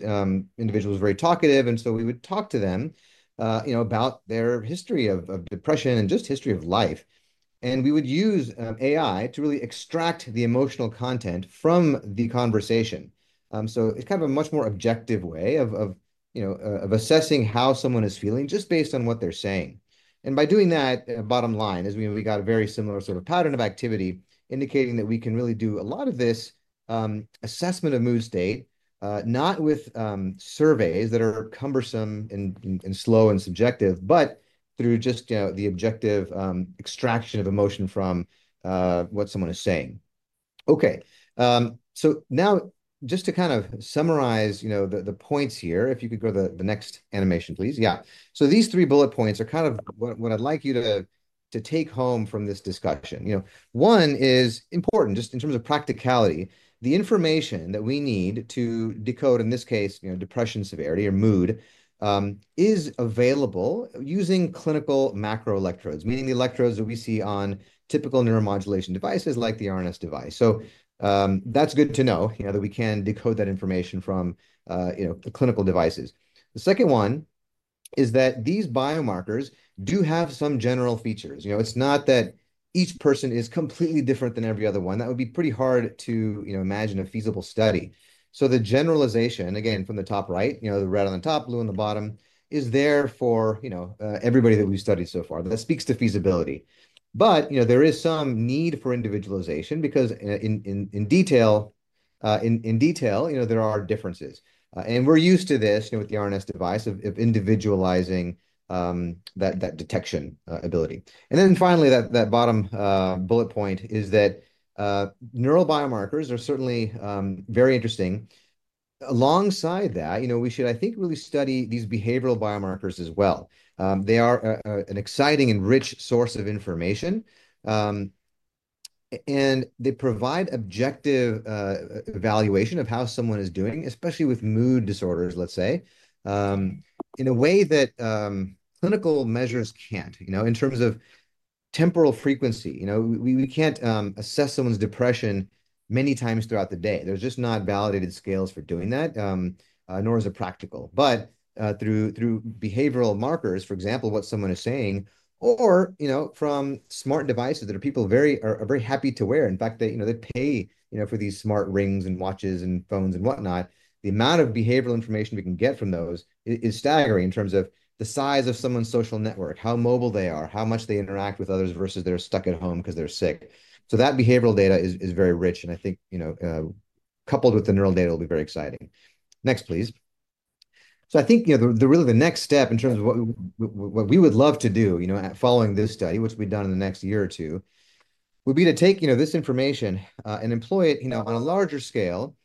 individual was very talkative, and so we would talk to them about their history of depression and just history of life. We would use AI to really extract the emotional content from the conversation. So it's kind of a much more objective way of assessing how someone is feeling just based on what they're saying. And by doing that, bottom line, we got a very similar sort of pattern of activity indicating that we can really do a lot of this assessment of mood state, not with surveys that are cumbersome and slow and subjective, but through just the objective extraction of emotion from what someone is saying. Okay. So now, just to kind of summarize the points here, if you could go to the next animation, please. Yeah. So these three bullet points are kind of what I'd like you to take home from this discussion. One is important, just in terms of practicality. The information that we need to decode, in this case, depression severity or mood, is available using clinical macroelectrodes, meaning the electrodes that we see on typical neuromodulation devices like the RNS device. So that's good to know that we can decode that information from clinical devices. The second one is that these biomarkers do have some general features. It's not that each person is completely different than every other one. That would be pretty hard to imagine a feasible study. So the generalization, again, from the top right, the red on the top, blue on the bottom, is there for everybody that we've studied so far. That speaks to feasibility. But there is some need for individualization because in detail, there are differences. And we're used to this with the RNS device of individualizing that detection ability. Finally, that bottom bullet point is that neural biomarkers are certainly very interesting. Alongside that, we should, I think, really study these behavioral biomarkers as well. They are an exciting and rich source of information. They provide objective evaluation of how someone is doing, especially with mood disorders, let's say, in a way that clinical measures can't. In terms of temporal frequency, we can't assess someone's depression many times throughout the day. There's just not validated scales for doing that, nor is it practical. Through behavioral markers, for example, what someone is saying, or from smart devices that people are very happy to wear. In fact, they pay for these smart rings and watches and phones and whatnot. The amount of behavioral information we can get from those is staggering in terms of the size of someone's social network, how mobile they are, how much they interact with others versus they're stuck at home because they're sick. So that behavioral data is very rich. And I think coupled with the neural data will be very exciting. Next, please. So I think really the next step in terms of what we would love to do following this study, which we've done in the next year or two, would be to take this information and employ it on a larger scale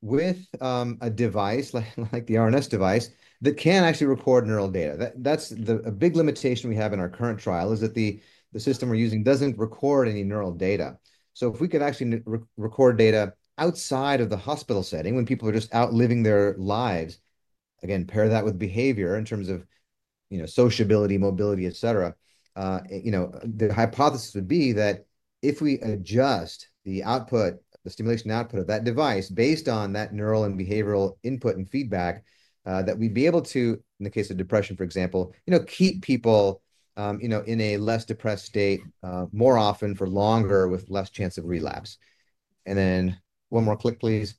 with a device like the RNS device that can actually record neural data. That's a big limitation we have in our current trial is that the system we're using doesn't record any neural data. So if we could actually record data outside of the hospital setting when people are just out living their lives, again, pair that with behavior in terms of sociability, mobility, etc., the hypothesis would be that if we adjust the stimulation output of that device based on that neural and behavioral input and feedback, that we'd be able to, in the case of depression, for example, keep people in a less depressed state more often for longer with less chance of relapse. And then one more click, please.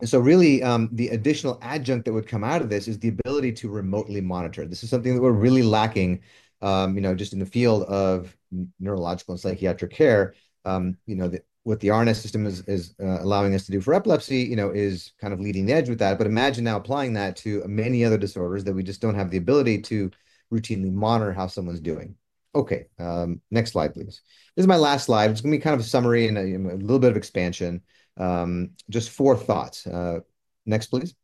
And so really, the additional adjunct that would come out of this is the ability to remotely monitor. This is something that we're really lacking just in the field of neurological and psychiatric care. What the RNS System is allowing us to do for epilepsy is kind of leading the edge with that. But imagine now applying that to many other disorders that we just don't have the ability to routinely monitor how someone's doing. Okay. Next slide, please. This is my last slide. It's going to be kind of a summary and a little bit of expansion. Just four thoughts. Next, please.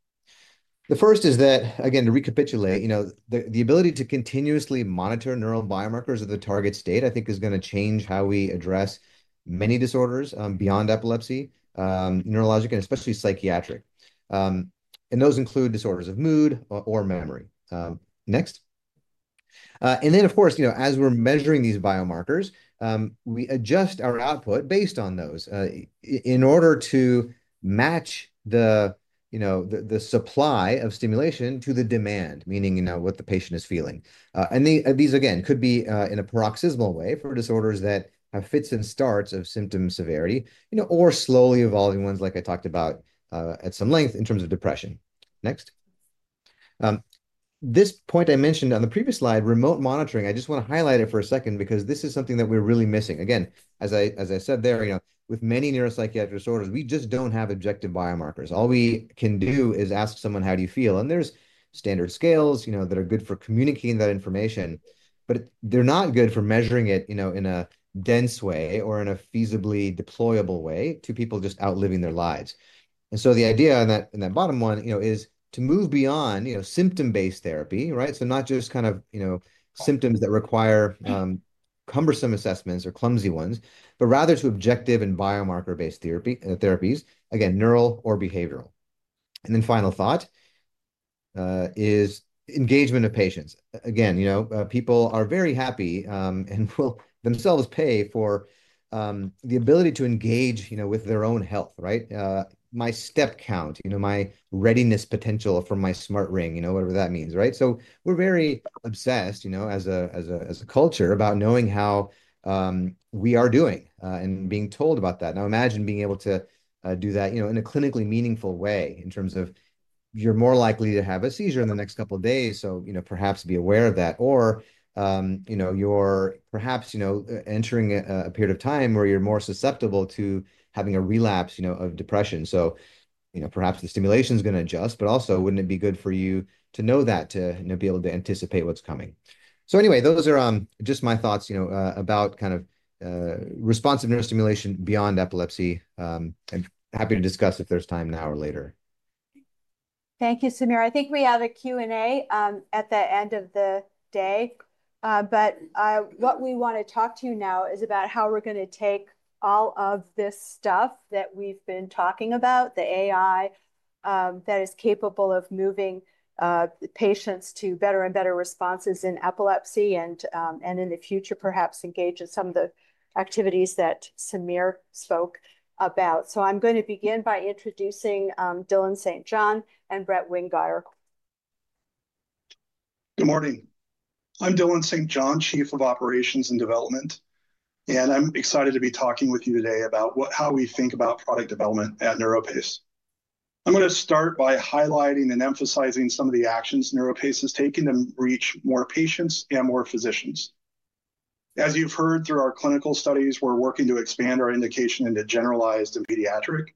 The first is that, again, to recapitulate, the ability to continuously monitor neural biomarkers of the target state, I think, is going to change how we address many disorders beyond epilepsy, neurologic, and especially psychiatric. And those include disorders of mood or memory. Next. And then, of course, as we're measuring these biomarkers, we adjust our output based on those in order to match the supply of stimulation to the demand, meaning what the patient is feeling. And these, again, could be in a paroxysmal way for disorders that have fits and starts of symptom severity or slowly evolving ones like I talked about at some length in terms of depression. Next. This point I mentioned on the previous slide, remote monitoring, I just want to highlight it for a second because this is something that we're really missing. Again, as I said there, with many neuropsychiatric disorders, we just don't have objective biomarkers. All we can do is ask someone, "How do you feel?" And there's standard scales that are good for communicating that information, but they're not good for measuring it in a dense way or in a feasibly deployable way to people just out living their lives. And so the idea in that bottom one is to move beyond symptom-based therapy, right? So not just kind of symptoms that require cumbersome assessments or clumsy ones, but rather to objective and biomarker-based therapies, again, neural or behavioral. And then final thought is engagement of patients. Again, people are very happy and will themselves pay for the ability to engage with their own health, right? My step count, my readiness potential for my smart ring, whatever that means, right? So we're very obsessed as a culture about knowing how we are doing and being told about that. Now, imagine being able to do that in a clinically meaningful way in terms of you're more likely to have a seizure in the next couple of days, so perhaps be aware of that. Or you're perhaps entering a period of time where you're more susceptible to having a relapse of depression. So perhaps the stimulation is going to adjust, but also, wouldn't it be good for you to know that to be able to anticipate what's coming? So anyway, those are just my thoughts about kind of responsive neurostimulation beyond epilepsy. I'm happy to discuss if there's time now or later. Thank you, Samir. I think we have a Q&A at the end of the day. But what we want to talk to you now is about how we're going to take all of this stuff that we've been talking about, the AI that is capable of moving patients to better and better responses in epilepsy and in the future, perhaps engage in some of the activities that Samir spoke about. So I'm going to begin by introducing Dylan St. John and Brett Wingeier. Good morning. I'm Dylan St. John, Chief of Commercial and Development. I’m excited to be talking with you today about how we think about product development at NeuroPace. I'm going to start by highlighting and emphasizing some of the actions NeuroPace has taken to reach more patients and more physicians. As you've heard, through our clinical studies, we're working to expand our indication into generalized and pediatric.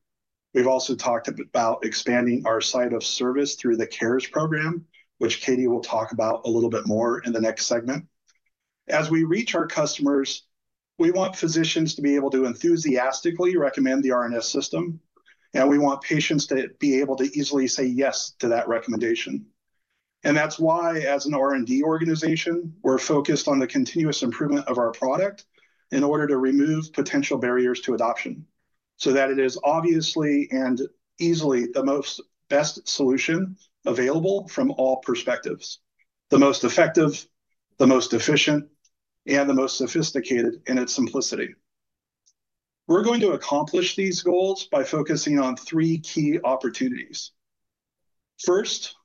We've also talked about expanding our site of service through the Project CARE program, which Katie will talk about a little bit more in the next segment. As we reach our customers, we want physicians to be able to enthusiastically recommend the RNS System. We want patients to be able to easily say yes to that recommendation. And that's why, as an R&D organization, we're focused on the continuous improvement of our product in order to remove potential barriers to adoption so that it is obviously and easily the most best solution available from all perspectives, the most effective, the most efficient, and the most sophisticated in its simplicity. We're going to accomplish these goals by focusing on three key opportunities. First,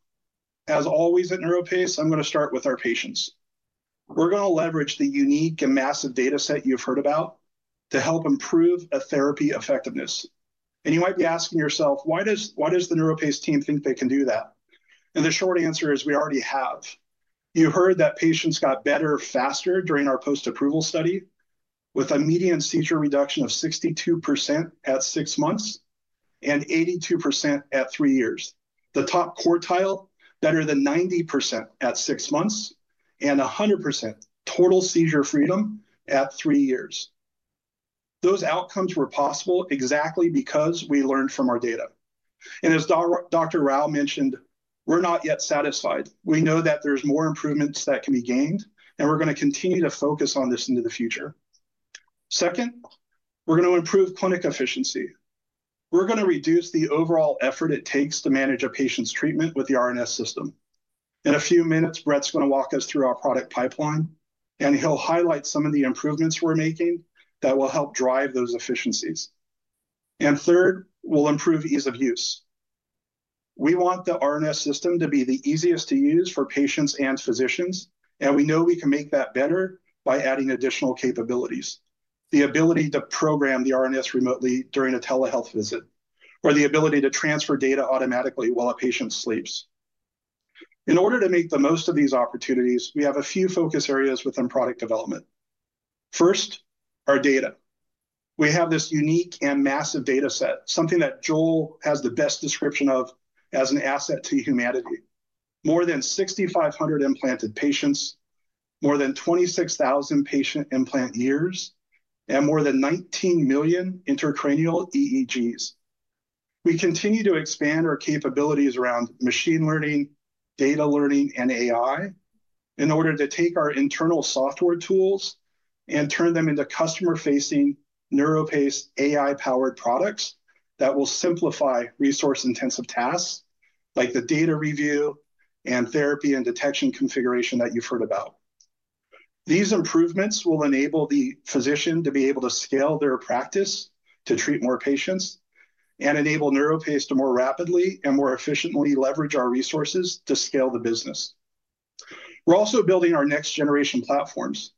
as always at NeuroPace, I'm going to start with our patients. We're going to leverage the unique and massive data set you've heard about to help improve a therapy effectiveness. And you might be asking yourself, "Why does the NeuroPace team think they can do that?" And the short answer is we already have. You heard that patients got better faster during our post-approval study with a median seizure reduction of 62% at six months and 82% at three years. The top quartile, better than 90% at six months and 100% total seizure freedom at three years. Those outcomes were possible exactly because we learned from our data. As Dr. Rao mentioned, we're not yet satisfied. We know that there's more improvements that can be gained, and we're going to continue to focus on this into the future. Second, we're going to improve clinic efficiency. We're going to reduce the overall effort it takes to manage a patient's treatment with the RNS System. In a few minutes, Brett's going to walk us through our product pipeline, and he'll highlight some of the improvements we're making that will help drive those efficiencies. Third, we'll improve ease of use. We want the RNS System to be the easiest to use for patients and physicians, and we know we can make that better by adding additional capabilities: the ability to program the RNS System remotely during a telehealth visit, or the ability to transfer data automatically while a patient sleeps. In order to make the most of these opportunities, we have a few focus areas within product development. First, our data. We have this unique and massive data set, something that Joel has the best description of as an asset to humanity: more than 6,500 implanted patients, more than 26,000 patient implant years, and more than 19 million intracranial EEGs. We continue to expand our capabilities around machine learning, data learning, and AI in order to take our internal software tools and turn them into customer-facing NeuroPace AI-powered products that will simplify resource-intensive tasks like the data review and therapy and detection configuration that you've heard about. These improvements will enable the physician to be able to scale their practice to treat more patients and enable NeuroPace to more rapidly and more efficiently leverage our resources to scale the business. We're also building our next-generation platforms.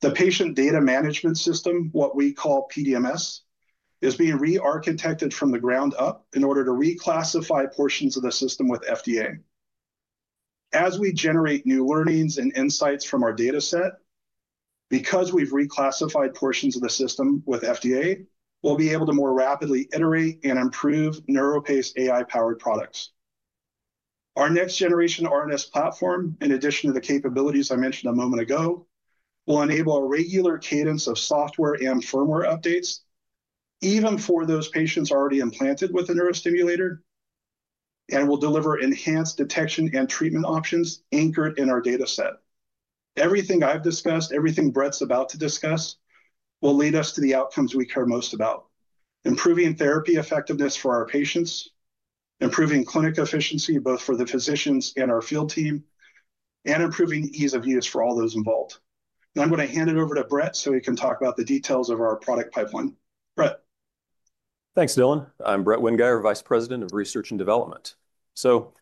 The patient data management system, what we call PDMS, is being re-architected from the ground up in order to reclassify portions of the system with FDA. As we generate new learnings and insights from our data set, because we've reclassified portions of the system with FDA, we'll be able to more rapidly iterate and improve NeuroPace AI-powered products. Our next-generation RNS platform, in addition to the capabilities I mentioned a moment ago, will enable a regular cadence of software and firmware updates, even for those patients already implanted with a neurostimulator, and will deliver enhanced detection and treatment options anchored in our data set. Everything I've discussed, everything Brett's about to discuss, will lead us to the outcomes we care most about: improving therapy effectiveness for our patients, improving clinic efficiency both for the physicians and our field team, and improving ease of use for all those involved. Now, I'm going to hand it over to Brett so he can talk about the details of our product pipeline. Brett. Thanks, Dylan. I'm Brett Wingeier, Vice President of Research and Development. So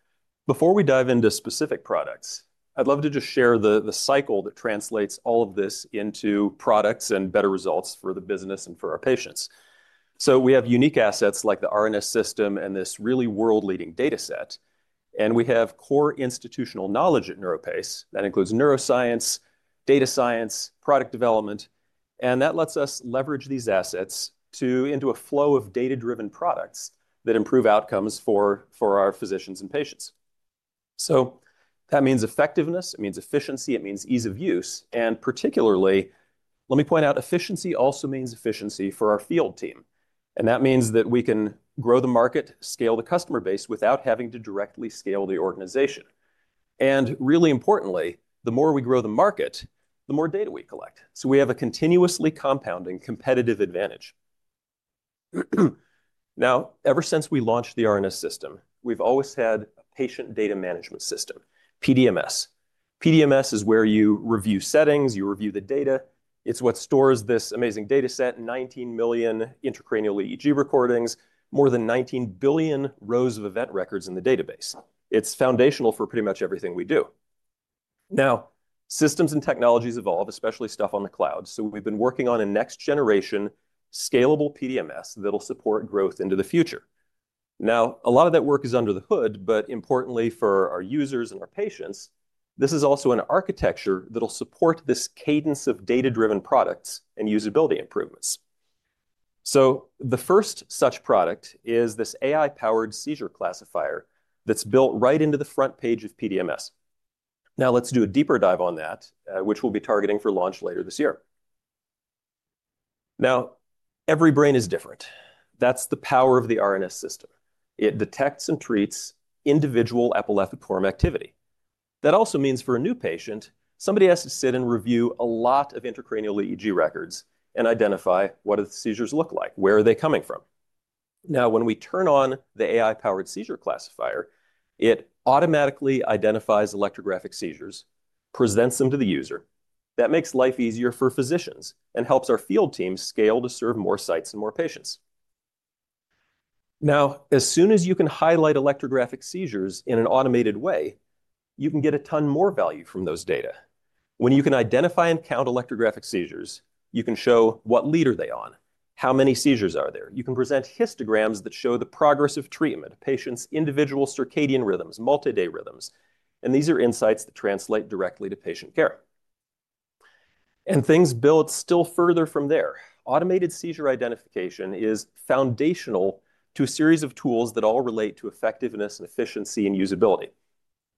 before we dive into specific products, I'd love to just share the cycle that translates all of this into products and better results for the business and for our patients. So we have unique assets like the RNS System and this really world-leading data set. And we have core institutional knowledge at NeuroPace that includes neuroscience, data science, product development. And that lets us leverage these assets into a flow of data-driven products that improve outcomes for our physicians and patients. So that means effectiveness. It means efficiency. It means ease of use. And particularly, let me point out, efficiency also means efficiency for our field team. And that means that we can grow the market, scale the customer base without having to directly scale the organization. And really importantly, the more we grow the market, the more data we collect. So we have a continuously compounding competitive advantage. Now, ever since we launched the RNS System, we've always had a patient data management system, PDMS. PDMS is where you review settings. You review the data. It's what stores this amazing data set, 19 million intracranial EEG recordings, more than 19 billion rows of event records in the database. It's foundational for pretty much everything we do. Now, systems and technologies evolve, especially stuff on the cloud. So we've been working on a next-generation scalable PDMS that'll support growth into the future. Now, a lot of that work is under the hood, but importantly, for our users and our patients, this is also an architecture that'll support this cadence of data-driven products and usability improvements. So the first such product is this AI-powered seizure classifier that's built right into the front page of PDMS. Now, let's do a deeper dive on that, which we'll be targeting for launch later this year. Now, every brain is different. That's the power of the RNS System. It detects and treats individual epileptiform activity. That also means for a new patient, somebody has to sit and review a lot of intracranial EEG records and identify what do the seizures look like, where are they coming from. Now, when we turn on the AI-powered seizure classifier, it automatically identifies electrographic seizures, presents them to the user. That makes life easier for physicians and helps our field teams scale to serve more sites and more patients. Now, as soon as you can highlight electrographic seizures in an automated way, you can get a ton more value from those data. When you can identify and count electrographic seizures, you can show what lead are they on, how many seizures are there. You can present histograms that show the progress of treatment, patients' individual circadian rhythms, multi-day rhythms, and these are insights that translate directly to patient care. Things build still further from there. Automated seizure identification is foundational to a series of tools that all relate to effectiveness and efficiency and usability.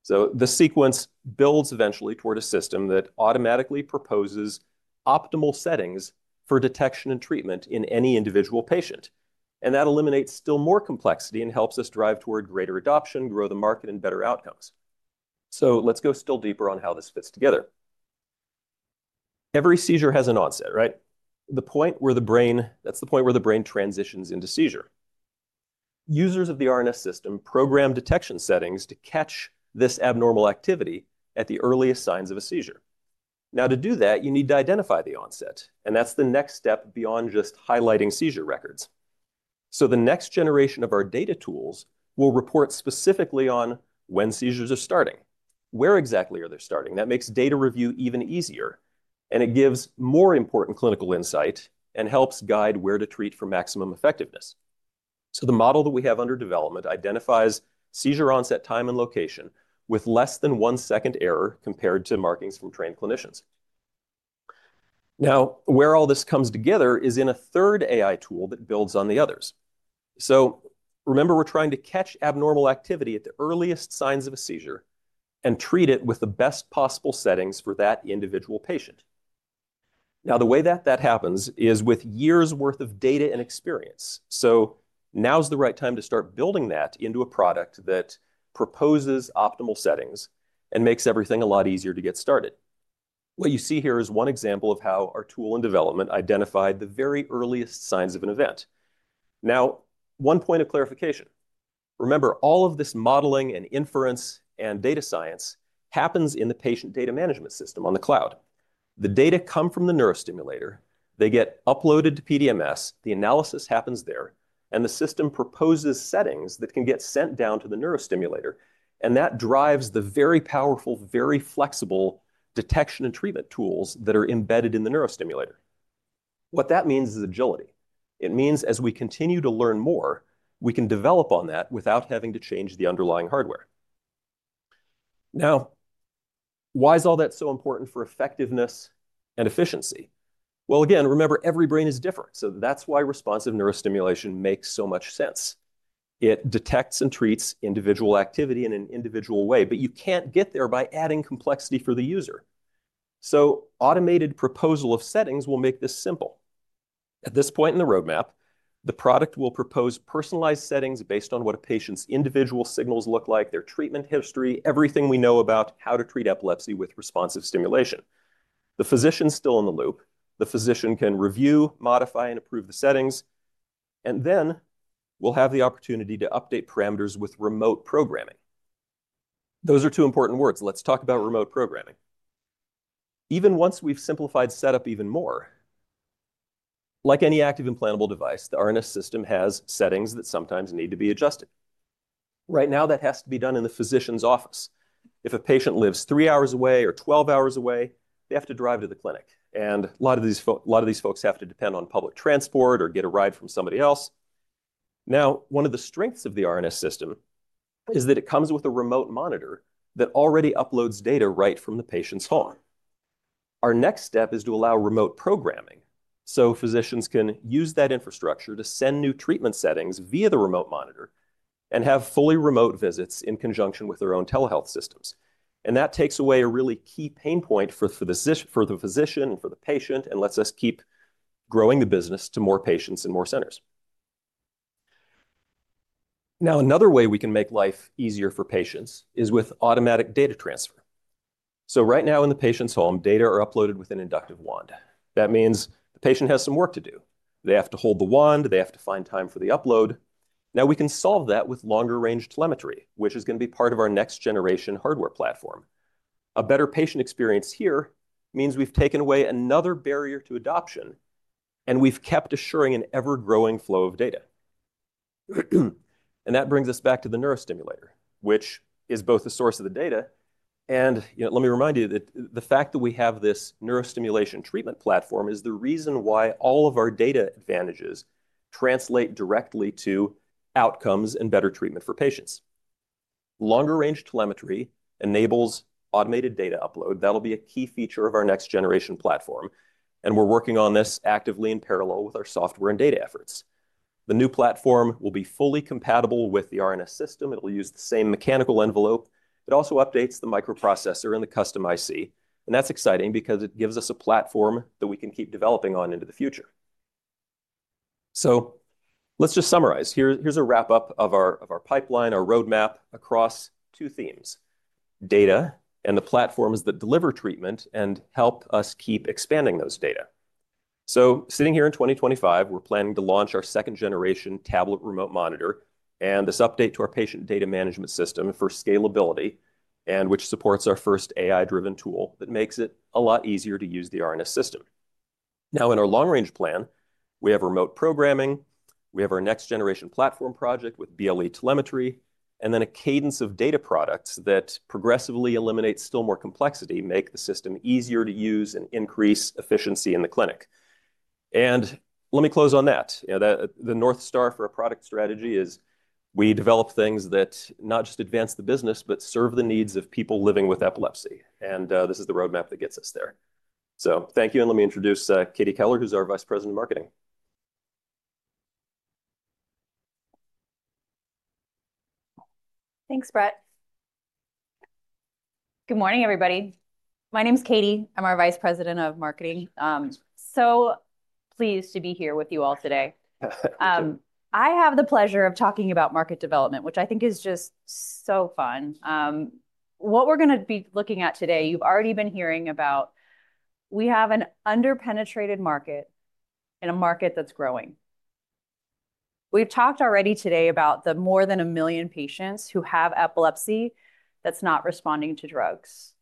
The sequence builds eventually toward a system that automatically proposes optimal settings for detection and treatment in any individual patient. That eliminates still more complexity and helps us drive toward greater adoption, grow the market, and better outcomes. Let's go still deeper on how this fits together. Every seizure has an onset, right? The point where the brain, that's the point where the brain transitions into seizure. Users of the RNS System program detection settings to catch this abnormal activity at the earliest signs of a seizure. Now, to do that, you need to identify the onset. And that's the next step beyond just highlighting seizure records. So the next generation of our data tools will report specifically on when seizures are starting, where exactly are they starting. That makes data review even easier, and it gives more important clinical insight and helps guide where to treat for maximum effectiveness. So the model that we have under development identifies seizure onset time and location with less than one second error compared to markings from trained clinicians. Now, where all this comes together is in a third AI tool that builds on the others. So remember, we're trying to catch abnormal activity at the earliest signs of a seizure and treat it with the best possible settings for that individual patient. Now, the way that that happens is with years' worth of data and experience. So now's the right time to start building that into a product that proposes optimal settings and makes everything a lot easier to get started. What you see here is one example of how our tool in development identified the very earliest signs of an event. Now, one point of clarification. Remember, all of this modeling and inference and data science happens in the patient data management system on the cloud. The data come from the neurostimulator. They get uploaded to PDMS. The analysis happens there, and the system proposes settings that can get sent down to the neurostimulator. That drives the very powerful, very flexible detection and treatment tools that are embedded in the neurostimulator. What that means is agility. It means as we continue to learn more, we can develop on that without having to change the underlying hardware. Now, why is all that so important for effectiveness and efficiency? Again, remember, every brain is different. So that's why responsive neurostimulation makes so much sense. It detects and treats individual activity in an individual way, but you can't get there by adding complexity for the user. So automated proposal of settings will make this simple. At this point in the roadmap, the product will propose personalized settings based on what a patient's individual signals look like, their treatment history, everything we know about how to treat epilepsy with responsive stimulation. The physician's still in the loop. The physician can review, modify, and approve the settings. and then we'll have the opportunity to update parameters with remote programming. Those are two important words. Let's talk about remote programming. Even once we've simplified setup even more, like any active implantable device, the RNS System has settings that sometimes need to be adjusted. Right now, that has to be done in the physician's office. If a patient lives three hours away or 12 hours away, they have to drive to the clinic. And a lot of these folks have to depend on public transport or get a ride from somebody else. Now, one of the strengths of the RNS System is that it comes with a remote monitor that already uploads data right from the patient's home. Our next step is to allow remote programming so physicians can use that infrastructure to send new treatment settings via the remote monitor and have fully remote visits in conjunction with their own telehealth systems, and that takes away a really key pain point for the physician and for the patient and lets us keep growing the business to more patients and more centers. Now, another way we can make life easier for patients is with automatic data transfer, so right now, in the patient's home, data are uploaded with an inductive wand. That means the patient has some work to do. They have to hold the wand. They have to find time for the upload. Now, we can solve that with longer-range telemetry, which is going to be part of our next-generation hardware platform. A better patient experience here means we've taken away another barrier to adoption, and we've kept assuring an ever-growing flow of data, and that brings us back to the neurostimulator, which is both the source of the data, and let me remind you that the fact that we have this neurostimulation treatment platform is the reason why all of our data advantages translate directly to outcomes and better treatment for patients. Longer-range telemetry enables automated data upload. That'll be a key feature of our next-generation platform, and we're working on this actively in parallel with our software and data efforts. The new platform will be fully compatible with the RNS System. It'll use the same mechanical envelope. It also updates the microprocessor and the custom IC, and that's exciting because it gives us a platform that we can keep developing on into the future, so let's just summarize. Here's a wrap-up of our pipeline, our roadmap across two themes: data and the platforms that deliver treatment and help us keep expanding those data. So sitting here in 2025, we're planning to launch our second-generation tablet remote monitor and this update to our patient data management system for scalability, which supports our first AI-driven tool that makes it a lot easier to use the RNS System. Now, in our long-range plan, we have remote programming. We have our next-generation platform project with BLE telemetry, and then a cadence of data products that progressively eliminate still more complexity, make the system easier to use, and increase efficiency in the clinic. And let me close on that. The North Star for our product strategy is we develop things that not just advance the business, but serve the needs of people living with epilepsy. This is the roadmap that gets us there. Thank you. Let me introduce Katie Keller, who's our Vice President of Marketing. Thanks, Brett. Good morning, everybody. My name is Katie. I'm our Vice President of Marketing. Pleased to be here with you all today. I have the pleasure of talking about market development, which I think is just so fun. What we're going to be looking at today, you've already been hearing about. We have an under-penetrated market and a market that's growing. We've talked already today about the more than a million patients who have epilepsy that's not responding to drugs.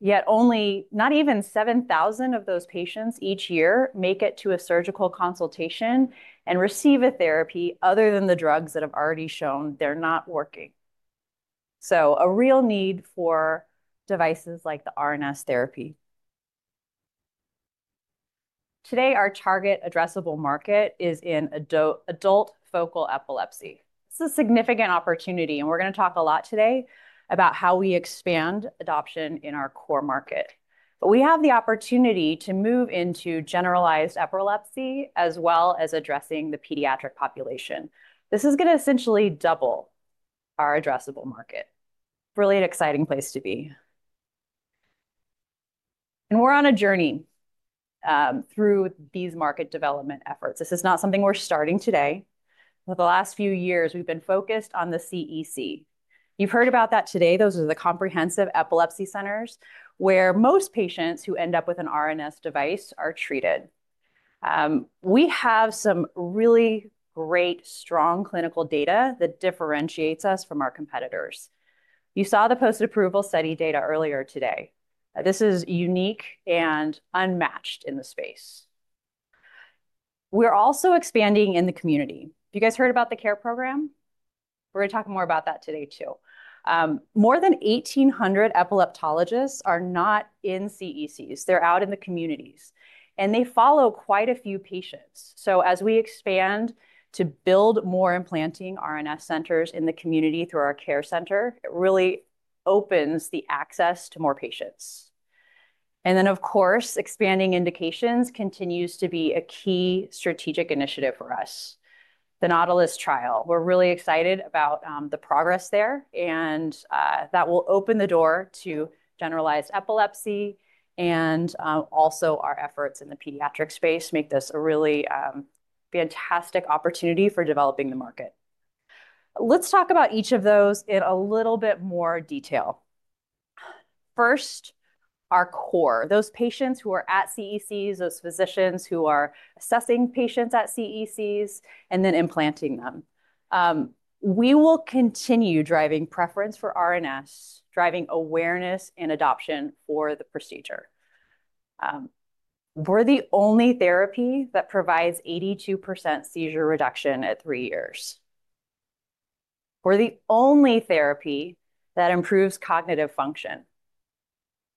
Yet only not even 7,000 of those patients each year make it to a surgical consultation and receive a therapy other than the drugs that have already shown they're not working. A real need for devices like the RNS therapy. Today, our target addressable market is in adult focal epilepsy. This is a significant opportunity, and we're going to talk a lot today about how we expand adoption in our core market, but we have the opportunity to move into generalized epilepsy as well as addressing the pediatric population. This is going to essentially double our addressable market, really an exciting place to be, and we're on a journey through these market development efforts. This is not something we're starting today. For the last few years, we've been focused on the CEC. You've heard about that today. Those are the comprehensive epilepsy centers where most patients who end up with an RNS device are treated. We have some really great, strong clinical data that differentiates us from our competitors. You saw the post-approval study data earlier today. This is unique and unmatched in the space. We're also expanding in the community. You guys heard about the care program? We're going to talk more about that today, too. More than 1,800 epileptologists are not in CECs. They're out in the communities, and they follow quite a few patients. So as we expand to build more implanting RNS centers in the community through our Care Center, it really opens the access to more patients. And then, of course, expanding indications continues to be a key strategic initiative for us: the Nautilus trial. We're really excited about the progress there, and that will open the door to generalized epilepsy and also our efforts in the pediatric space make this a really fantastic opportunity for developing the market. Let's talk about each of those in a little bit more detail. First, our core, those patients who are at CECs, those physicians who are assessing patients at CECs and then implanting them. We will continue driving preference for RNS, driving awareness and adoption for the procedure. We're the only therapy that provides 82% seizure reduction at three years. We're the only therapy that improves cognitive function.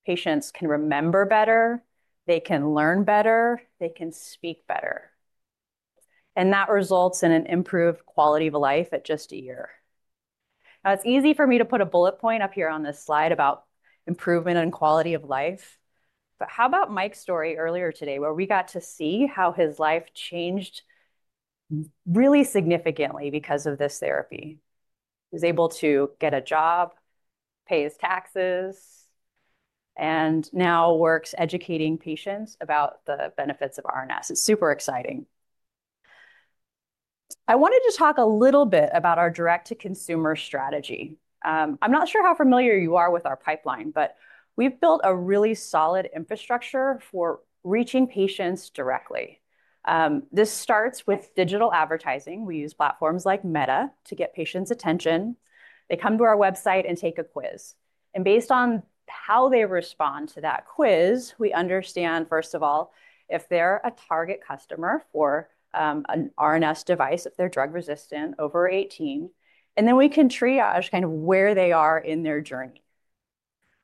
Patients can remember better. They can learn better. They can speak better. And that results in an improved quality of life at just a year. Now, it's easy for me to put a bullet point up here on this slide about improvement in quality of life. But how about Mike's story earlier today where we got to see how his life changed really significantly because of this therapy? He was able to get a job, pay his taxes, and now works educating patients about the benefits of RNS. It's super exciting. I wanted to talk a little bit about our direct-to-consumer strategy. I'm not sure how familiar you are with our pipeline, but we've built a really solid infrastructure for reaching patients directly. This starts with digital advertising. We use platforms like Meta to get patients' attention. They come to our website and take a quiz. And based on how they respond to that quiz, we understand, first of all, if they're a target customer for an RNS device, if they're drug-resistant, over 18. And then we can triage kind of where they are in their journey.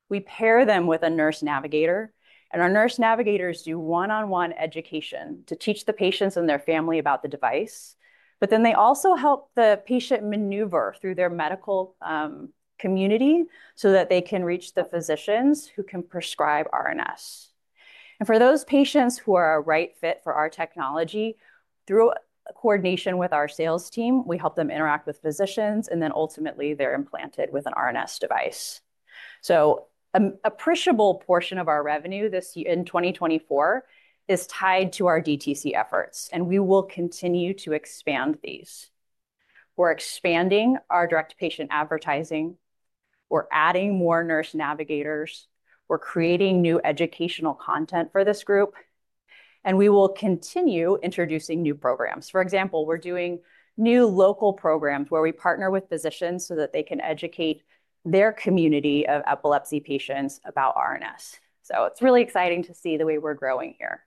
We pair them with a nurse navigator, and our nurse navigators do one-on-one education to teach the patients and their family about the device. But then they also help the patient maneuver through their medical community so that they can reach the physicians who can prescribe RNS. For those patients who are the right fit for our technology, through coordination with our sales team, we help them interact with physicians, and then ultimately, they're implanted with an RNS device. An appreciable portion of our revenue in 2024 is tied to our DTC efforts, and we will continue to expand these. We're expanding our direct patient advertising. We're adding more nurse navigators. We're creating new educational content for this group. We will continue introducing new programs. For example, we're doing new local programs where we partner with physicians so that they can educate their community of epilepsy patients about RNS. It's really exciting to see the way we're growing here.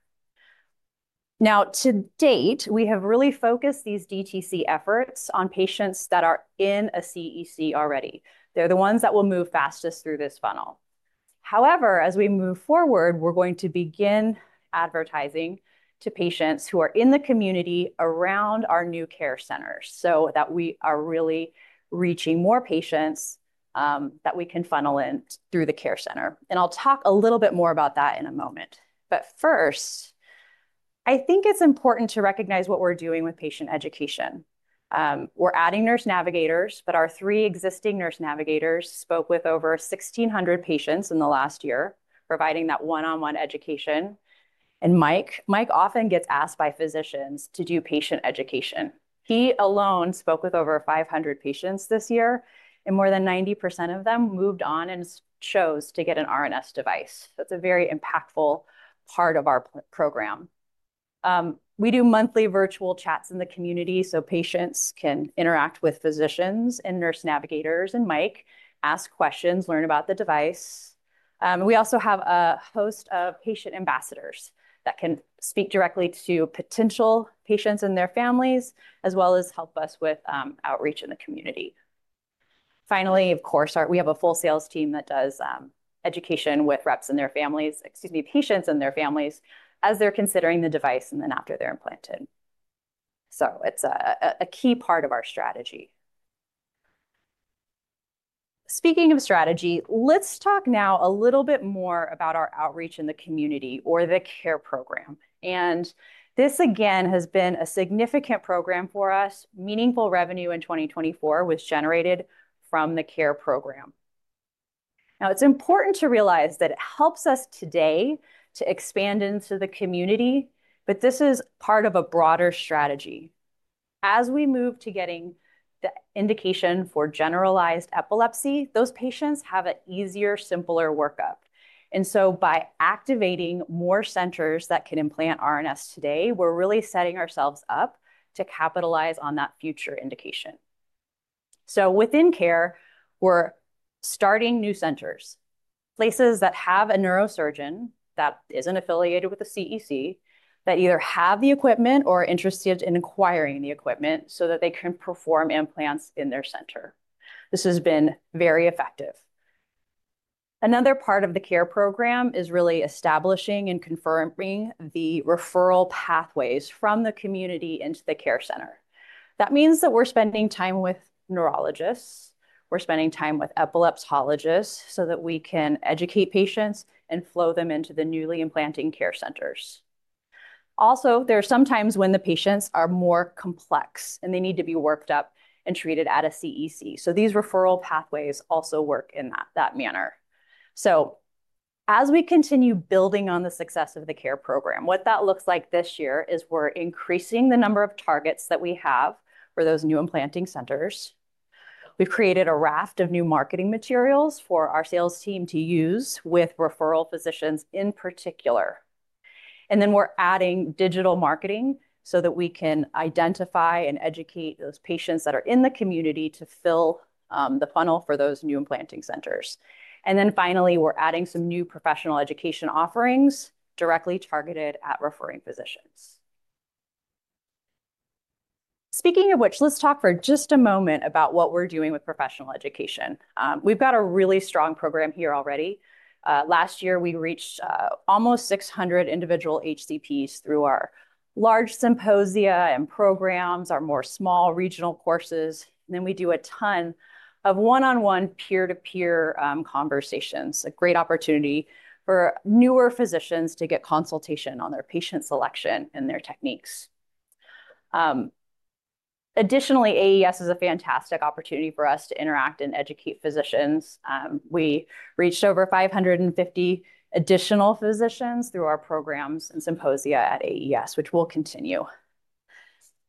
Now, to date, we have really focused these DTC efforts on patients that are in a CEC already. They're the ones that will move fastest through this funnel. However, as we move forward, we're going to begin advertising to patients who are in the community around our new care centers so that we are really reaching more patients that we can funnel in through the care center. And I'll talk a little bit more about that in a moment. But first, I think it's important to recognize what we're doing with patient education. We're adding nurse navigators, but our three existing nurse navigators spoke with over 1,600 patients in the last year, providing that one-on-one education. And Mike often gets asked by physicians to do patient education. He alone spoke with over 500 patients this year, and more than 90% of them moved on in the process to get an RNS device. That's a very impactful part of our program. We do monthly virtual chats in the community so patients can interact with physicians and nurse navigators and Mike, ask questions, learn about the device. We also have a host of patient ambassadors that can speak directly to potential patients and their families, as well as help us with outreach in the community. Finally, of course, we have a full sales team that does education with reps and their families, excuse me, patients and their families as they're considering the device and then after they're implanted. So it's a key part of our strategy. Speaking of strategy, let's talk now a little bit more about our outreach in the community or the care program. And this, again, has been a significant program for us. Meaningful revenue in 2024 was generated from the care program. Now, it's important to realize that it helps us today to expand into the community, but this is part of a broader strategy. As we move to getting the indication for generalized epilepsy, those patients have an easier, simpler workup, and so by activating more centers that can implant RNS today, we're really setting ourselves up to capitalize on that future indication, so within Care, we're starting new centers, places that have a neurosurgeon that isn't affiliated with the CEC, that either have the equipment or are interested in acquiring the equipment so that they can perform implants in their center. This has been very effective. Another part of the Care program is really establishing and confirming the referral pathways from the community into the Care center. That means that we're spending time with neurologists. We're spending time with epileptologists so that we can educate patients and flow them into the newly implanting care centers. Also, there are some times when the patients are more complex and they need to be worked up and treated at a CEC. So these referral pathways also work in that manner. So as we continue building on the success of the care program, what that looks like this year is we're increasing the number of targets that we have for those new implanting centers. We've created a raft of new marketing materials for our sales team to use with referral physicians in particular. And then we're adding digital marketing so that we can identify and educate those patients that are in the community to fill the funnel for those new implanting centers. And then finally, we're adding some new professional education offerings directly targeted at referring physicians. Speaking of which, let's talk for just a moment about what we're doing with professional education. We've got a really strong program here already. Last year, we reached almost 600 individual HCPs through our large symposia and programs, our more small regional courses. And then we do a ton of one-on-one, peer-to-peer conversations, a great opportunity for newer physicians to get consultation on their patient selection and their techniques. Additionally, AES is a fantastic opportunity for us to interact and educate physicians. We reached over 550 additional physicians through our programs and symposia at AES, which will continue.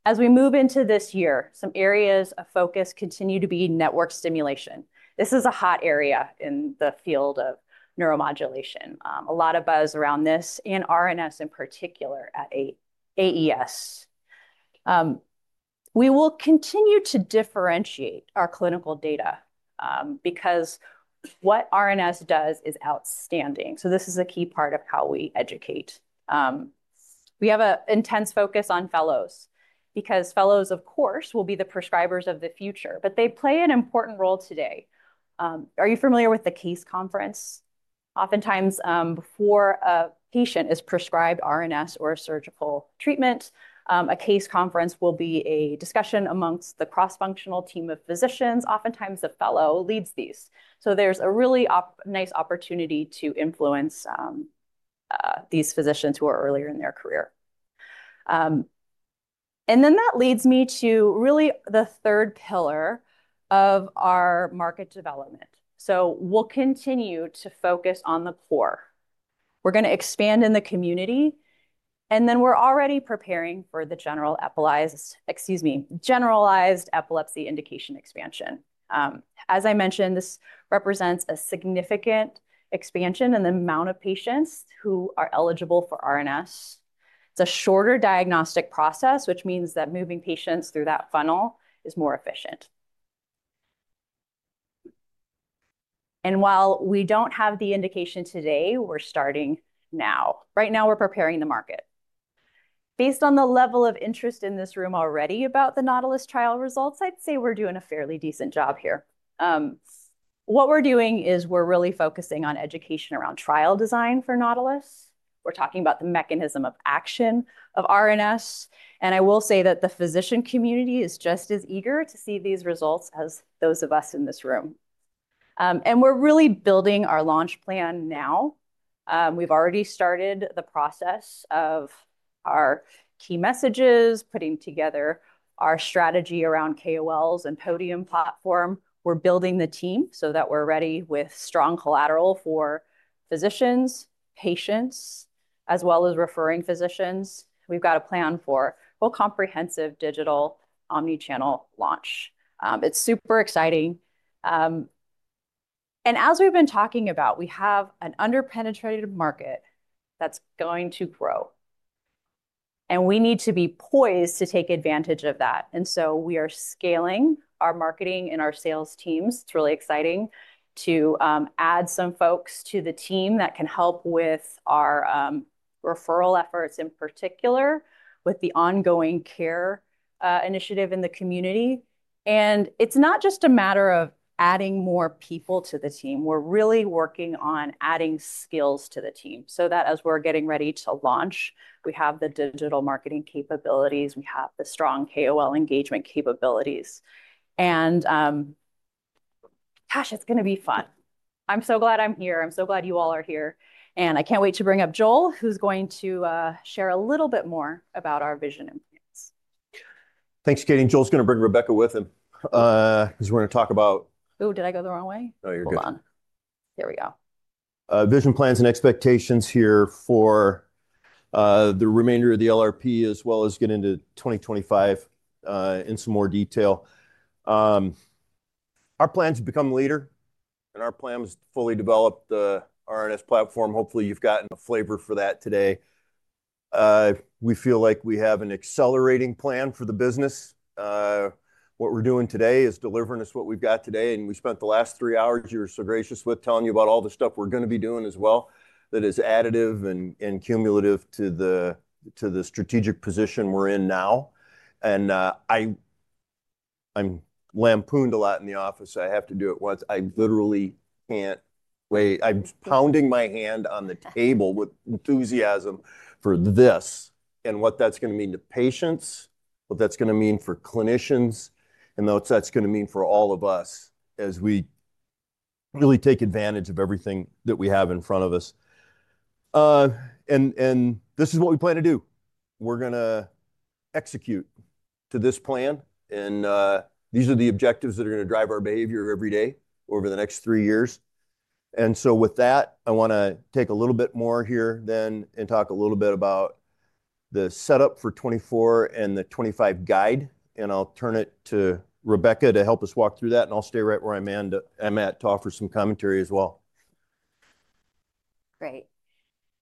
As we move into this year, some areas of focus continue to be network stimulation. This is a hot area in the field of neuromodulation. A lot of buzz around this and RNS in particular at AES. We will continue to differentiate our clinical data because what RNS does is outstanding. So this is a key part of how we educate. We have an intense focus on fellows because fellows, of course, will be the prescribers of the future, but they play an important role today. Are you familiar with the case conference? Oftentimes, before a patient is prescribed RNS or a surgical treatment, a case conference will be a discussion among the cross-functional team of physicians. Oftentimes, a fellow leads these. So there's a really nice opportunity to influence these physicians who are earlier in their career. And then that leads me to really the third pillar of our market development. So we'll continue to focus on the core. We're going to expand in the community. And then we're already preparing for the generalized epilepsy indication expansion. As I mentioned, this represents a significant expansion in the amount of patients who are eligible for RNS. It's a shorter diagnostic process, which means that moving patients through that funnel is more efficient. And while we don't have the indication today, we're starting now. Right now, we're preparing the market. Based on the level of interest in this room already about the Nautilus trial results, I'd say we're doing a fairly decent job here. What we're doing is we're really focusing on education around trial design for Nautilus. We're talking about the mechanism of action of RNS. And I will say that the physician community is just as eager to see these results as those of us in this room. And we're really building our launch plan now. We've already started the process of our key messages, putting together our strategy around KOLs and podium platform. We're building the team so that we're ready with strong collateral for physicians, patients, as well as referring physicians. We've got a plan for a comprehensive digital omnichannel launch. It's super exciting. And as we've been talking about, we have an under-penetrated market that's going to grow. And we need to be poised to take advantage of that. And so we are scaling our marketing and our sales teams. It's really exciting to add some folks to the team that can help with our referral efforts in particular with the ongoing Care initiative in the community. And it's not just a matter of adding more people to the team. We're really working on adding skills to the team so that as we're getting ready to launch, we have the digital marketing capabilities. We have the strong KOL engagement capabilities. And gosh, it's going to be fun. I'm so glad I'm here. I'm so glad you all are here. And I can't wait to bring up Joel, who's going to share a little bit more about our vision and plans. Thanks for getting Joel's going to bring Rebecca with him because we're going to talk about. Oh, did I go the wrong way No, you're good. Hold on. There we go. Vision plans and expectations here for the remainder of the LRP, as well as getting into 2025 in some more detail. Our plan to become a leader, and our plan was to fully develop the RNS platform. Hopefully, you've gotten a flavor for that today. We feel like we have an accelerating plan for the business. What we're doing today is delivering us what we've got today. And we spent the last three hours you were so gracious with telling you about all the stuff we're going to be doing as well that is additive and cumulative to the strategic position we're in now. And I'm lampooned a lot in the office. I have to do it once. I literally can't wait. I'm pounding my hand on the table with enthusiasm for this and what that's going to mean to patients, what that's going to mean for clinicians, and what that's going to mean for all of us as we really take advantage of everything that we have in front of us. And this is what we plan to do. We're going to execute to this plan. And these are the objectives that are going to drive our behavior every day over the next three years. And so with that, I want to take a little bit more here then and talk a little bit about the setup for 2024 and the 2025 guide. And I'll turn it to Rebecca to help us walk through that. And I'll stay right where I'm at to offer some commentary as well. Great.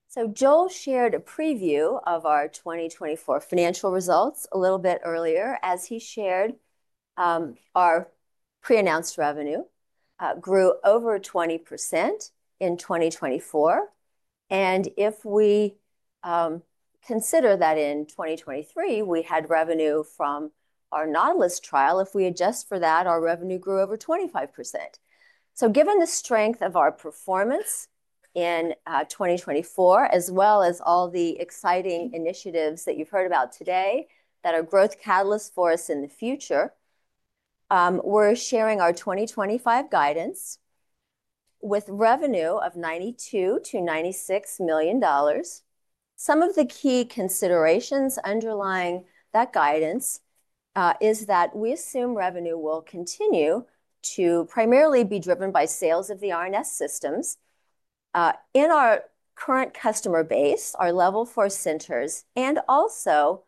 So Joel shared a preview of our 2024 financial results a little bit earlier as he shared our pre-announced revenue grew over 20% in 2024. And if we consider that in 2023, we had revenue from our Nautilus trial. If we adjust for that, our revenue grew over 25%. So given the strength of our performance in 2024, as well as all the exciting initiatives that you've heard about today that are growth catalysts for us in the future, we're sharing our 2025 guidance with revenue of $92-$96 million. Some of the key considerations underlying that guidance is that we assume revenue will continue to primarily be driven by sales of the RNS systems in our current customer base, our Level 4 centers, and also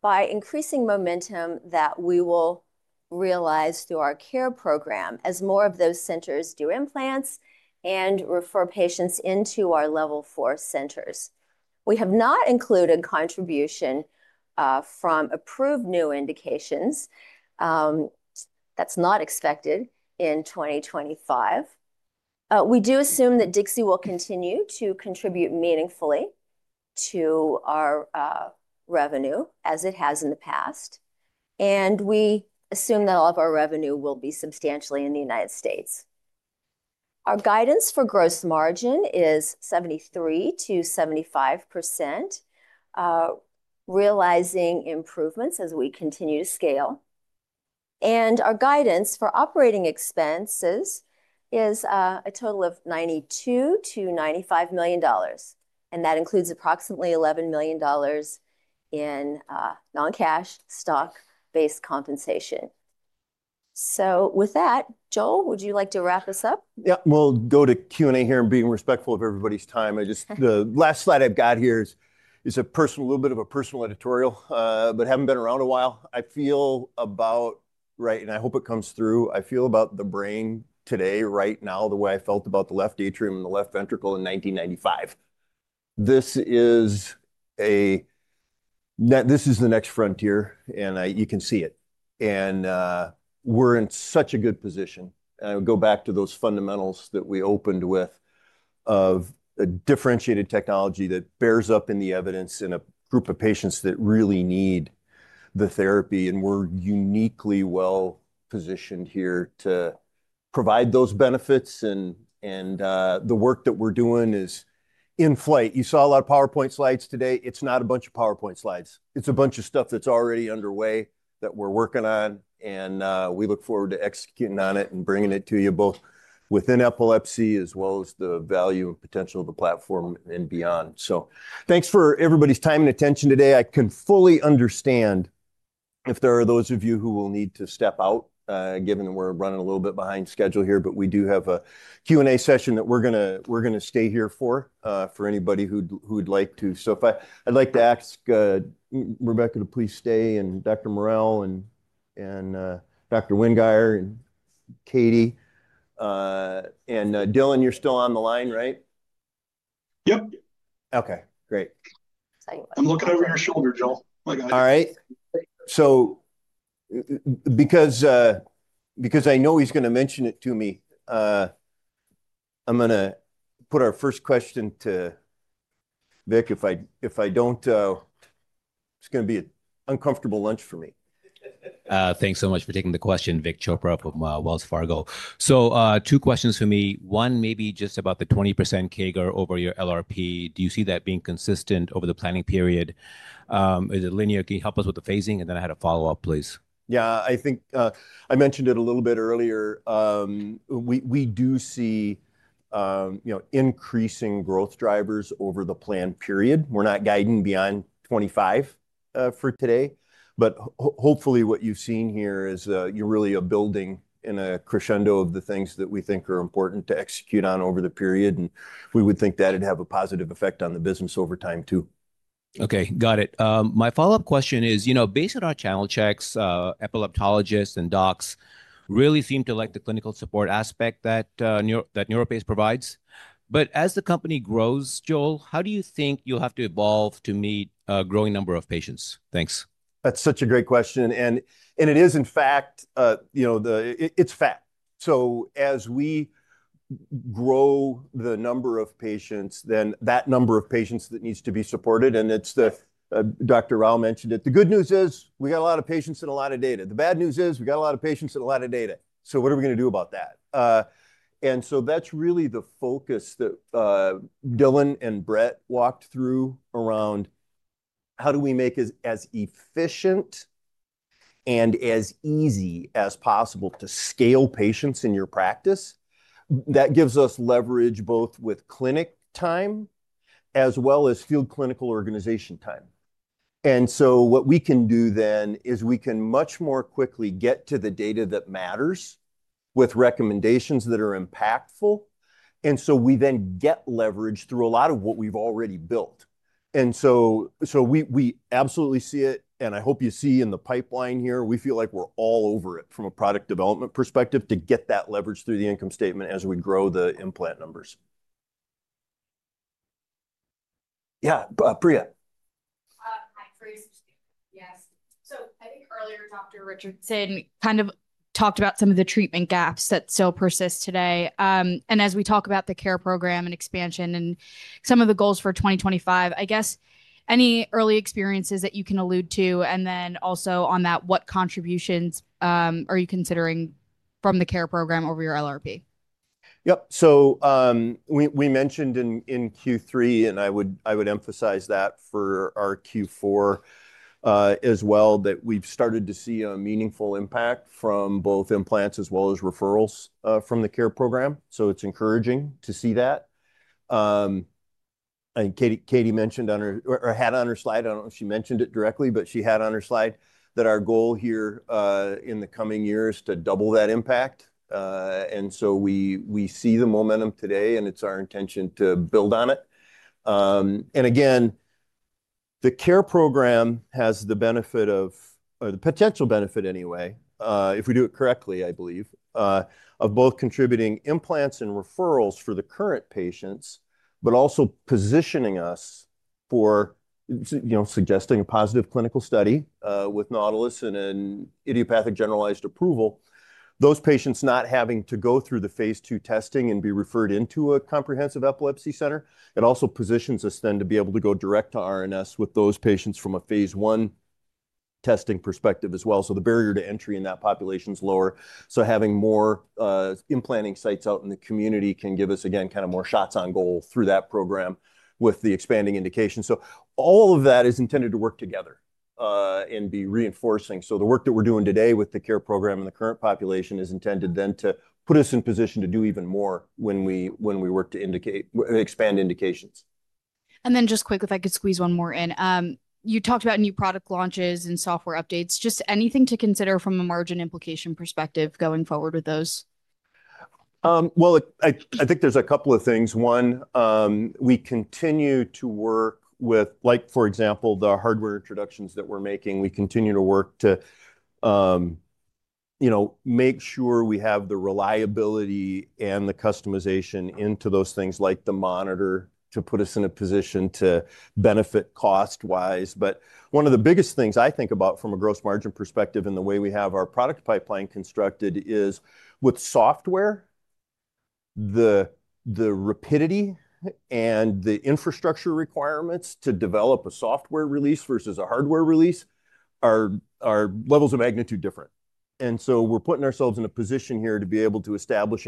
by increasing momentum that we will realize through our care program as more of those centers do implants and refer patients into our Level 4 centers. We have not included contribution from approved new indications. That's not expected in 2025. We do assume that Dixi will continue to contribute meaningfully to our revenue as it has in the past. And we assume that all of our revenue will be substantially in the United States. Our guidance for gross margin is 73%-75%, realizing improvements as we continue to scale. And our guidance for operating expenses is a total of $92-$95 million. And that includes approximately $11 million in non-cash stock-based compensation. So with that, Joel, would you like to wrap us up? Yeah, we'll go to Q&A here and being respectful of everybody's time. The last slide I've got here is a little bit of a personal editorial, but I've been around a while. I feel about right, and I hope it comes through. I feel about the brain today, right now, the way I felt about the left atrium and the left ventricle in 1995. This is the next frontier, and you can see it. And we're in such a good position. I would go back to those fundamentals that we opened with of a differentiated technology that bears up in the evidence in a group of patients that really need the therapy. And we're uniquely well-positioned here to provide those benefits. And the work that we're doing is in flight. You saw a lot of PowerPoint slides today. It's not a bunch of PowerPoint slides. It's a bunch of stuff that's already underway that we're working on, and we look forward to executing on it and bringing it to you both within epilepsy as well as the value and potential of the platform and beyond. Thanks for everybody's time and attention today. I can fully understand if there are those of you who will need to step out, given that we're running a little bit behind schedule here, but we do have a Q&A session that we're going to stay here for for anybody who'd like to. I'd like to ask Rebecca to please stay and Dr. Morrell and Dr. Wingeier and Katie. Dylan, you're still on the line, right? Yep. Okay. Great. I'm looking over your shoulder, Joel. All right. So because I know he's going to mention it to me, I'm going to put our first question to Vic. If I don't, it's going to be an uncomfortable lunch for me. Thanks so much for taking the question, Vic Chopra from Wells Fargo. So two questions for me. One, maybe just about the 20% CAGR over your LRP. Do you see that being consistent over the planning period? Is it linear? Can you help us with the phasing? And then I had a follow-up, please. Yeah, I think I mentioned it a little bit earlier. We do see increasing growth drivers over the planned period. We're not guiding beyond 25 for today. But hopefully what you've seen here is you're really building in a crescendo of the things that we think are important to execute on over the period. We would think that it'd have a positive effect on the business over time too. Okay. Got it. My follow-up question is, you know, based on our channel checks, epileptologists and docs really seem to like the clinical support aspect that NeuroPace provides. But as the company grows, Joel, how do you think you'll have to evolve to meet a growing number of patients? Thanks. That's such a great question. It is, in fact, it's vast. So as we grow the number of patients, then that number of patients that needs to be supported, and as Dr. Rao mentioned it, the good news is we got a lot of patients and a lot of data. The bad news is we got a lot of patients and a lot of data. So what are we going to do about that? That's really the focus that Dylan and Brett walked through around how do we make it as efficient and as easy as possible to scale patients in your practice that gives us leverage both with clinic time as well as field clinical organization time. What we can do then is we can much more quickly get to the data that matters with recommendations that are impactful. We then get leverage through a lot of what we've already built. We absolutely see it. I hope you see in the pipeline here. We feel like we're all over it from a product development perspective to get that leverage through the income statement as we grow the implant numbers. Yeah, Priya. Yes. I think earlier, Dr. Richardson kind of talked about some of the treatment gaps that still persist today. And as we talk about the care program and expansion and some of the goals for 2025, I guess any early experiences that you can allude to? And then also on that, what contributions are you considering from the care program over your LRP? Yep. So we mentioned in Q3, and I would emphasize that for our Q4 as well, that we've started to see a meaningful impact from both implants as well as referrals from the care program. So it's encouraging to see that. And Katie mentioned on her or had on her slide, I don't know if she mentioned it directly, but she had on her slide that our goal here in the coming years is to double that impact. And so we see the momentum today, and it's our intention to build on it. Again, the care program has the benefit of, or the potential benefit anyway, if we do it correctly, I believe, of both contributing implants and referrals for the current patients, but also positioning us for suggesting a positive clinical study with Nautilus and an idiopathic generalized approval, those patients not having to go through the phase two testing and be referred into a comprehensive epilepsy center. It also positions us then to be able to go direct to RNS with those patients from a phase one testing perspective as well. So the barrier to entry in that population is lower. So having more implanting sites out in the community can give us, again, kind of more shots on goal through that program with the expanding indication. So all of that is intended to work together and be reinforcing. The work that we're doing today with the care program and the current population is intended then to put us in position to do even more when we work to expand indications. And then just quick, if I could squeeze one more in. You talked about new product launches and software updates. Just anything to consider from a margin implication perspective going forward with those? Well, I think there's a couple of things. One, we continue to work with, for example, the hardware introductions that we're making. We continue to work to make sure we have the reliability and the customization into those things like the monitor to put us in a position to benefit cost-wise. But one of the biggest things I think about from a gross margin perspective and the way we have our product pipeline constructed is with software, the rapidity and the infrastructure requirements to develop a software release versus a hardware release are levels of magnitude different. And so we're putting ourselves in a position here to be able to establish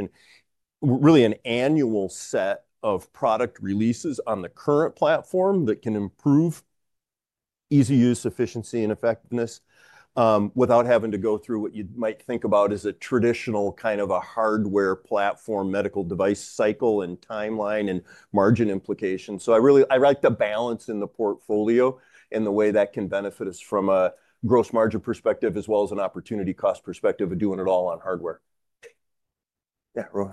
really an annual set of product releases on the current platform that can improve easy use, efficiency, and effectiveness without having to go through what you might think about as a traditional kind of a hardware platform medical device cycle and timeline and margin implications. So I like the balance in the portfolio and the way that can benefit us from a gross margin perspective as well as an opportunity cost perspective of doing it all on hardware. Yeah, Roy.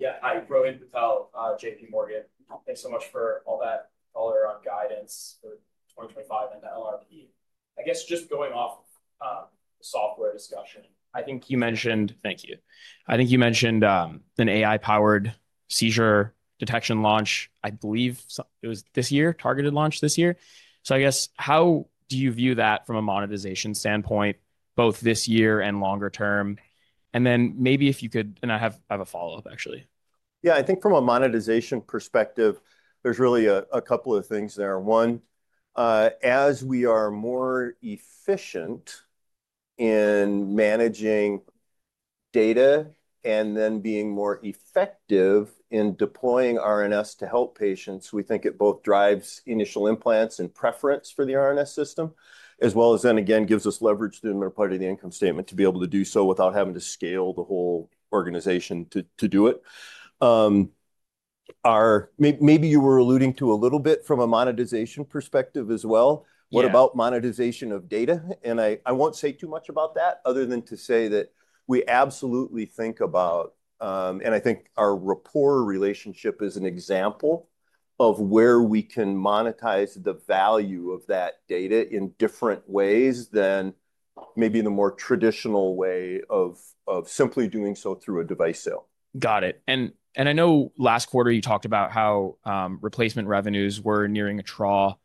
Yeah, hi, Rohan Patel, J.P. Morgan. Thanks so much for all that, all around guidance for 2025 and the LRP. I guess just going off of software discussion, I think you mentioned, thank you. I think you mentioned an AI-powered seizure detection launch. I believe it was this year, targeted launch this year. So I guess how do you view that from a monetization standpoint, both this year and longer term? And then maybe if you could, and I have a follow-up, actually. Yeah, I think from a monetization perspective, there's really a couple of things there. One, as we are more efficient in managing data and then being more effective in deploying RNS to help patients, we think it both drives initial implants and preference for the RNS system, as well as then again gives us leverage to the majority of the income statement to be able to do so without having to scale the whole organization to do it. Maybe you were alluding to a little bit from a monetization perspective as well. What about monetization of data? And I won't say too much about that other than to say that we absolutely think about, and I think our Rapport relationship is an example of where we can monetize the value of that data in different ways than maybe the more traditional way of simply doing so through a device sale. Got it. I know last quarter you talked about how replacement revenues were nearing a trough.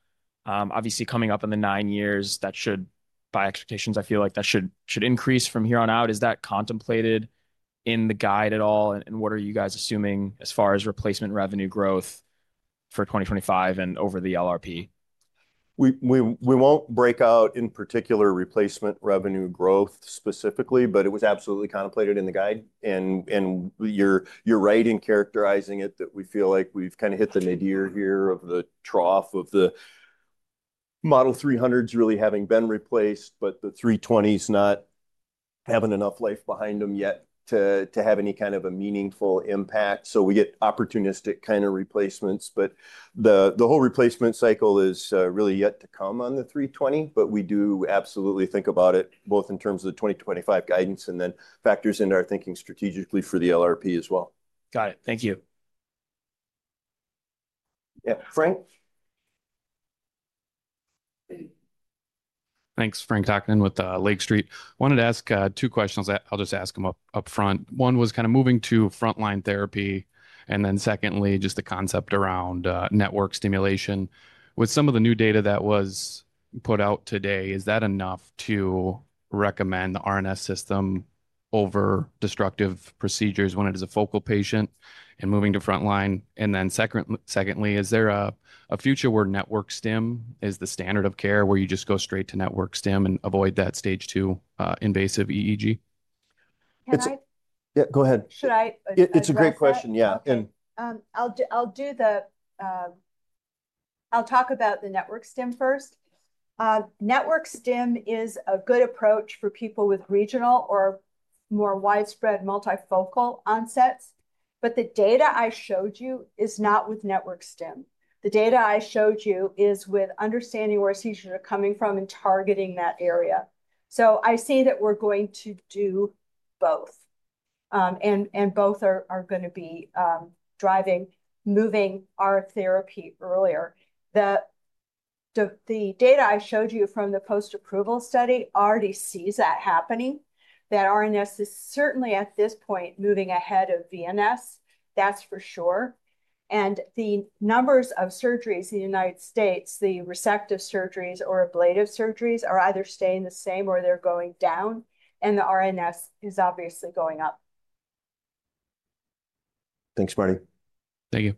Obviously, coming up in the nine years, that should, by expectations, I feel like that should increase from here on out. Is that contemplated in the guide at all? And what are you guys assuming as far as replacement revenue growth for 2025 and over the LRP? We won't break out in particular replacement revenue growth specifically, but it was absolutely contemplated in the guide. And you're right in characterizing it that we feel like we've kind of hit the midway here of the trough of the Model 300s really having been replaced, but the 320s not having enough life behind them yet to have any kind of a meaningful impact. So we get opportunistic kind of replacements. But the whole replacement cycle is really yet to come on the 320. But we do absolutely think about it both in terms of the 2025 guidance and then factors into our thinking strategically for the LRP as well. Got it. Thank you. Yeah, Frank. Thanks, Frank Takkinen with Lake Street. I wanted to ask two questions. I'll just ask them upfront. One was kind of moving to frontline therapy. And then secondly, just the concept around network stimulation. With some of the new data that was put out today, is that enough to recommend the RNS System over destructive procedures when it is a focal patient and moving to frontline? And then secondly, is there a future where network stim is the standard of care where you just go straight to network stim and avoid that stage two invasive EEG? Yeah, go ahead. Should I? It's a great question. Yeah. I'll do the, I'll talk about the network stim first. Network stim is a good approach for people with regional or more widespread multifocal onsets. But the data I showed you is not with network stim. The data I showed you is with understanding where seizures are coming from and targeting that area. So I see that we're going to do both. And both are going to be driving, moving our therapy earlier. The data I showed you from the post-approval study already sees that happening. That RNS is certainly at this point moving ahead of VNS, that's for sure. And the numbers of surgeries in the United States, the resective surgeries or ablative surgeries are either staying the same or they're going down. And the RNS is obviously going upThanks, Marty. Thank you.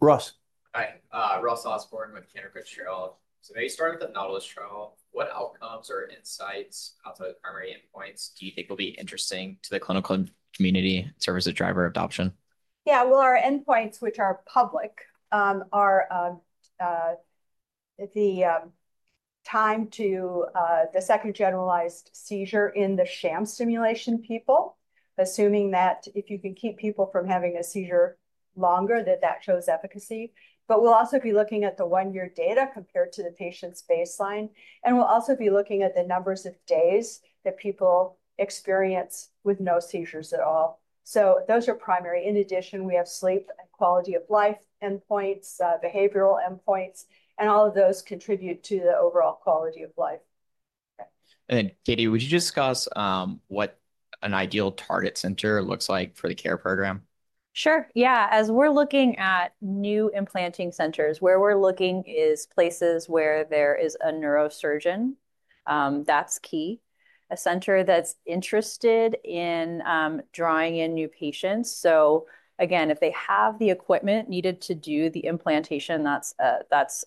Ross Hi. Ross Osborne with Canaccord Genuity. So they started with a NAUTILUS trial. What outcomes or insights outside of primary endpoints do you think will be interesting to the clinical community and serve as a driver of adoption? Yeah, well, our endpoints, which are public, are the time to the second generalized seizure in the sham stimulation people, assuming that if you can keep people from having a seizure longer, that that shows efficacy. But we'll also be looking at the one-year data compared to the patient's baseline. And we'll also be looking at the numbers of days that people experience with no seizures at all. So those are primary. In addition, we have sleep and quality of life endpoints, behavioral endpoints, and all of those contribute to the overall quality of life. And Katie, would you discuss what an ideal target center looks like for the care program? Sure. Yeah. As we're looking at new implanting centers, where we're looking is places where there is a neurosurgeon. That's key. A center that's interested in drawing in new patients. So again, if they have the equipment needed to do the implantation, that's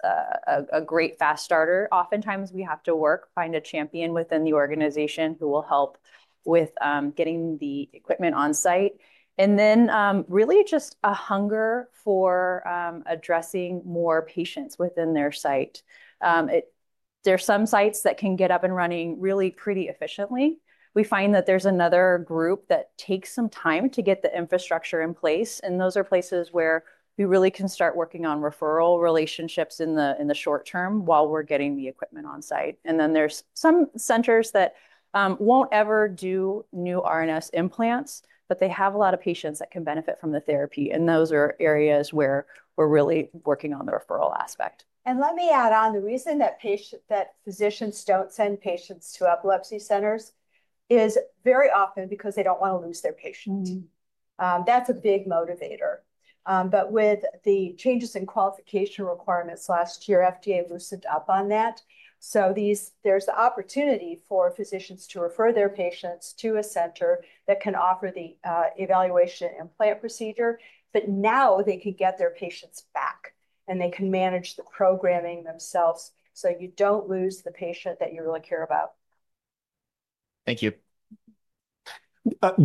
a great fast starter. Oftentimes, we have to work, find a champion within the organization who will help with getting the equipment on site. And then really just a hunger for addressing more patients within their site. There are some sites that can get up and running really pretty efficiently. We find that there's another group that takes some time to get the infrastructure in place. And those are places where we really can start working on referral relationships in the short term while we're getting the equipment on site. And then there's some centers that won't ever do new RNS implants, but they have a lot of patients that can benefit from the therapy. And those are areas where we're really working on the referral aspect. And let me add on the reason that physicians don't send patients to epilepsy centers is very often because they don't want to lose their patient. That's a big motivator. But with the changes in qualification requirements last year, FDA loosened up on that. So there's the opportunity for physicians to refer their patients to a center that can offer the evaluation implant procedure. But now they can get their patients back, and they can manage the programming themselves. So you don't lose the patient that you really care about. Thank you. Brad,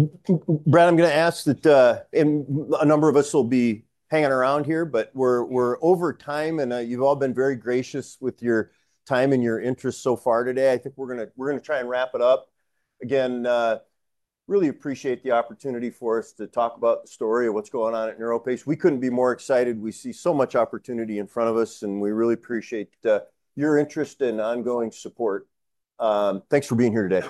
I'm going to ask that a number of us will be hanging around here, but we're over time. You've all been very gracious with your time and your interest so far today. I think we're going to try and wrap it up. Again, really appreciate the opportunity for us to talk about the story of what's going on at NeuroPace. We couldn't be more excited. We see so much opportunity in front of us, and we really appreciate your interest and ongoing support. Thanks for being here today.